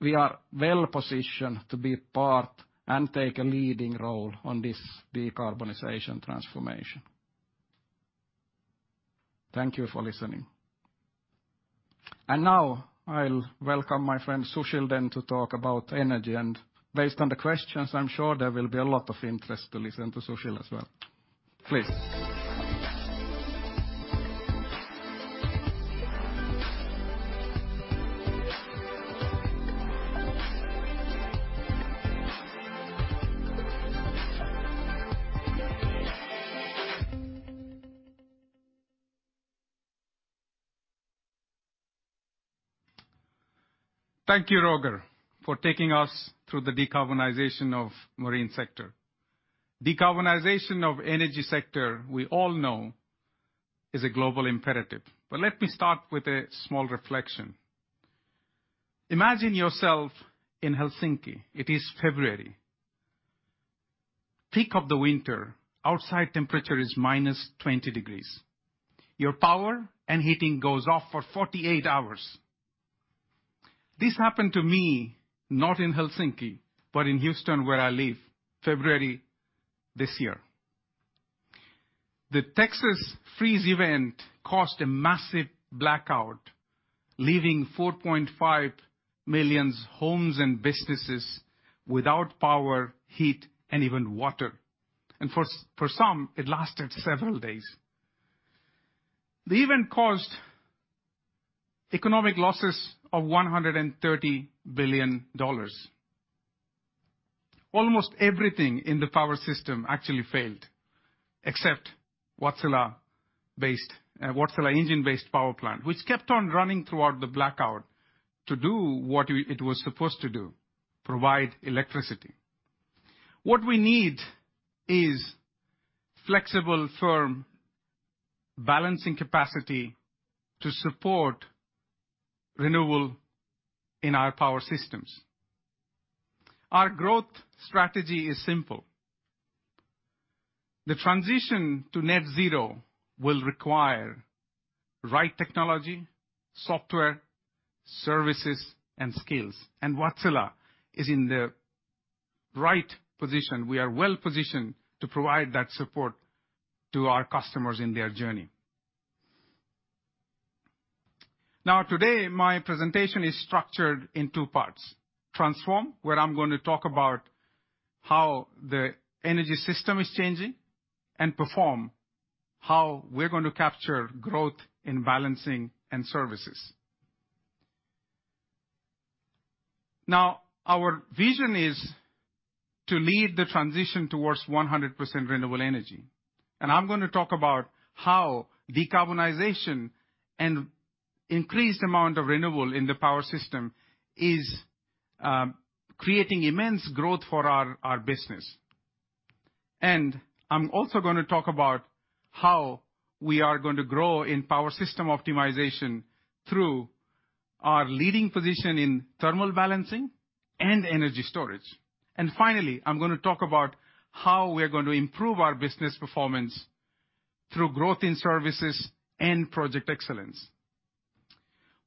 We are well-positioned to be part and take a leading role on this decarbonization transformation. Thank you for listening. Now I'll welcome my friend Sushil then to talk about energy. Based on the questions, I'm sure there will be a lot of interest to listen to Sushil as well. Please. Thank you, Roger, for taking us through the decarbonization of marine sector. Decarbonization of energy sector, we all know, is a global imperative. Let me start with a small reflection. Imagine yourself in Helsinki. It is February, peak of the winter. Outside temperature is -20 degrees. Your power and heating goes off for 48 hours. This happened to me, not in Helsinki, but in Houston, where I live, February this year. The Texas freeze event caused a massive blackout, leaving 4.5 million homes and businesses without power, heat, and even water. For some, it lasted several days. The event caused economic losses of $130 billion. Almost everything in the power system actually failed, except Wärtsilä-based, Wärtsilä engine-based power plant, which kept on running throughout the blackout to do what it was supposed to do, provide electricity. What we need is flexible, firm balancing capacity to support renewable in our power systems. Our growth strategy is simple. The transition to net zero will require right technology, software, services, and skills. Wärtsilä is in the right position. We are well-positioned to provide that support to our customers in their journey. Now, today, my presentation is structured in two parts. Transform, where I'm gonna talk about how the energy system is changing, and perform, how we're going to capture growth in balancing and services. Now, our vision is to lead the transition towards 100% renewable energy, and I'm gonna talk about how decarbonization and increased amount of renewable in the power system is creating immense growth for our business. I'm also gonna talk about how we are going to grow in power system optimization through our leading position in thermal balancing and energy storage. Finally, I'm gonna talk about how we're going to improve our business performance through growth in services and project excellence.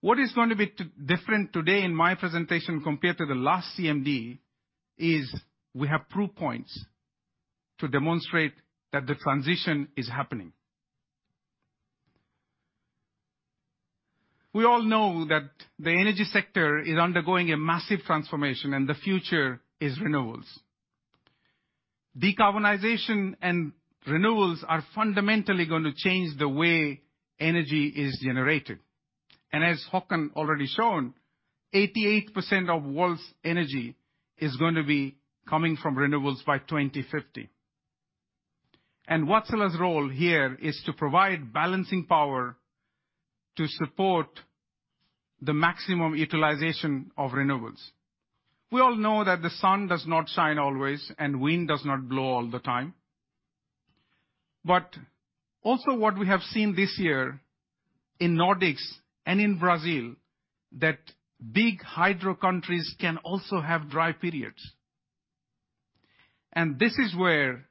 What is going to be different today in my presentation compared to the last CMD is we have proof points to demonstrate that the transition is happening. We all know that the energy sector is undergoing a massive transformation, and the future is renewables. Decarbonization and renewables are fundamentally gonna change the way energy is generated. As Håkan already shown, 88% of world's energy is gonna be coming from renewables by 2050. Wärtsilä's role here is to provide balancing power to support the maximum utilization of renewables. We all know that the sun does not shine always and wind does not blow all the time. Also what we have seen this year in Nordics and in Brazil, that big hydro countries can also have dry periods. This is where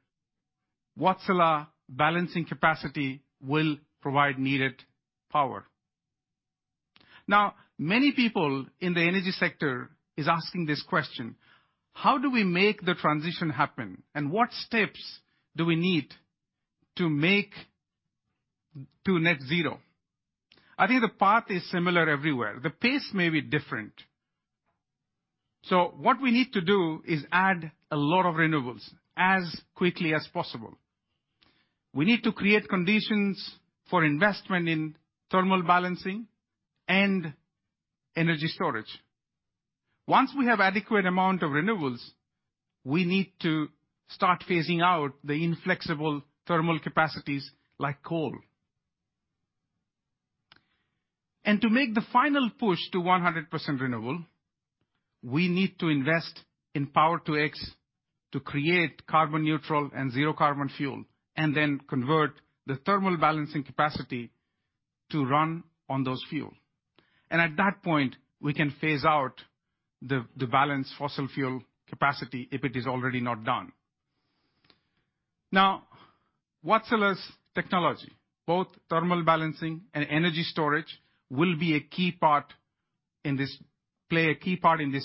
Wärtsilä balancing capacity will provide needed power. Now, many people in the energy sector is asking this question: how do we make the transition happen, and what steps do we need to make to net zero? I think the path is similar everywhere. The pace may be different. What we need to do is add a lot of renewables as quickly as possible. We need to create conditions for investment in thermal balancing and energy storage. Once we have adequate amount of renewables, we need to start phasing out the inflexible thermal capacities like coal. To make the final push to 100% renewable, we need to invest in Power-to-X to create carbon neutral and zero carbon fuel, and then convert the thermal balancing capacity to run on those fuel. At that point, we can phase out the balance fossil fuel capacity if it is already not done. Wärtsilä's technology, both thermal balancing and energy storage, will be a key part in this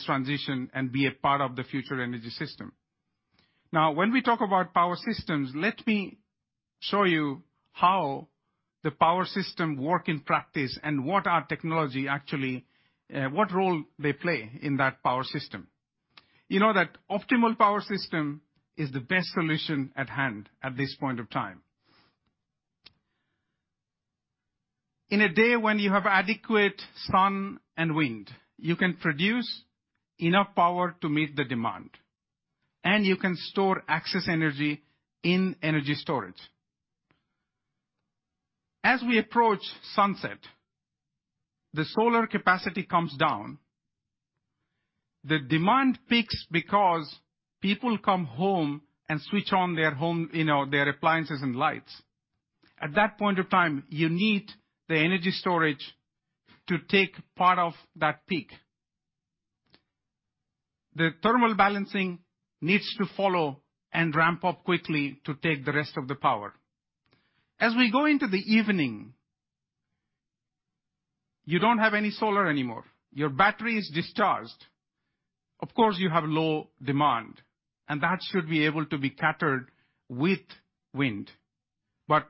transition and be a part of the future energy system. When we talk about power systems, let me show you how the power system work in practice and what our technology what role they play in that power system. You know that optimal power system is the best solution at hand at this point of time. In a day when you have adequate sun and wind, you can produce enough power to meet the demand, and you can store excess energy in energy storage. As we approach sunset, the solar capacity comes down. The demand peaks because people come home and switch on their home, you know, their appliances and lights. At that point of time, you need the energy storage to take part of that peak. The thermal balancing needs to follow and ramp up quickly to take the rest of the power. As we go into the evening, you don't have any solar anymore. Your battery is discharged. Of course, you have low demand, and that should be able to be catered with wind. But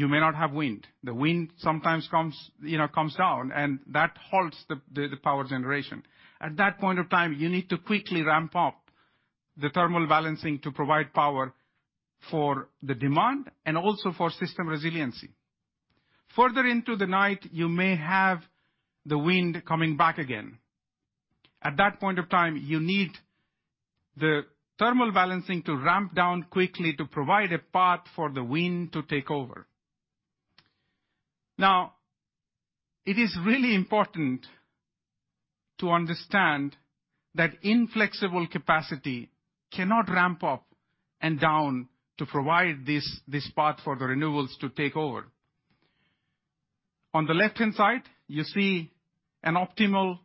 you may not have wind. The wind sometimes comes, you know, comes down, and that halts the power generation. At that point of time, you need to quickly ramp up the thermal balancing to provide power for the demand and also for system resiliency. Further into the night, you may have the wind coming back again. At that point of time, you need the thermal balancing to ramp down quickly to provide a path for the wind to take over. Now, it is really important to understand that inflexible capacity cannot ramp up and down to provide this path for the renewables to take over. On the left-hand side, you see an optimal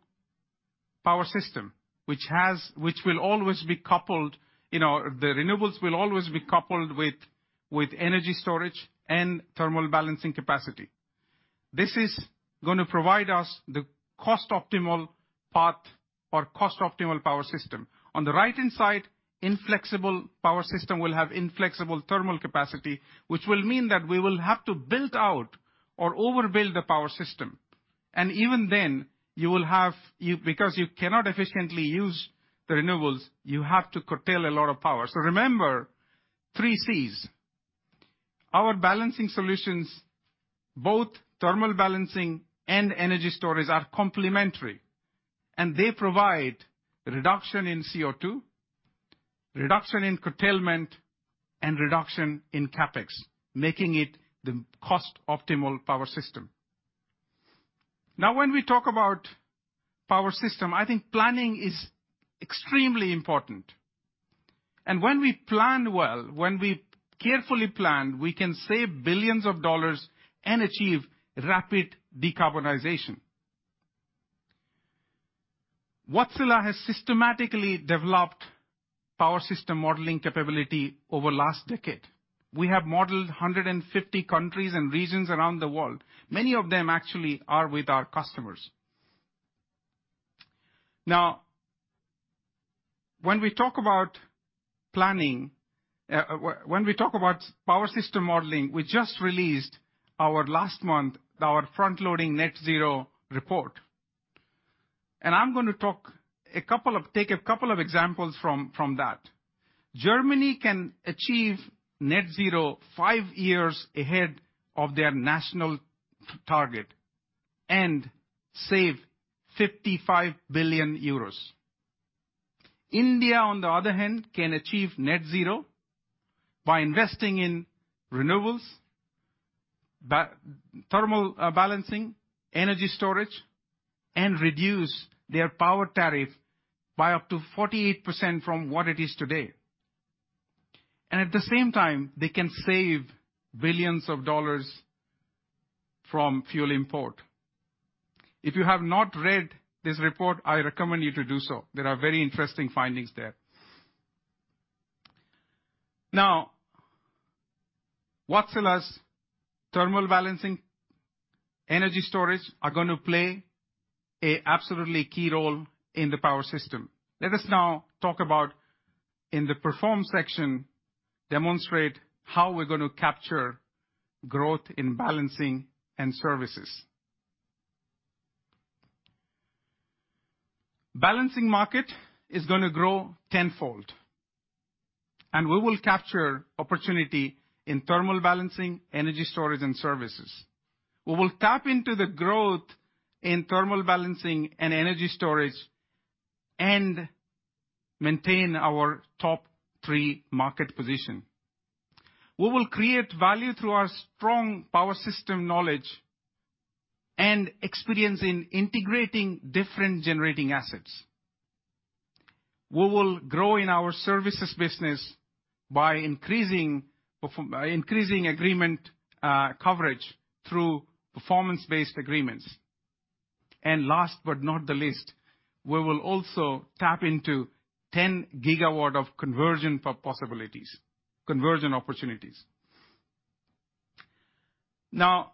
power system, which will always be coupled, you know, the renewables will always be coupled with energy storage and thermal balancing capacity. This is gonna provide us the cost optimal path or cost optimal power system. On the right-hand side, inflexible power system will have inflexible thermal capacity, which will mean that we will have to build out or overbuild the power system. Even then, because you cannot efficiently use the renewables, you have to curtail a lot of power. Remember three Cs. Our balancing solutions, both thermal balancing and energy storages, are complementary, and they provide reduction in CO₂, reduction in curtailment, and reduction in CapEx, making it the cost optimal power system. Now, when we talk about power system, I think planning is extremely important. When we plan well, when we carefully plan, we can save billions of dollars and achieve rapid decarbonization. Wärtsilä has systematically developed power system modeling capability over last decade. We have modeled 150 countries and regions around the world. Many of them actually are with our customers. Now, when we talk about planning, when we talk about power system modeling, we just released last month our Front-Loading Net Zero report. I'm gonna take a couple of examples from that. Germany can achieve net zero five years ahead of their national target and save 55 billion euros. India, on the other hand, can achieve net zero by investing in renewables, thermal balancing, energy storage, and reduce their power tariff by up to 48% from what it is today. At the same time, they can save billions of dollars from fuel import. If you have not read this report, I recommend you to do so. There are very interesting findings there. Now, Wärtsilä's thermal balancing energy storage are gonna play an absolutely key role in the power system. Let us now talk about in the perform section, demonstrate how we're gonna capture growth in balancing and services. Balancing market is gonna grow tenfold, and we will capture opportunity in thermal balancing, energy storage, and services. We will tap into the growth in thermal balancing and energy storage and maintain our top three market position. We will create value through our strong power system knowledge and experience in integrating different generating assets. We will grow in our services business by increasing agreement coverage through performance-based agreements. Last but not the least, we will also tap into 10 GW of conversion opportunities. Now,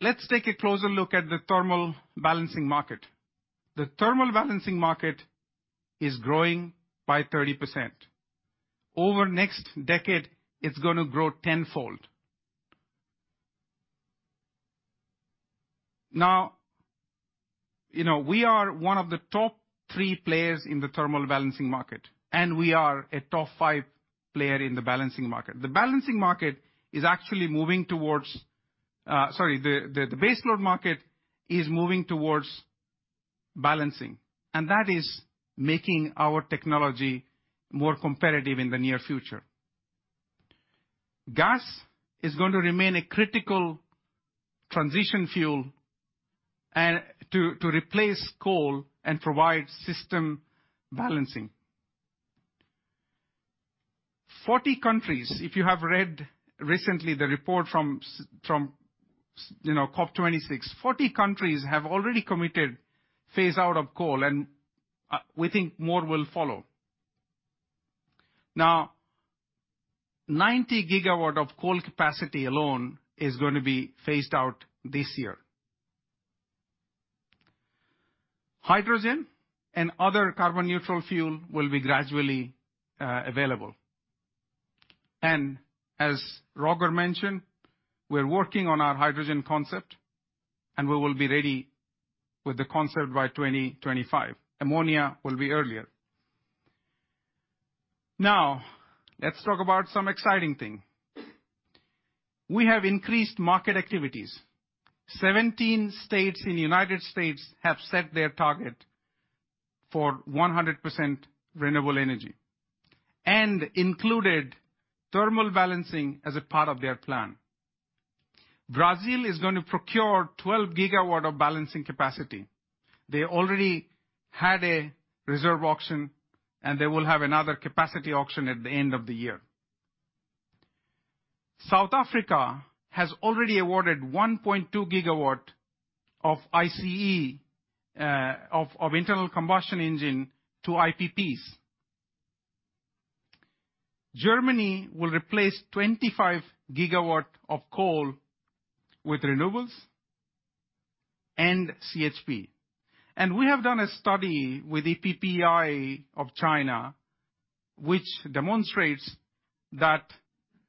let's take a closer look at the thermal balancing market. The thermal balancing market is growing by 30%. Over next decade, it's gonna grow tenfold. Now, you know, we are one of the top three players in the thermal balancing market, and we are a top five player in the balancing market. The base load market is moving towards balancing, and that is making our technology more competitive in the near future. Gas is going to remain a critical transition fuel and to replace coal and provide system balancing. 40 countries, if you have read recently the report from COP26, 40 countries have already committed phase out of coal, and we think more will follow. Now, 90 GW of coal capacity alone is gonna be phased out this year. Hydrogen and other carbon neutral fuel will be gradually available. As Roger mentioned, we're working on our hydrogen concept, and we will be ready with the concept by 2025. Ammonia will be earlier. Now, let's talk about some exciting thing. We have increased market activities. 17 states in the U.S. have set their target for 100% renewable energy and included thermal balancing as a part of their plan. Brazil is going to procure 12 GW of balancing capacity. They already had a reserve auction, and they will have another capacity auction at the end of the year. South Africa has already awarded 1.2 GW of ICE of internal combustion engine to IPPs. Germany will replace 25 GW of coal with renewables and CHP. We have done a study with EPPEI of China, which demonstrates that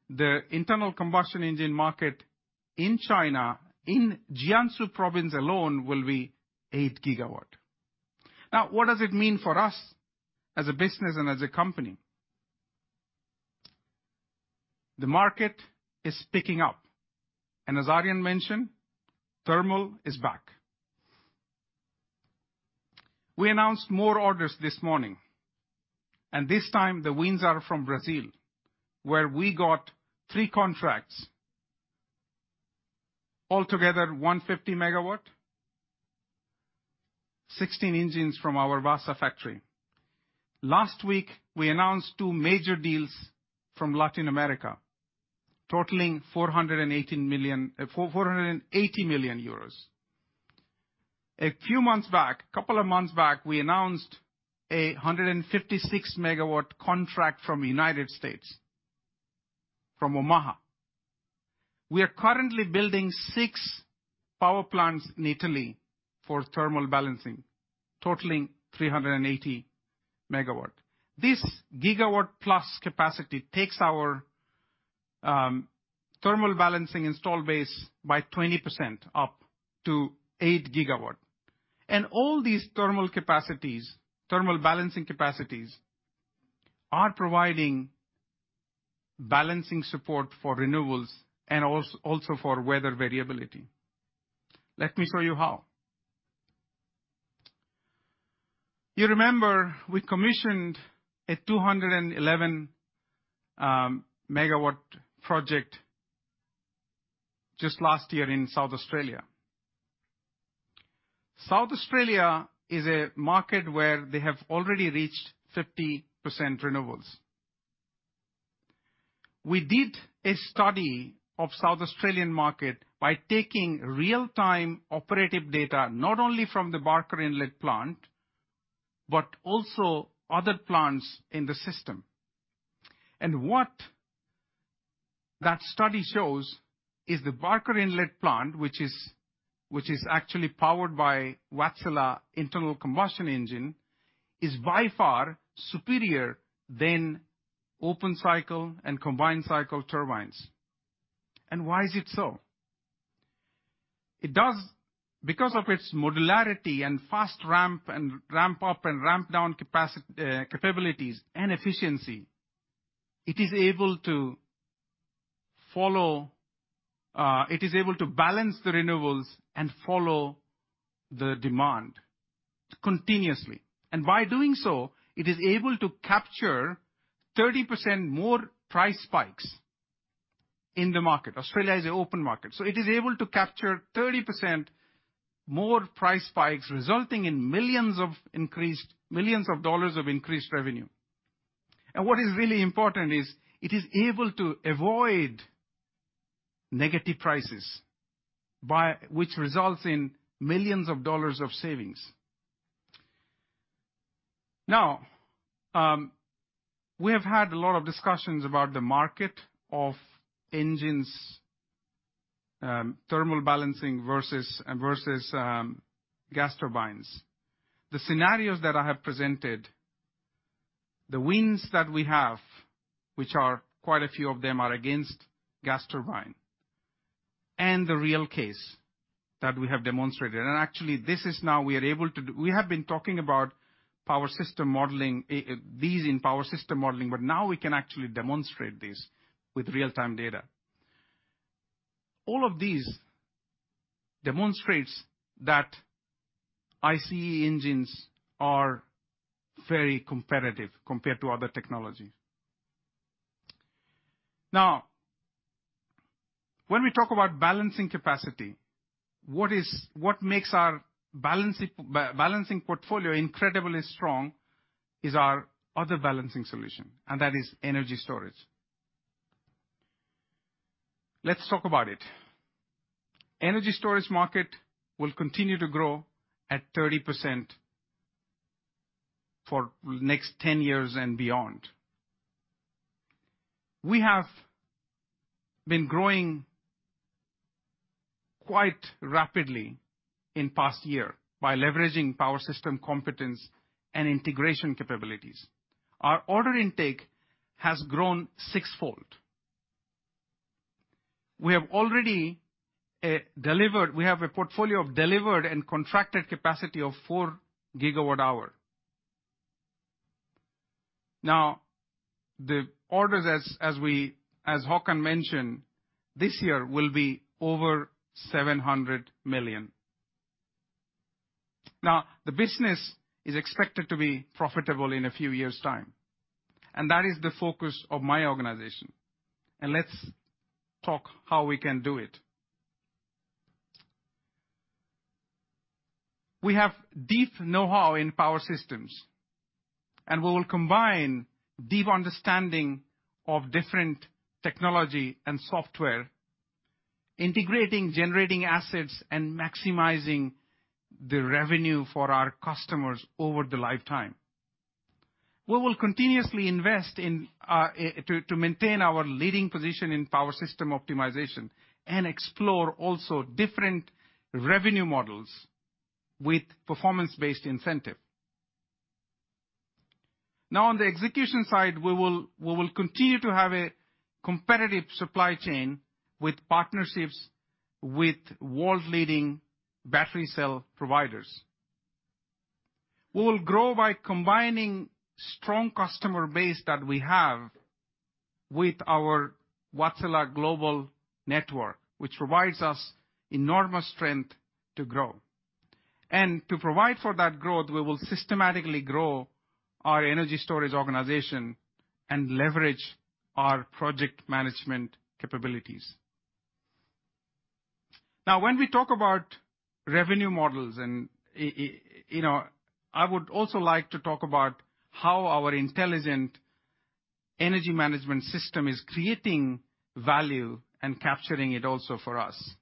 the internal combustion engine market in China, in Jiangsu Province alone, will be 8 GW. Now, what does it mean for us as a business and as a company? The market is picking up, and as Arjen mentioned, thermal is back. We announced more orders this morning, and this time the winds are from Brazil, where we got three contracts, altogether 150 MW, 16 engines from our Wärtsilä factory. Last week, we announced two major deals from Latin America totaling 480 million euros. A couple of months back, we announced a 156 MW contract from United States, from Omaha. We are currently building 6 power plants in Italy for thermal balancing, totaling 380 MW. This gigawatt plus capacity takes our thermal balancing install base by 20% up to 8 GW. All these thermal capacities, thermal balancing capacities are providing balancing support for renewables and also for weather variability. Let me show you how. You remember we commissioned a 211 MW project just last year in South Australia. South Australia is a market where they have already reached 50% renewables. We did a study of South Australian market by taking real-time operational data, not only from the Barker Inlet plant, but also other plants in the system. What that study shows is the Barker Inlet plant, which is actually powered by Wärtsilä internal combustion engine, is by far superior than open cycle and combined cycle turbines. Why is it so? It does... Because of its modularity and fast ramp and ramp up and ramp down capabilities and efficiency, it is able to follow, it is able to balance the renewables and follow the demand continuously. By doing so, it is able to capture 30% more price spikes in the market. Australia is an open market, so it is able to capture 30% more price spikes, resulting in millions of dollars of increased revenue. What is really important is it is able to avoid negative prices by which results in millions of dollars of savings. Now, we have had a lot of discussions about the market of engines, thermal balancing versus gas turbines. The scenarios that I have presented, the winds that we have, which are quite a few of them are against gas turbine, and the real case that we have demonstrated, and actually this is now we are able to do. We have been talking about power system modeling, these in power system modeling, but now we can actually demonstrate this with real-time data. All of these demonstrates that ICE engines are very competitive compared to other technology. Now, when we talk about balancing capacity, what is, what makes our balancing portfolio incredibly strong is our other balancing solution, and that is energy storage. Let's talk about it. Energy storage market will continue to grow at 30% for next 10 years and beyond. We have been growing quite rapidly in past year by leveraging power system competence and integration capabilities. Our order intake has grown sixfold. We have already delivered. We have a portfolio of delivered and contracted capacity of 4 GWh. Now, the orders, as Håkan mentioned, this year will be over 700 million. Now, the business is expected to be profitable in a few years' time, and that is the focus of my organization. Let's talk how we can do it. We have deep know-how in power systems, and we will combine deep understanding of different technology and software, integrating generating assets and maximizing the revenue for our customers over the lifetime. We will continuously invest in to maintain our leading position in power system optimization and explore also different revenue models with performance-based incentive. Now on the execution side, we will continue to have a competitive supply chain with partnerships with world-leading battery cell providers. We will grow by combining strong customer base that we have with our Wärtsilä global network, which provides us enormous strength to grow. To provide for that growth, we will systematically grow our energy storage organization and leverage our project management capabilities. Now, when we talk about revenue models and, you know, I would also like to talk about how our intelligent energy management system is creating value and capturing it also for us.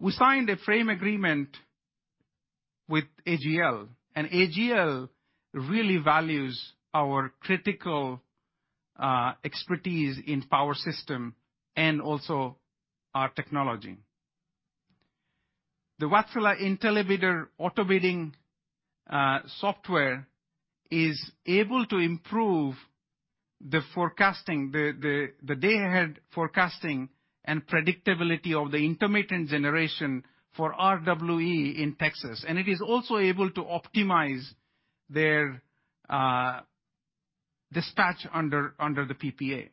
We signed a frame agreement with AGL, and AGL really values our critical expertise in power system and also our technology. The Wärtsilä IntelliBidder auto-bidding software is able to improve the day-ahead forecasting and predictability of the intermittent generation for RWE in Texas, and it is also able to optimize their dispatch under the PPA.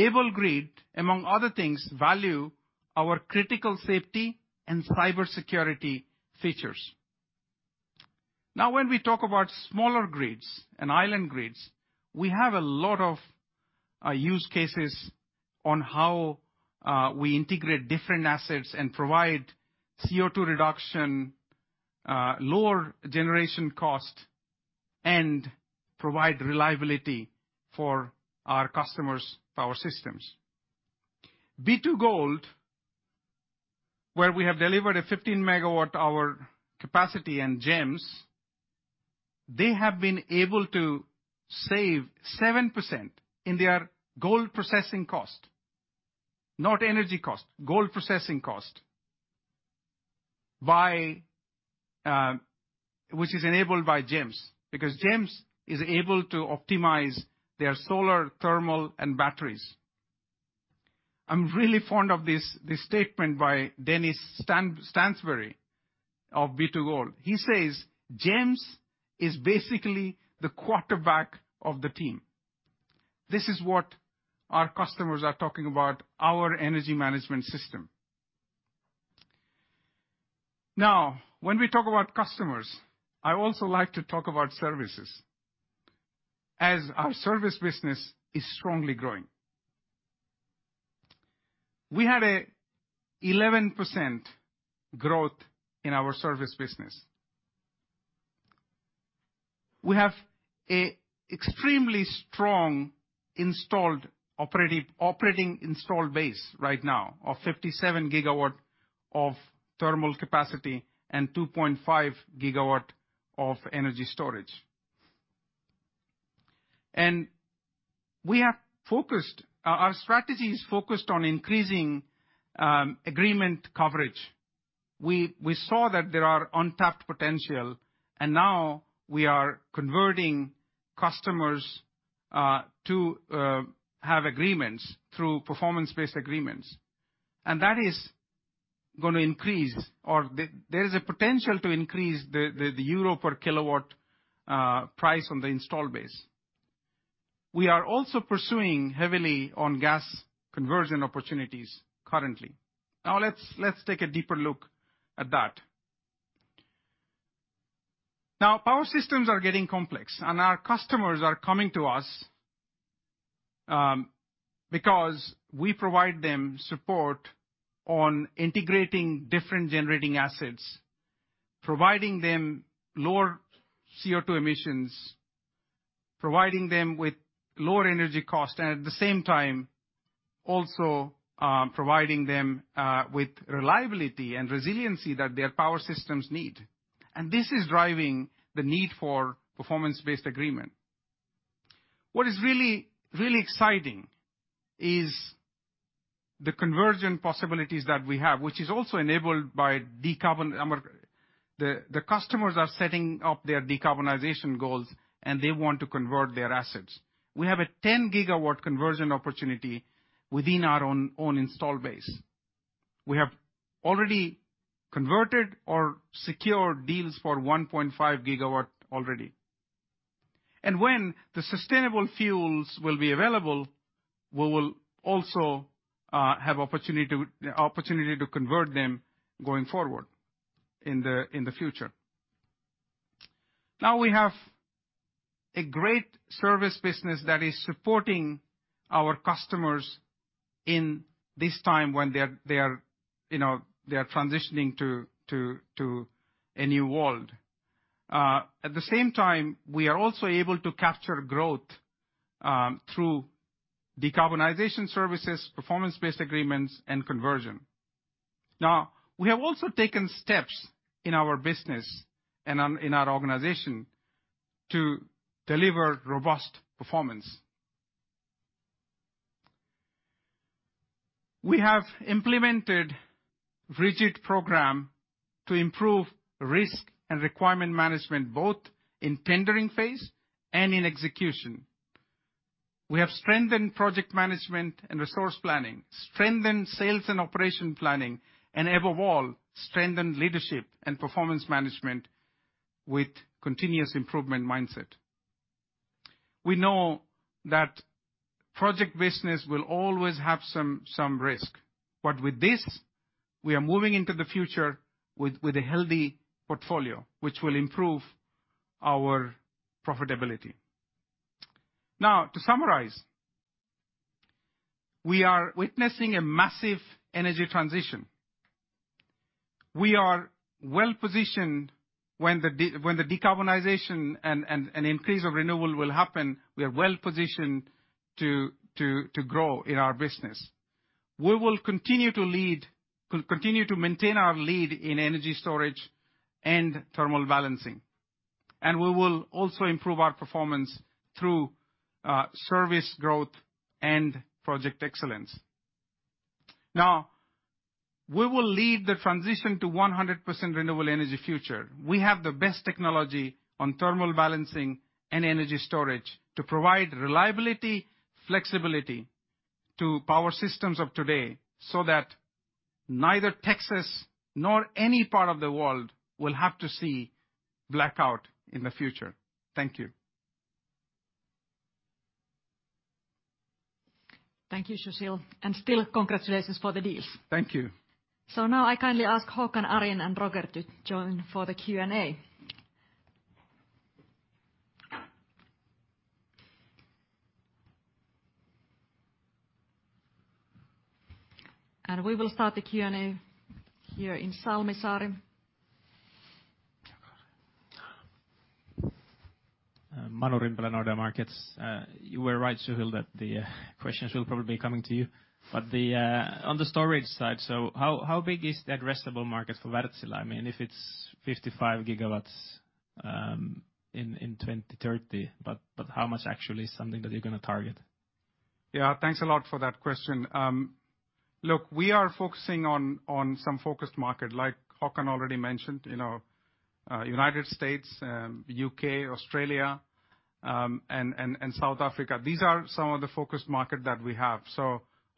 AbleGrid, among other things, value our critical safety and cybersecurity features. Now, when we talk about smaller grids and island grids, we have a lot of use cases on how we integrate different assets and provide CO₂ reduction, lower generation cost, and provide reliability for our customers' power systems. B2Gold, where we have delivered a 15 MWh capacity in GEMS, they have been able to save 7% in their gold processing cost, not energy cost, gold processing cost. Which is enabled by GEMS, because GEMS is able to optimize their solar, thermal and batteries. I'm really fond of this statement by Dennis Stansbury of B2Gold. He says, "GEMS is basically the quarterback of the team." This is what our customers are talking about our energy management system. Now, when we talk about customers, I also like to talk about services, as our service business is strongly growing. We had 11% growth in our service business. We have an extremely strong operating installed base right now of 57 GW of thermal capacity and 2.5 GW of energy storage. We are focused. Our strategy is focused on increasing agreement coverage. We saw that there are untapped potential, and now we are converting customers to have agreements through performance-based agreements. That is gonna increase or there is a potential to increase the EUR per kW price on the installed base. We are also pursuing heavily on gas conversion opportunities currently. Now let's take a deeper look at that. Now, power systems are getting complex, and our customers are coming to us because we provide them support on integrating different generating assets, providing them lower CO₂ emissions, providing them with lower energy cost, and at the same time also providing them with reliability and resiliency that their power systems need. This is driving the need for performance-based agreement. What is really exciting is the conversion possibilities that we have, which is also enabled by decarbonization. The customers are setting up their decarbonization goals, and they want to convert their assets. We have a 10 GW conversion opportunity within our own install base. We have already converted or secured deals for 1.5 GW already. When the sustainable fuels will be available, we will also have opportunity to convert them going forward in the future. Now we have a great service business that is supporting our customers in this time when they are, you know, transitioning to a new world. At the same time, we are also able to capture growth through decarbonization services, performance-based agreements, and conversion. Now, we have also taken steps in our business and in our organization to deliver robust performance. We have implemented rigorous program to improve risk and requirement management, both in tendering phase and in execution. We have strengthened project management and resource planning, strengthened sales and operation planning, and above all, strengthened leadership and performance management with continuous improvement mindset. We know that project business will always have some risk, but with this, we are moving into the future with a healthy portfolio, which will improve our profitability. Now to summarize, we are witnessing a massive energy transition. We are well-positioned when the decarbonization and an increase of renewable will happen, we are well-positioned to grow in our business. We will continue to maintain our lead in energy storage and thermal balancing, and we will also improve our performance through service growth and project excellence. Now, we will lead the transition to 100% renewable energy future. We have the best technology on thermal balancing and energy storage to provide reliability, flexibility to power systems of today so that neither Texas nor any part of the world will have to see blackout in the future. Thank you. Thank you, Sushil, and still congratulations for the deals. Thank you. Now I kindly ask Håkan, Arjen, and Roger to join for the Q&A. We will start the Q&A here in Salmisaari. Manuel Losa, Bank of America. You were right, Sushil, that the questions will probably come to you. On the storage side, how big is the addressable market for Wärtsilä? I mean, if it's 55 GW in 2030, but how much actually is something that you're gonna target? Yeah, thanks a lot for that question. Look, we are focusing on some focused market like Håkan already mentioned, you know, United States, U.K., Australia, and South Africa. These are some of the focused market that we have.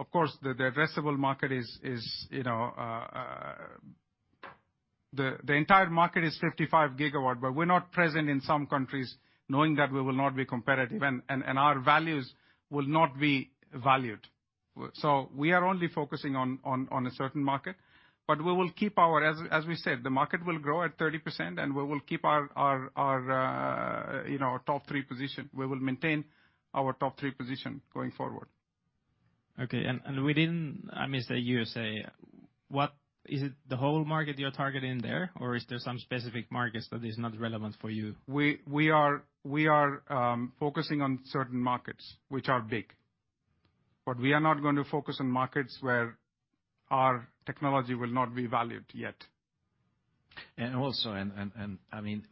Of course, the addressable market is. The entire market is 55 GW, but we're not present in some countries knowing that we will not be competitive, and our values will not be valued. We are only focusing on a certain market, but we will keep our. As we said, the market will grow at 30%, and we will keep our top three position. We will maintain our top three position going forward. Okay. Within, I mean, say USA, what is it the whole market you're targeting there, or is there some specific markets that is not relevant for you? We are focusing on certain markets which are big. We are not going to focus on markets where our technology will not be valued yet. I mean,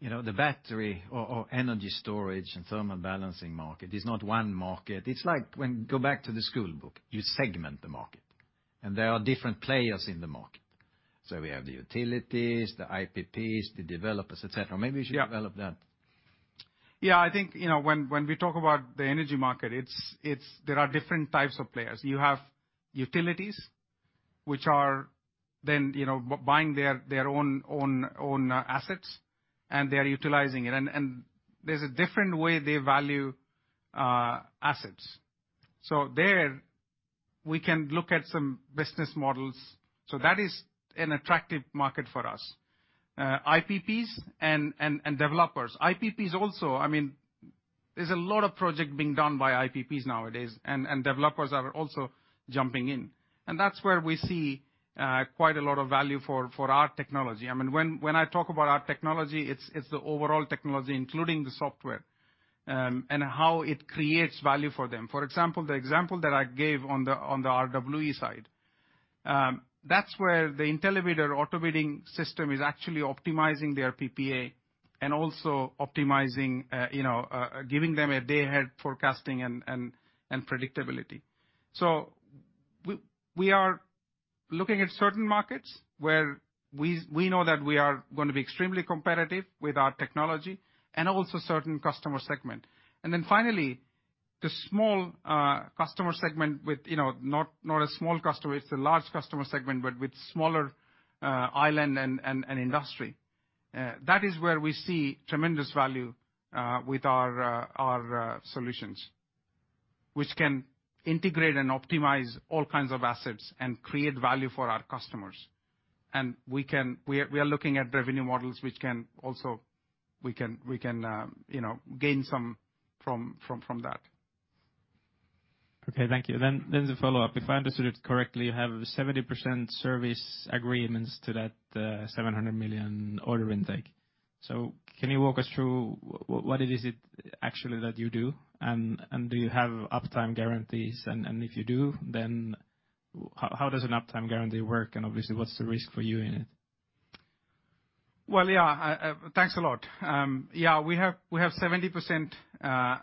you know, the battery or energy storage and thermal balancing market is not one market. It's like when you go back to the school book, you segment the market, and there are different players in the market. We have the utilities, the IPPs, the developers, et cetera. Maybe you should- Yeah. Develop that. I think, you know, when we talk about the energy market, it's. There are different types of players. You have utilities, which are then, you know, buying their own assets, and they're utilizing it. There's a different way they value assets. We can look at some business models. That is an attractive market for us. IPPs and developers. IPPs also, I mean, there's a lot of projects being done by IPPs nowadays and developers are also jumping in. That's where we see quite a lot of value for our technology. I mean, when I talk about our technology, it's the overall technology, including the software, and how it creates value for them. For example, the example that I gave on the RWE side, that's where the IntelliBidder auto bidding system is actually optimizing their PPA and also optimizing, giving them a day-ahead forecasting and predictability. We are looking at certain markets where we know that we are gonna be extremely competitive with our technology and also certain customer segment. Then finally, the small customer segment with not a small customer, it's a large customer segment, but with smaller island and industry. That is where we see tremendous value with our solutions, which can integrate and optimize all kinds of assets and create value for our customers. We are looking at revenue models which can also. We can, you know, gain some from that. Okay, thank you. The follow-up. If I understood it correctly, you have 70% service agreements to that 700 million order intake. Can you walk us through what it is actually that you do? Do you have uptime guarantees? If you do, how does an uptime guarantee work? Obviously, what's the risk for you in it? Thanks a lot. We have 70%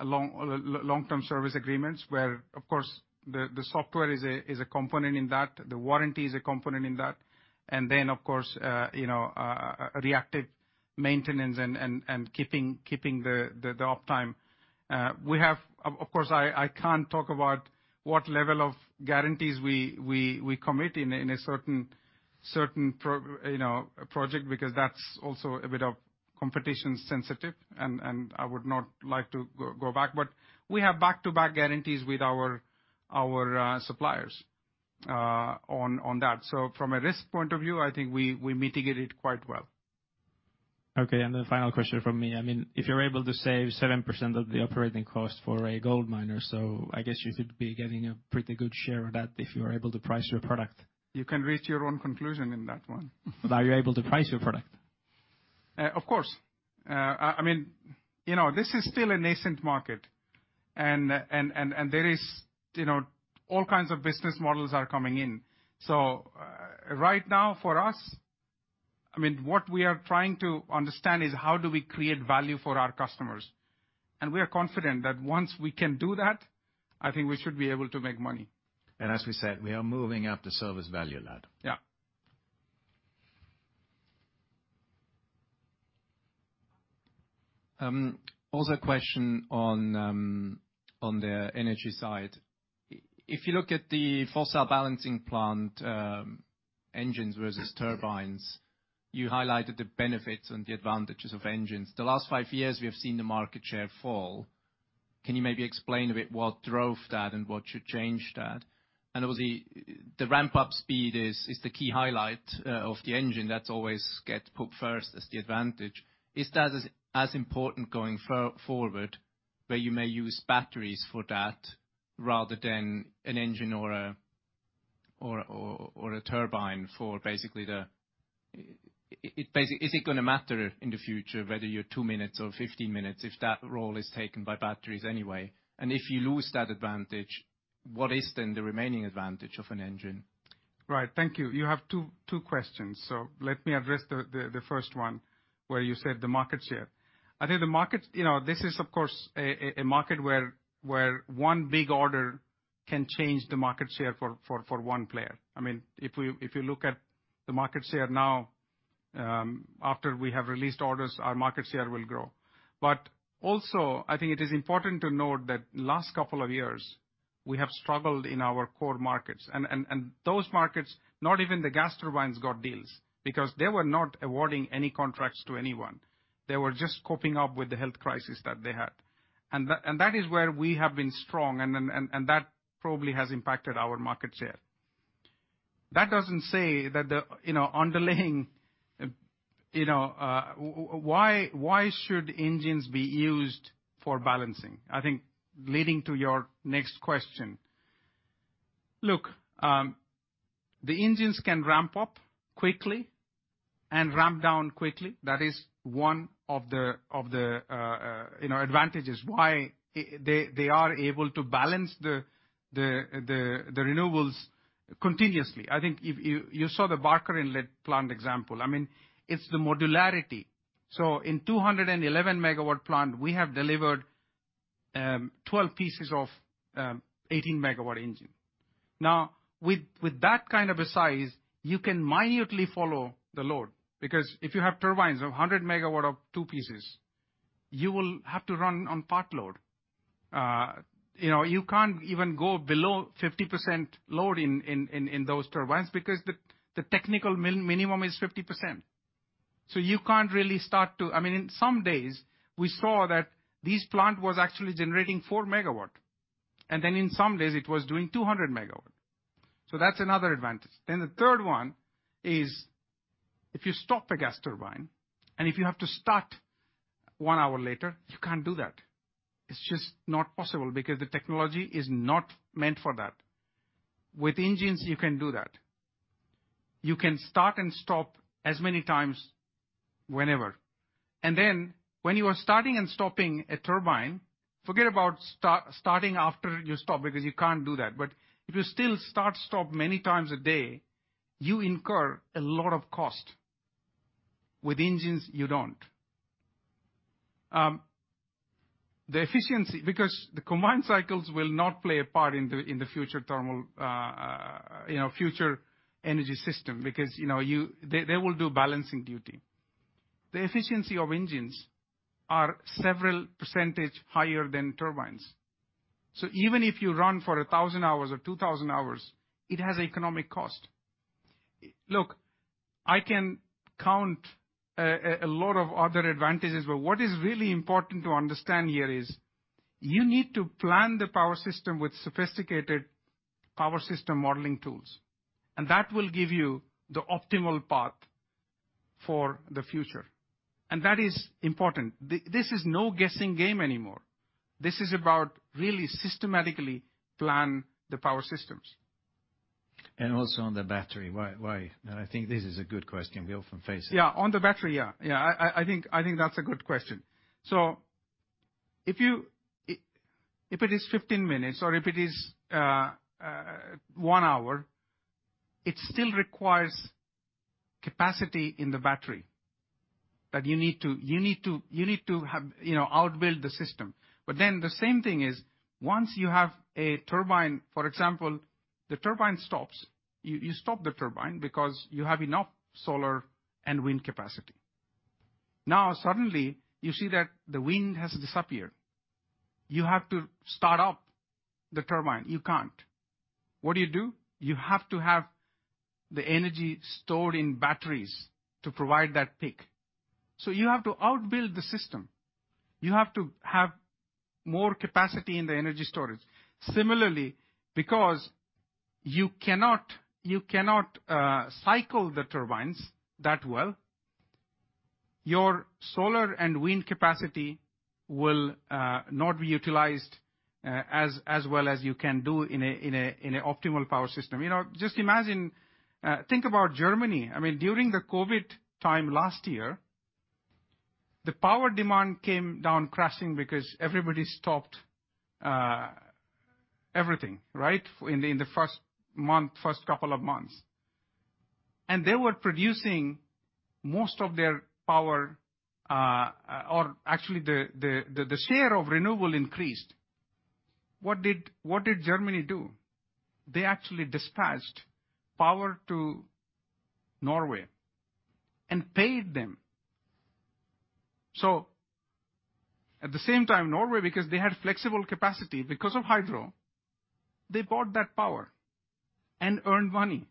long-term service agreements where, of course, the software is a component in that, the warranty is a component in that. Then, of course, you know, reactive maintenance and keeping the uptime. We have. Of course, I can't talk about what level of guarantees we commit in a certain project, because that's also a bit competition sensitive, and I would not like to go back. We have back-to-back guarantees with our suppliers on that. From a risk point of view, I think we mitigate it quite well. Okay, the final question from me, I mean, if you're able to save 7% of the operating cost for a gold miner. I guess you should be getting a pretty good share of that if you are able to price your product. You can reach your own conclusion in that one. Are you able to price your product? Of course. I mean, you know, this is still a nascent market and there is, you know, all kinds of business models are coming in. Right now, for us, I mean, what we are trying to understand is how do we create value for our customers? We are confident that once we can do that, I think we should be able to make money. As we said, we are moving up the service value ladder. Yeah. Also a question on the energy side. If you look at the fossil balancing plant, engines versus turbines, you highlighted the benefits and the advantages of engines. The last five years, we have seen the market share fall. Can you maybe explain a bit what drove that and what should change that? Obviously, the ramp-up speed is the key highlight of the engine that's always get put first as the advantage. Is that as important going forward, where you may use batteries for that rather than an engine or a turbine? Is it gonna matter in the future, whether you're two minutes or 15 minutes, if that role is taken by batteries anyway? If you lose that advantage, what is then the remaining advantage of an engine? Right. Thank you. You have two questions, so let me address the first one where you said the market share. I think the market, you know, this is, of course, a market where one big order can change the market share for one player. I mean, if you look at the market share now, after we have received orders, our market share will grow. I think it is important to note that last couple of years, we have struggled in our core markets. Those markets, not even the gas turbines got deals because they were not awarding any contracts to anyone. They were just coping with the health crisis that they had. That is where we have been strong, and that probably has impacted our market share. That doesn't say that the, you know, underlying, you know, why should engines be used for balancing? I think leading to your next question. Look, the engines can ramp up quickly and ramp down quickly. That is one of the advantages why they are able to balance the renewables continuously. I think if you saw the Barker Inlet plant example. I mean, it's the modularity. So in 211 MW plant, we have delivered 12 pieces of 18 MW engine. Now, with that kind of a size, you can minutely follow the load, because if you have turbines of a 100 MW of two pieces, you will have to run on part load. You know, you can't even go below 50% load in those turbines because the technical minimum is 50%. You can't really start to. I mean, in some days, we saw that this plant was actually generating 4 MW, and then in some days it was doing 200 MW. That's another advantage. The third one is if you stop a gas turbine, and if you have to start one hour later, you can't do that. It's just not possible because the technology is not meant for that. With engines, you can do that. You can start and stop as many times whenever. When you are starting and stopping a turbine, forget about starting after you stop because you can't do that. But if you still start, stop many times a day, you incur a lot of cost. With engines, you don't. The efficiency, because the combined cycles will not play a part in the future thermal future energy system because they will do balancing duty. The efficiency of engines are several percentage higher than turbines. So even if you run for 1,000 hours or 2,000 hours, it has economic cost. Look, I can count a lot of other advantages, but what is really important to understand here is you need to plan the power system with sophisticated power system modeling tools, and that will give you the optimal path for the future. That is important. This is no guessing game anymore. This is about really systematically plan the power systems. Also on the battery, why? I think this is a good question we often face it. On the battery. I think that's a good question. If it is 15 minutes or if it is one hour, it still requires capacity in the battery that you need to have, you know, overbuild the system. Then the same thing is once you have a turbine, for example, the turbine stops. You stop the turbine because you have enough solar and wind capacity. Now, suddenly you see that the wind has disappeared. You have to start up the turbine. You can't. What do you do? You have to have the energy stored in batteries to provide that peak. You have to overbuild the system. You have to have more capacity in the energy storage. Similarly, because you cannot cycle the turbines that well, your solar and wind capacity will not be utilized as well as you can do in an optimal power system. You know, just imagine, think about Germany. I mean, during the COVID time last year, the power demand came down crashing because everybody stopped everything, right? In the first month, first couple of months. They were producing most of their power, or actually the share of renewable increased. What did Germany do? They actually dispatched power to Norway and paid them. At the same time, Norway, because they had flexible capacity because of hydro, they bought that power and earned money.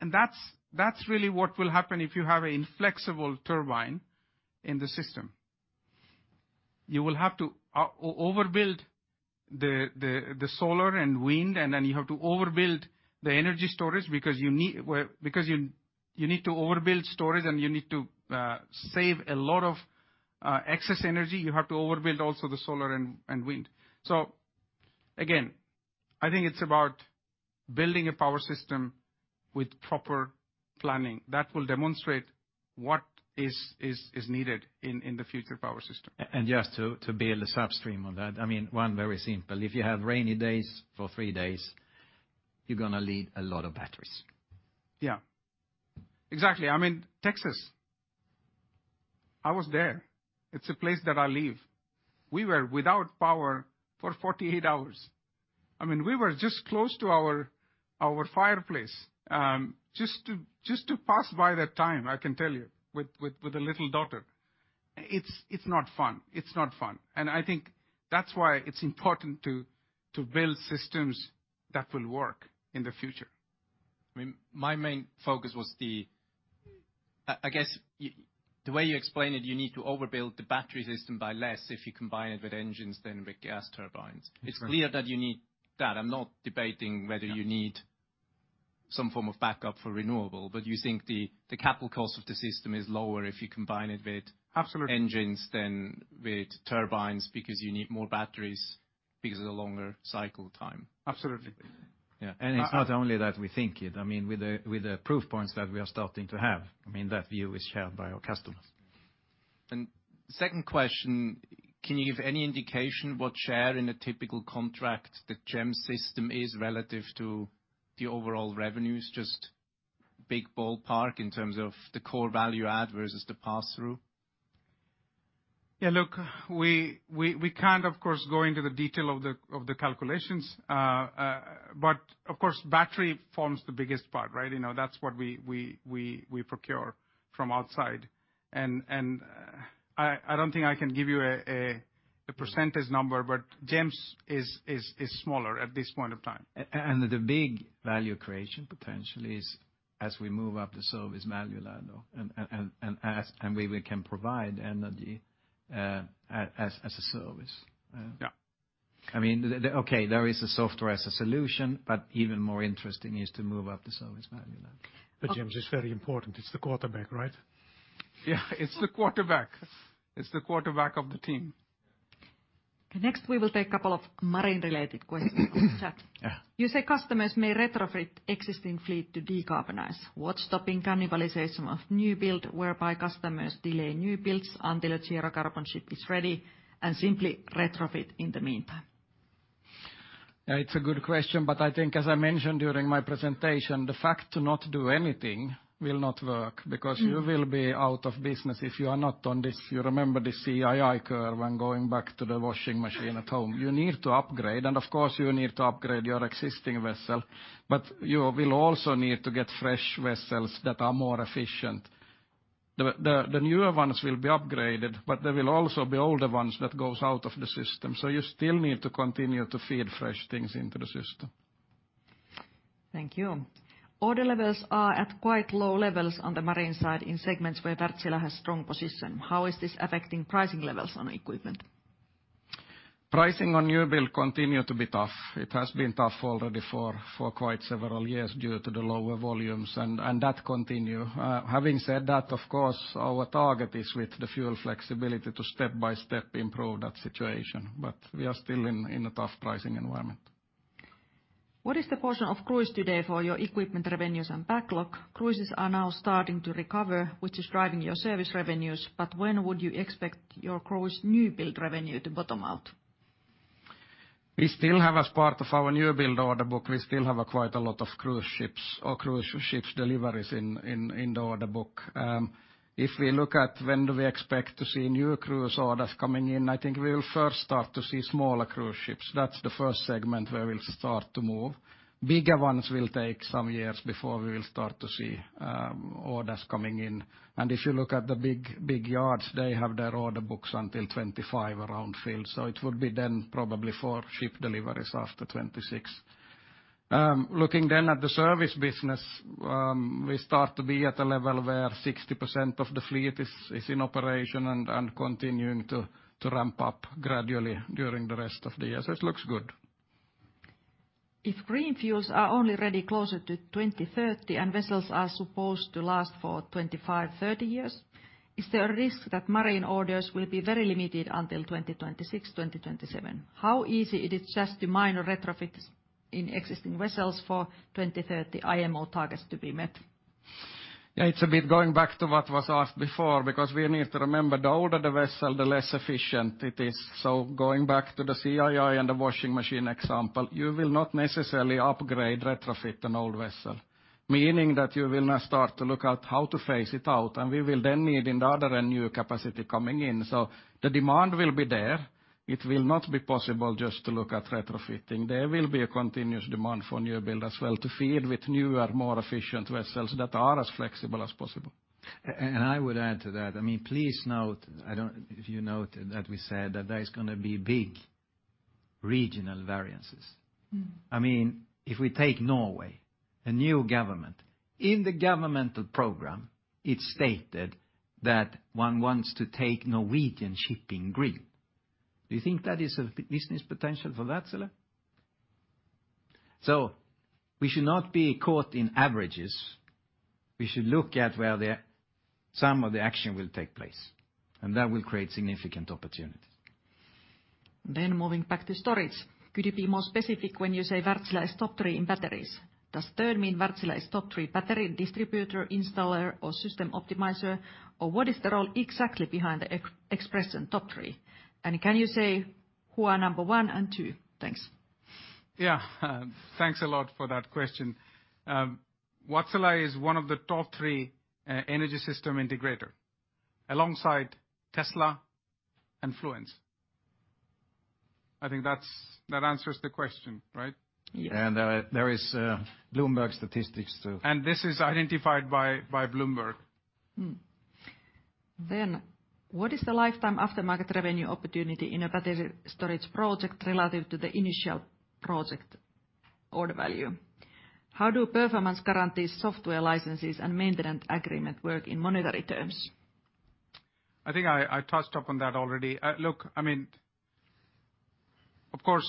That's really what will happen if you have an inflexible turbine in the system. You will have to overbuild the solar and wind, and then you have to overbuild the energy storage because you need to overbuild storage, and you need to save a lot of excess energy. You have to overbuild also the solar and wind. Again, I think it's about building a power system with proper planning that will demonstrate what is needed in the future power system. Just to build a substream on that. I mean, one very simple, if you have rainy days for three days, you're gonna need a lot of batteries. Yeah. Exactly. I mean, Texas, I was there. It's a place that I live. We were without power for 48 hours. I mean, we were just close to our fireplace just to pass by that time, I can tell you with a little daughter. It's not fun. I think that's why it's important to build systems that will work in the future. I mean, my main focus was, I guess, the way you explain it. You need to overbuild the battery system by less if you combine it with engines than with gas turbines. Mm-hmm. It's clear that you need that. I'm not debating whether. Yeah. You need some form of backup for renewable, but you think the capital cost of the system is lower if you combine it with- Absolutely. engines than with turbines because you need more batteries because of the longer cycle time. Absolutely. Yeah. It's not only that we think it. I mean, with the proof points that we are starting to have, I mean, that view is shared by our customers. Second question, can you give any indication what share in a typical contract the GEMS system is relative to the overall revenues? Just big ballpark in terms of the core value add versus the pass-through. Yeah, look, we can't, of course, go into the detail of the calculations. But of course, battery forms the biggest part, right? You know, that's what we procure from outside. I don't think I can give you a percentage number, but GEMS is smaller at this point of time. The big value creation potentially is as we move up the service value ladder and we can provide energy as a service. Yeah. I mean, there is a software as a solution, but even more interesting is to move up the service value ladder. GEMS is very important. It's the quarterback, right? Yeah. It's the quarterback of the team. Next, we will take a couple of marine-related questions. Chad. Yeah. You say customers may retrofit existing fleet to decarbonize. What's stopping cannibalization of new build whereby customers delay new builds until a zero carbon ship is ready and simply retrofit in the meantime? It's a good question, but I think as I mentioned during my presentation, the fact to not do anything will not work because you will be out of business if you are not on this. You remember the CII curve and going back to the washing machine at home. You need to upgrade, and of course, you need to upgrade your existing vessel, but you will also need to get fresh vessels that are more efficient. The newer ones will be upgraded, but there will also be older ones that goes out of the system. You still need to continue to feed fresh things into the system. Thank you. Order levels are at quite low levels on the marine side in segments where Wärtsilä has strong position. How is this affecting pricing levels on equipment? Pricing on new build continue to be tough. It has been tough already for quite several years due to the lower volumes, and that continue. Having said that, of course, our target is with the fuel flexibility to step by step improve that situation, but we are still in a tough pricing environment. What is the portion of cruise today for your equipment revenues and backlog? Cruises are now starting to recover, which is driving your service revenues, but when would you expect your cruise new build revenue to bottom out? We still have, as part of our new build order book, quite a lot of cruise ships deliveries in the order book. If we look at when we expect to see new cruise orders coming in, I think we'll first start to see smaller cruise ships. That's the first segment where we'll start to move. Bigger ones will take some years before we will start to see orders coming in. If you look at the big yards, they have their order books until 2025 around filled. It would be then probably for ship deliveries after 2026. Looking then at the service business, we start to be at a level where 60% of the fleet is in operation and continuing to ramp up gradually during the rest of the year. It looks good. If green fuels are only ready closer to 2030, and vessels are supposed to last for 25, 30 years, is there a risk that marine orders will be very limited until 2026, 2027? How easy it is just to modify or retrofit in existing vessels for 2030 IMO targets to be met? Yeah, it's a bit going back to what was asked before because we need to remember the older the vessel, the less efficient it is. Going back to the CII and the washing machine example, you will not necessarily upgrade, retrofit an old vessel. Meaning that you will now start to look at how to phase it out, and we will then need, on the other hand, a new capacity coming in. The demand will be there, it will not be possible just to look at retrofitting. There will be a continuous demand for new build as well to feed with newer, more efficient vessels that are as flexible as possible. I would add to that. I mean, please note, I don't know if you noted that we said that there is gonna be big regional variances. Mm. I mean, if we take Norway, a new government. In the governmental program, it stated that one wants to take Norwegian shipping green. Do you think that is a business potential for Wärtsilä? We should not be caught in averages. We should look at where some of the action will take place, and that will create significant opportunities. Moving back to storage. Could you be more specific when you say Wärtsilä is top three in batteries? Does third mean Wärtsilä is top three battery distributor, installer, or system optimizer? Or what is the role exactly behind the expression in top three? And can you say who are number one and two? Thanks. Thanks a lot for that question. Wärtsilä is one of the top three energy system integrator, alongside Tesla and Fluence. I think that answers the question, right? Yeah. There is Bloomberg statistics too. This is identified by Bloomberg. What is the lifetime aftermarket revenue opportunity in a battery storage project relative to the initial project order value? How do performance guarantees, software licenses, and maintenance agreement work in monetary terms? I think I touched upon that already. Look, I mean, of course,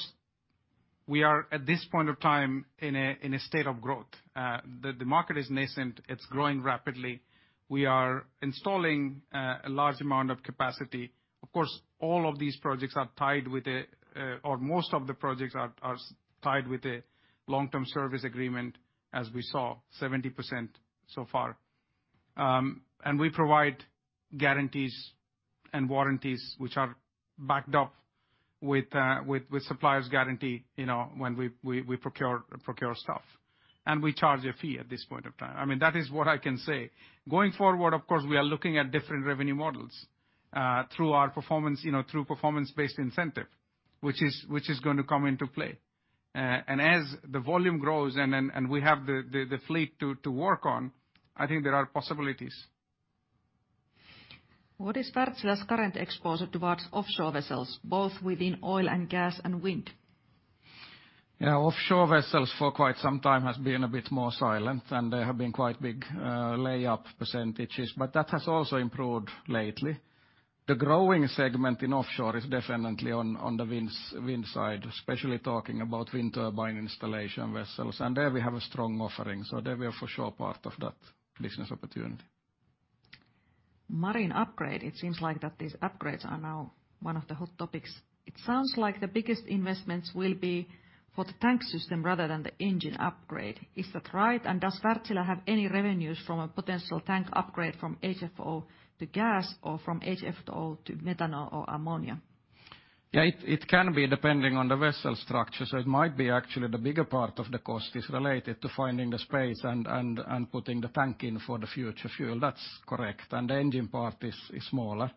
we are at this point of time in a state of growth. The market is nascent, it's growing rapidly. We are installing a large amount of capacity. Of course, all of these projects are tied with a, or most of the projects are tied with a long-term service agreement, as we saw 70% so far. We provide guarantees and warranties which are backed up with suppliers' guarantee, you know, when we procure stuff. We charge a fee at this point of time. I mean, that is what I can say. Going forward, of course, we are looking at different revenue models through our performance, you know, through performance-based incentive, which is gonna come into play. As the volume grows and then we have the fleet to work on, I think there are possibilities. What is Wärtsilä's current exposure towards offshore vessels, both within oil and gas and wind? Yeah. Offshore vessels for quite some time has been a bit more silent, and there have been quite big layup percentages. That has also improved lately. The growing segment in offshore is definitely on the wind side, especially talking about wind turbine installation vessels. There we have a strong offering, so there we are for sure part of that business opportunity. Marine upgrade, it seems like that these upgrades are now one of the hot topics. It sounds like the biggest investments will be for the tank system rather than the engine upgrade. Is that right? And does Wärtsilä have any revenues from a potential tank upgrade from HFO to gas or from HFO to methanol or ammonia? Yeah. It can be depending on the vessel structure. It might be actually the bigger part of the cost is related to finding the space and putting the tank in for the future fuel. That's correct. The engine part is smaller.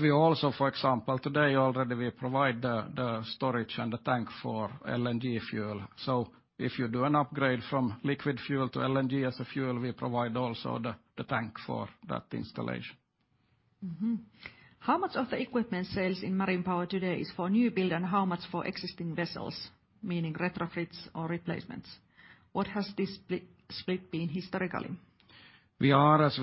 We also, for example, today already we provide the storage and the tank for LNG fuel. If you do an upgrade from liquid fuel to LNG as a fuel, we provide also the tank for that installation. How much of the equipment sales in Marine Power today is for new build and how much for existing vessels, meaning retrofits or replacements? What has this split been historically? It's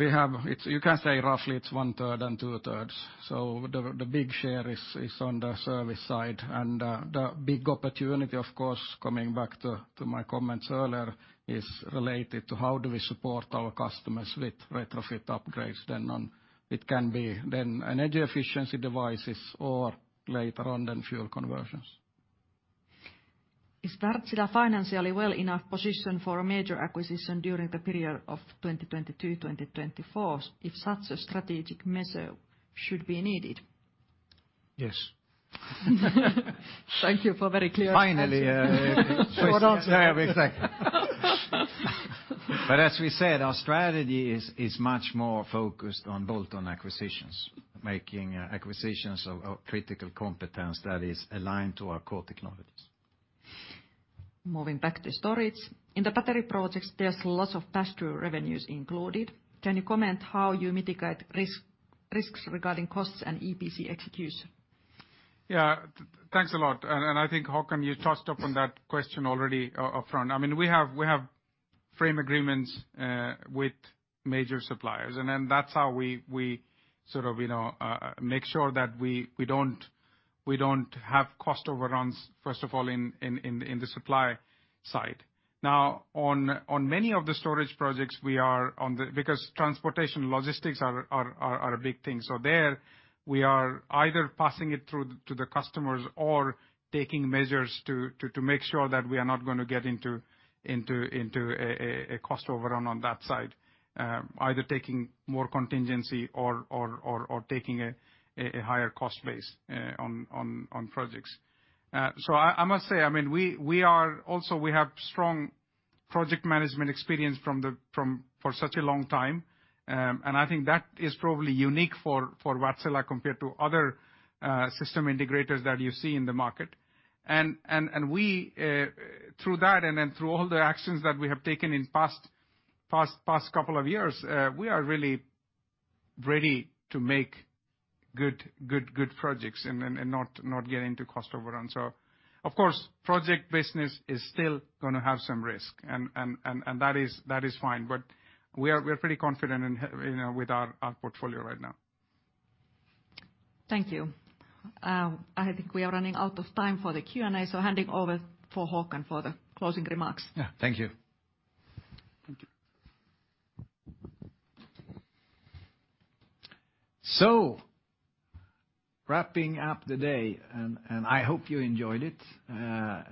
roughly one third and two thirds, you can say. The big share is on the service side. The big opportunity, of course, coming back to my comments earlier, is related to how we support our customers with retrofit upgrades. It can be energy efficiency devices or later on fuel conversions. Is Wärtsilä financially well in a position for a major acquisition during the period of 2022-2024 if such a strategic measure should be needed? Yes. Thank you for very clear answer. Finally. Short answer. Yeah, exactly. As we said, our strategy is much more focused on bolt-on acquisitions, making acquisitions of critical competence that is aligned to our core technologies. Moving back to storage. In the battery projects, there's lots of pass-through revenues included. Can you comment how you mitigate risks regarding costs and EPC execution? Yeah. Thanks a lot. I think, Håkan, you touched upon that question already, upfront. I mean, we have frame agreements with major suppliers, and then that's how we sort of, you know, make sure that we don't have cost overruns, first of all, in the supply side. Now, on many of the storage projects we are on the... Because transportation and logistics are a big thing. So there we are either passing it through to the customers or taking measures to make sure that we are not gonna get into a cost overrun on that side, either taking more contingency or taking a higher cost base on projects. I must say, I mean, we also have strong project management experience for such a long time. I think that is probably unique for Wärtsilä compared to other system integrators that you see in the market. Through that and then through all the actions that we have taken in past couple of years, we are really ready to make good projects and not get into cost overrun. Of course, project business is still gonna have some risk and that is fine, but we are pretty confident in, you know, with our portfolio right now. Thank you. I think we are running out of time for the Q&A, so handing over to Håkan for the closing remarks. Yeah. Thank you. Thank you. Wrapping up the day, I hope you enjoyed it. I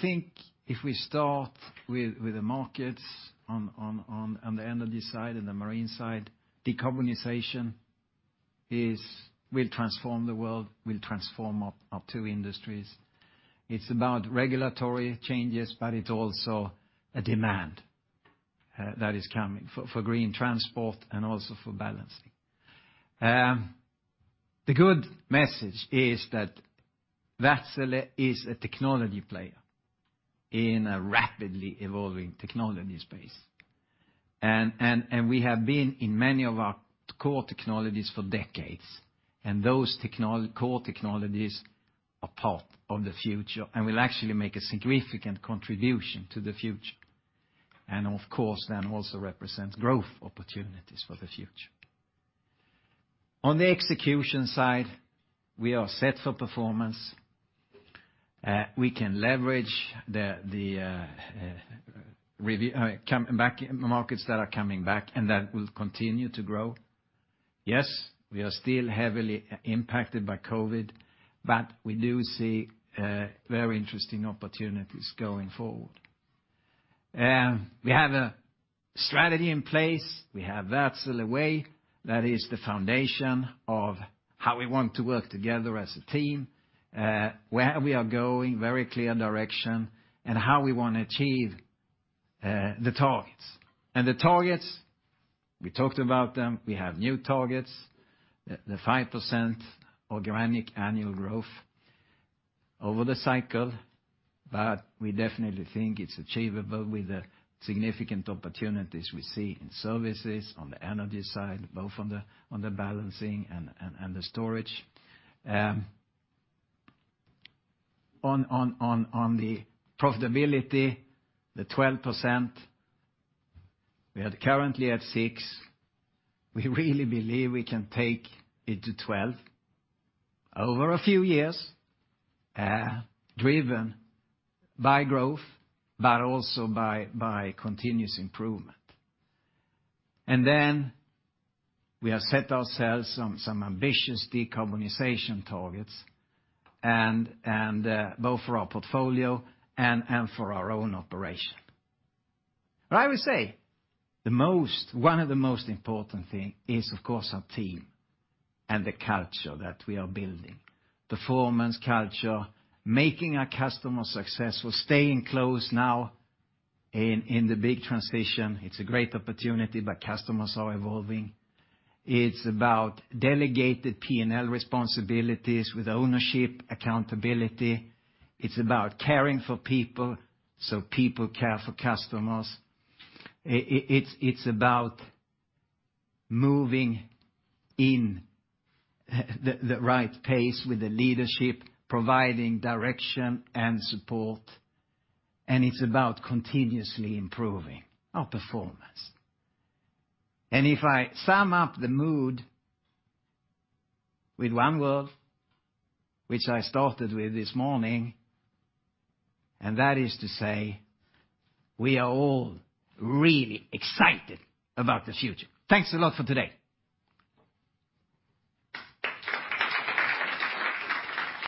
think if we start with the markets on the energy side and the marine side, decarbonization will transform the world, will transform our two industries. It's about regulatory changes, but it's also a demand that is coming for green transport and also for balancing. The good message is that Wärtsilä is a technology player in a rapidly evolving technology space. We have been in many of our core technologies for decades, and those core technologies are part of the future and will actually make a significant contribution to the future and, of course, then also represents growth opportunities for the future. On the execution side, we are set for performance. We can leverage the markets that are coming back and that will continue to grow. Yes, we are still heavily impacted by COVID, but we do see very interesting opportunities going forward. We have a strategy in place. We have Wärtsilä Way. That is the foundation of how we want to work together as a team, where we are going, very clear direction, and how we wanna achieve the targets. The targets, we talked about them. We have new targets. The 5% organic annual growth over the cycle, but we definitely think it's achievable with the significant opportunities we see in services, on the energy side, both on the balancing and the storage. On the profitability, the 12%, we are currently at 6%. We really believe we can take it to 12 over a few years, driven by growth, but also by continuous improvement. Then we have set ourselves some ambitious decarbonization targets and both for our portfolio and for our own operation. I will say one of the most important thing is of course our team and the culture that we are building. Performance culture, making our customers successful, staying close now in the big transition. It's a great opportunity, but customers are evolving. It's about delegated P&L responsibilities with ownership, accountability. It's about caring for people, so people care for customers. It's about moving in the right pace with the leadership, providing direction and support, and it's about continuously improving our performance. If I sum up the mood with one word, which I started with this morning, and that is to say we are all really excited about the future. Thanks a lot for today.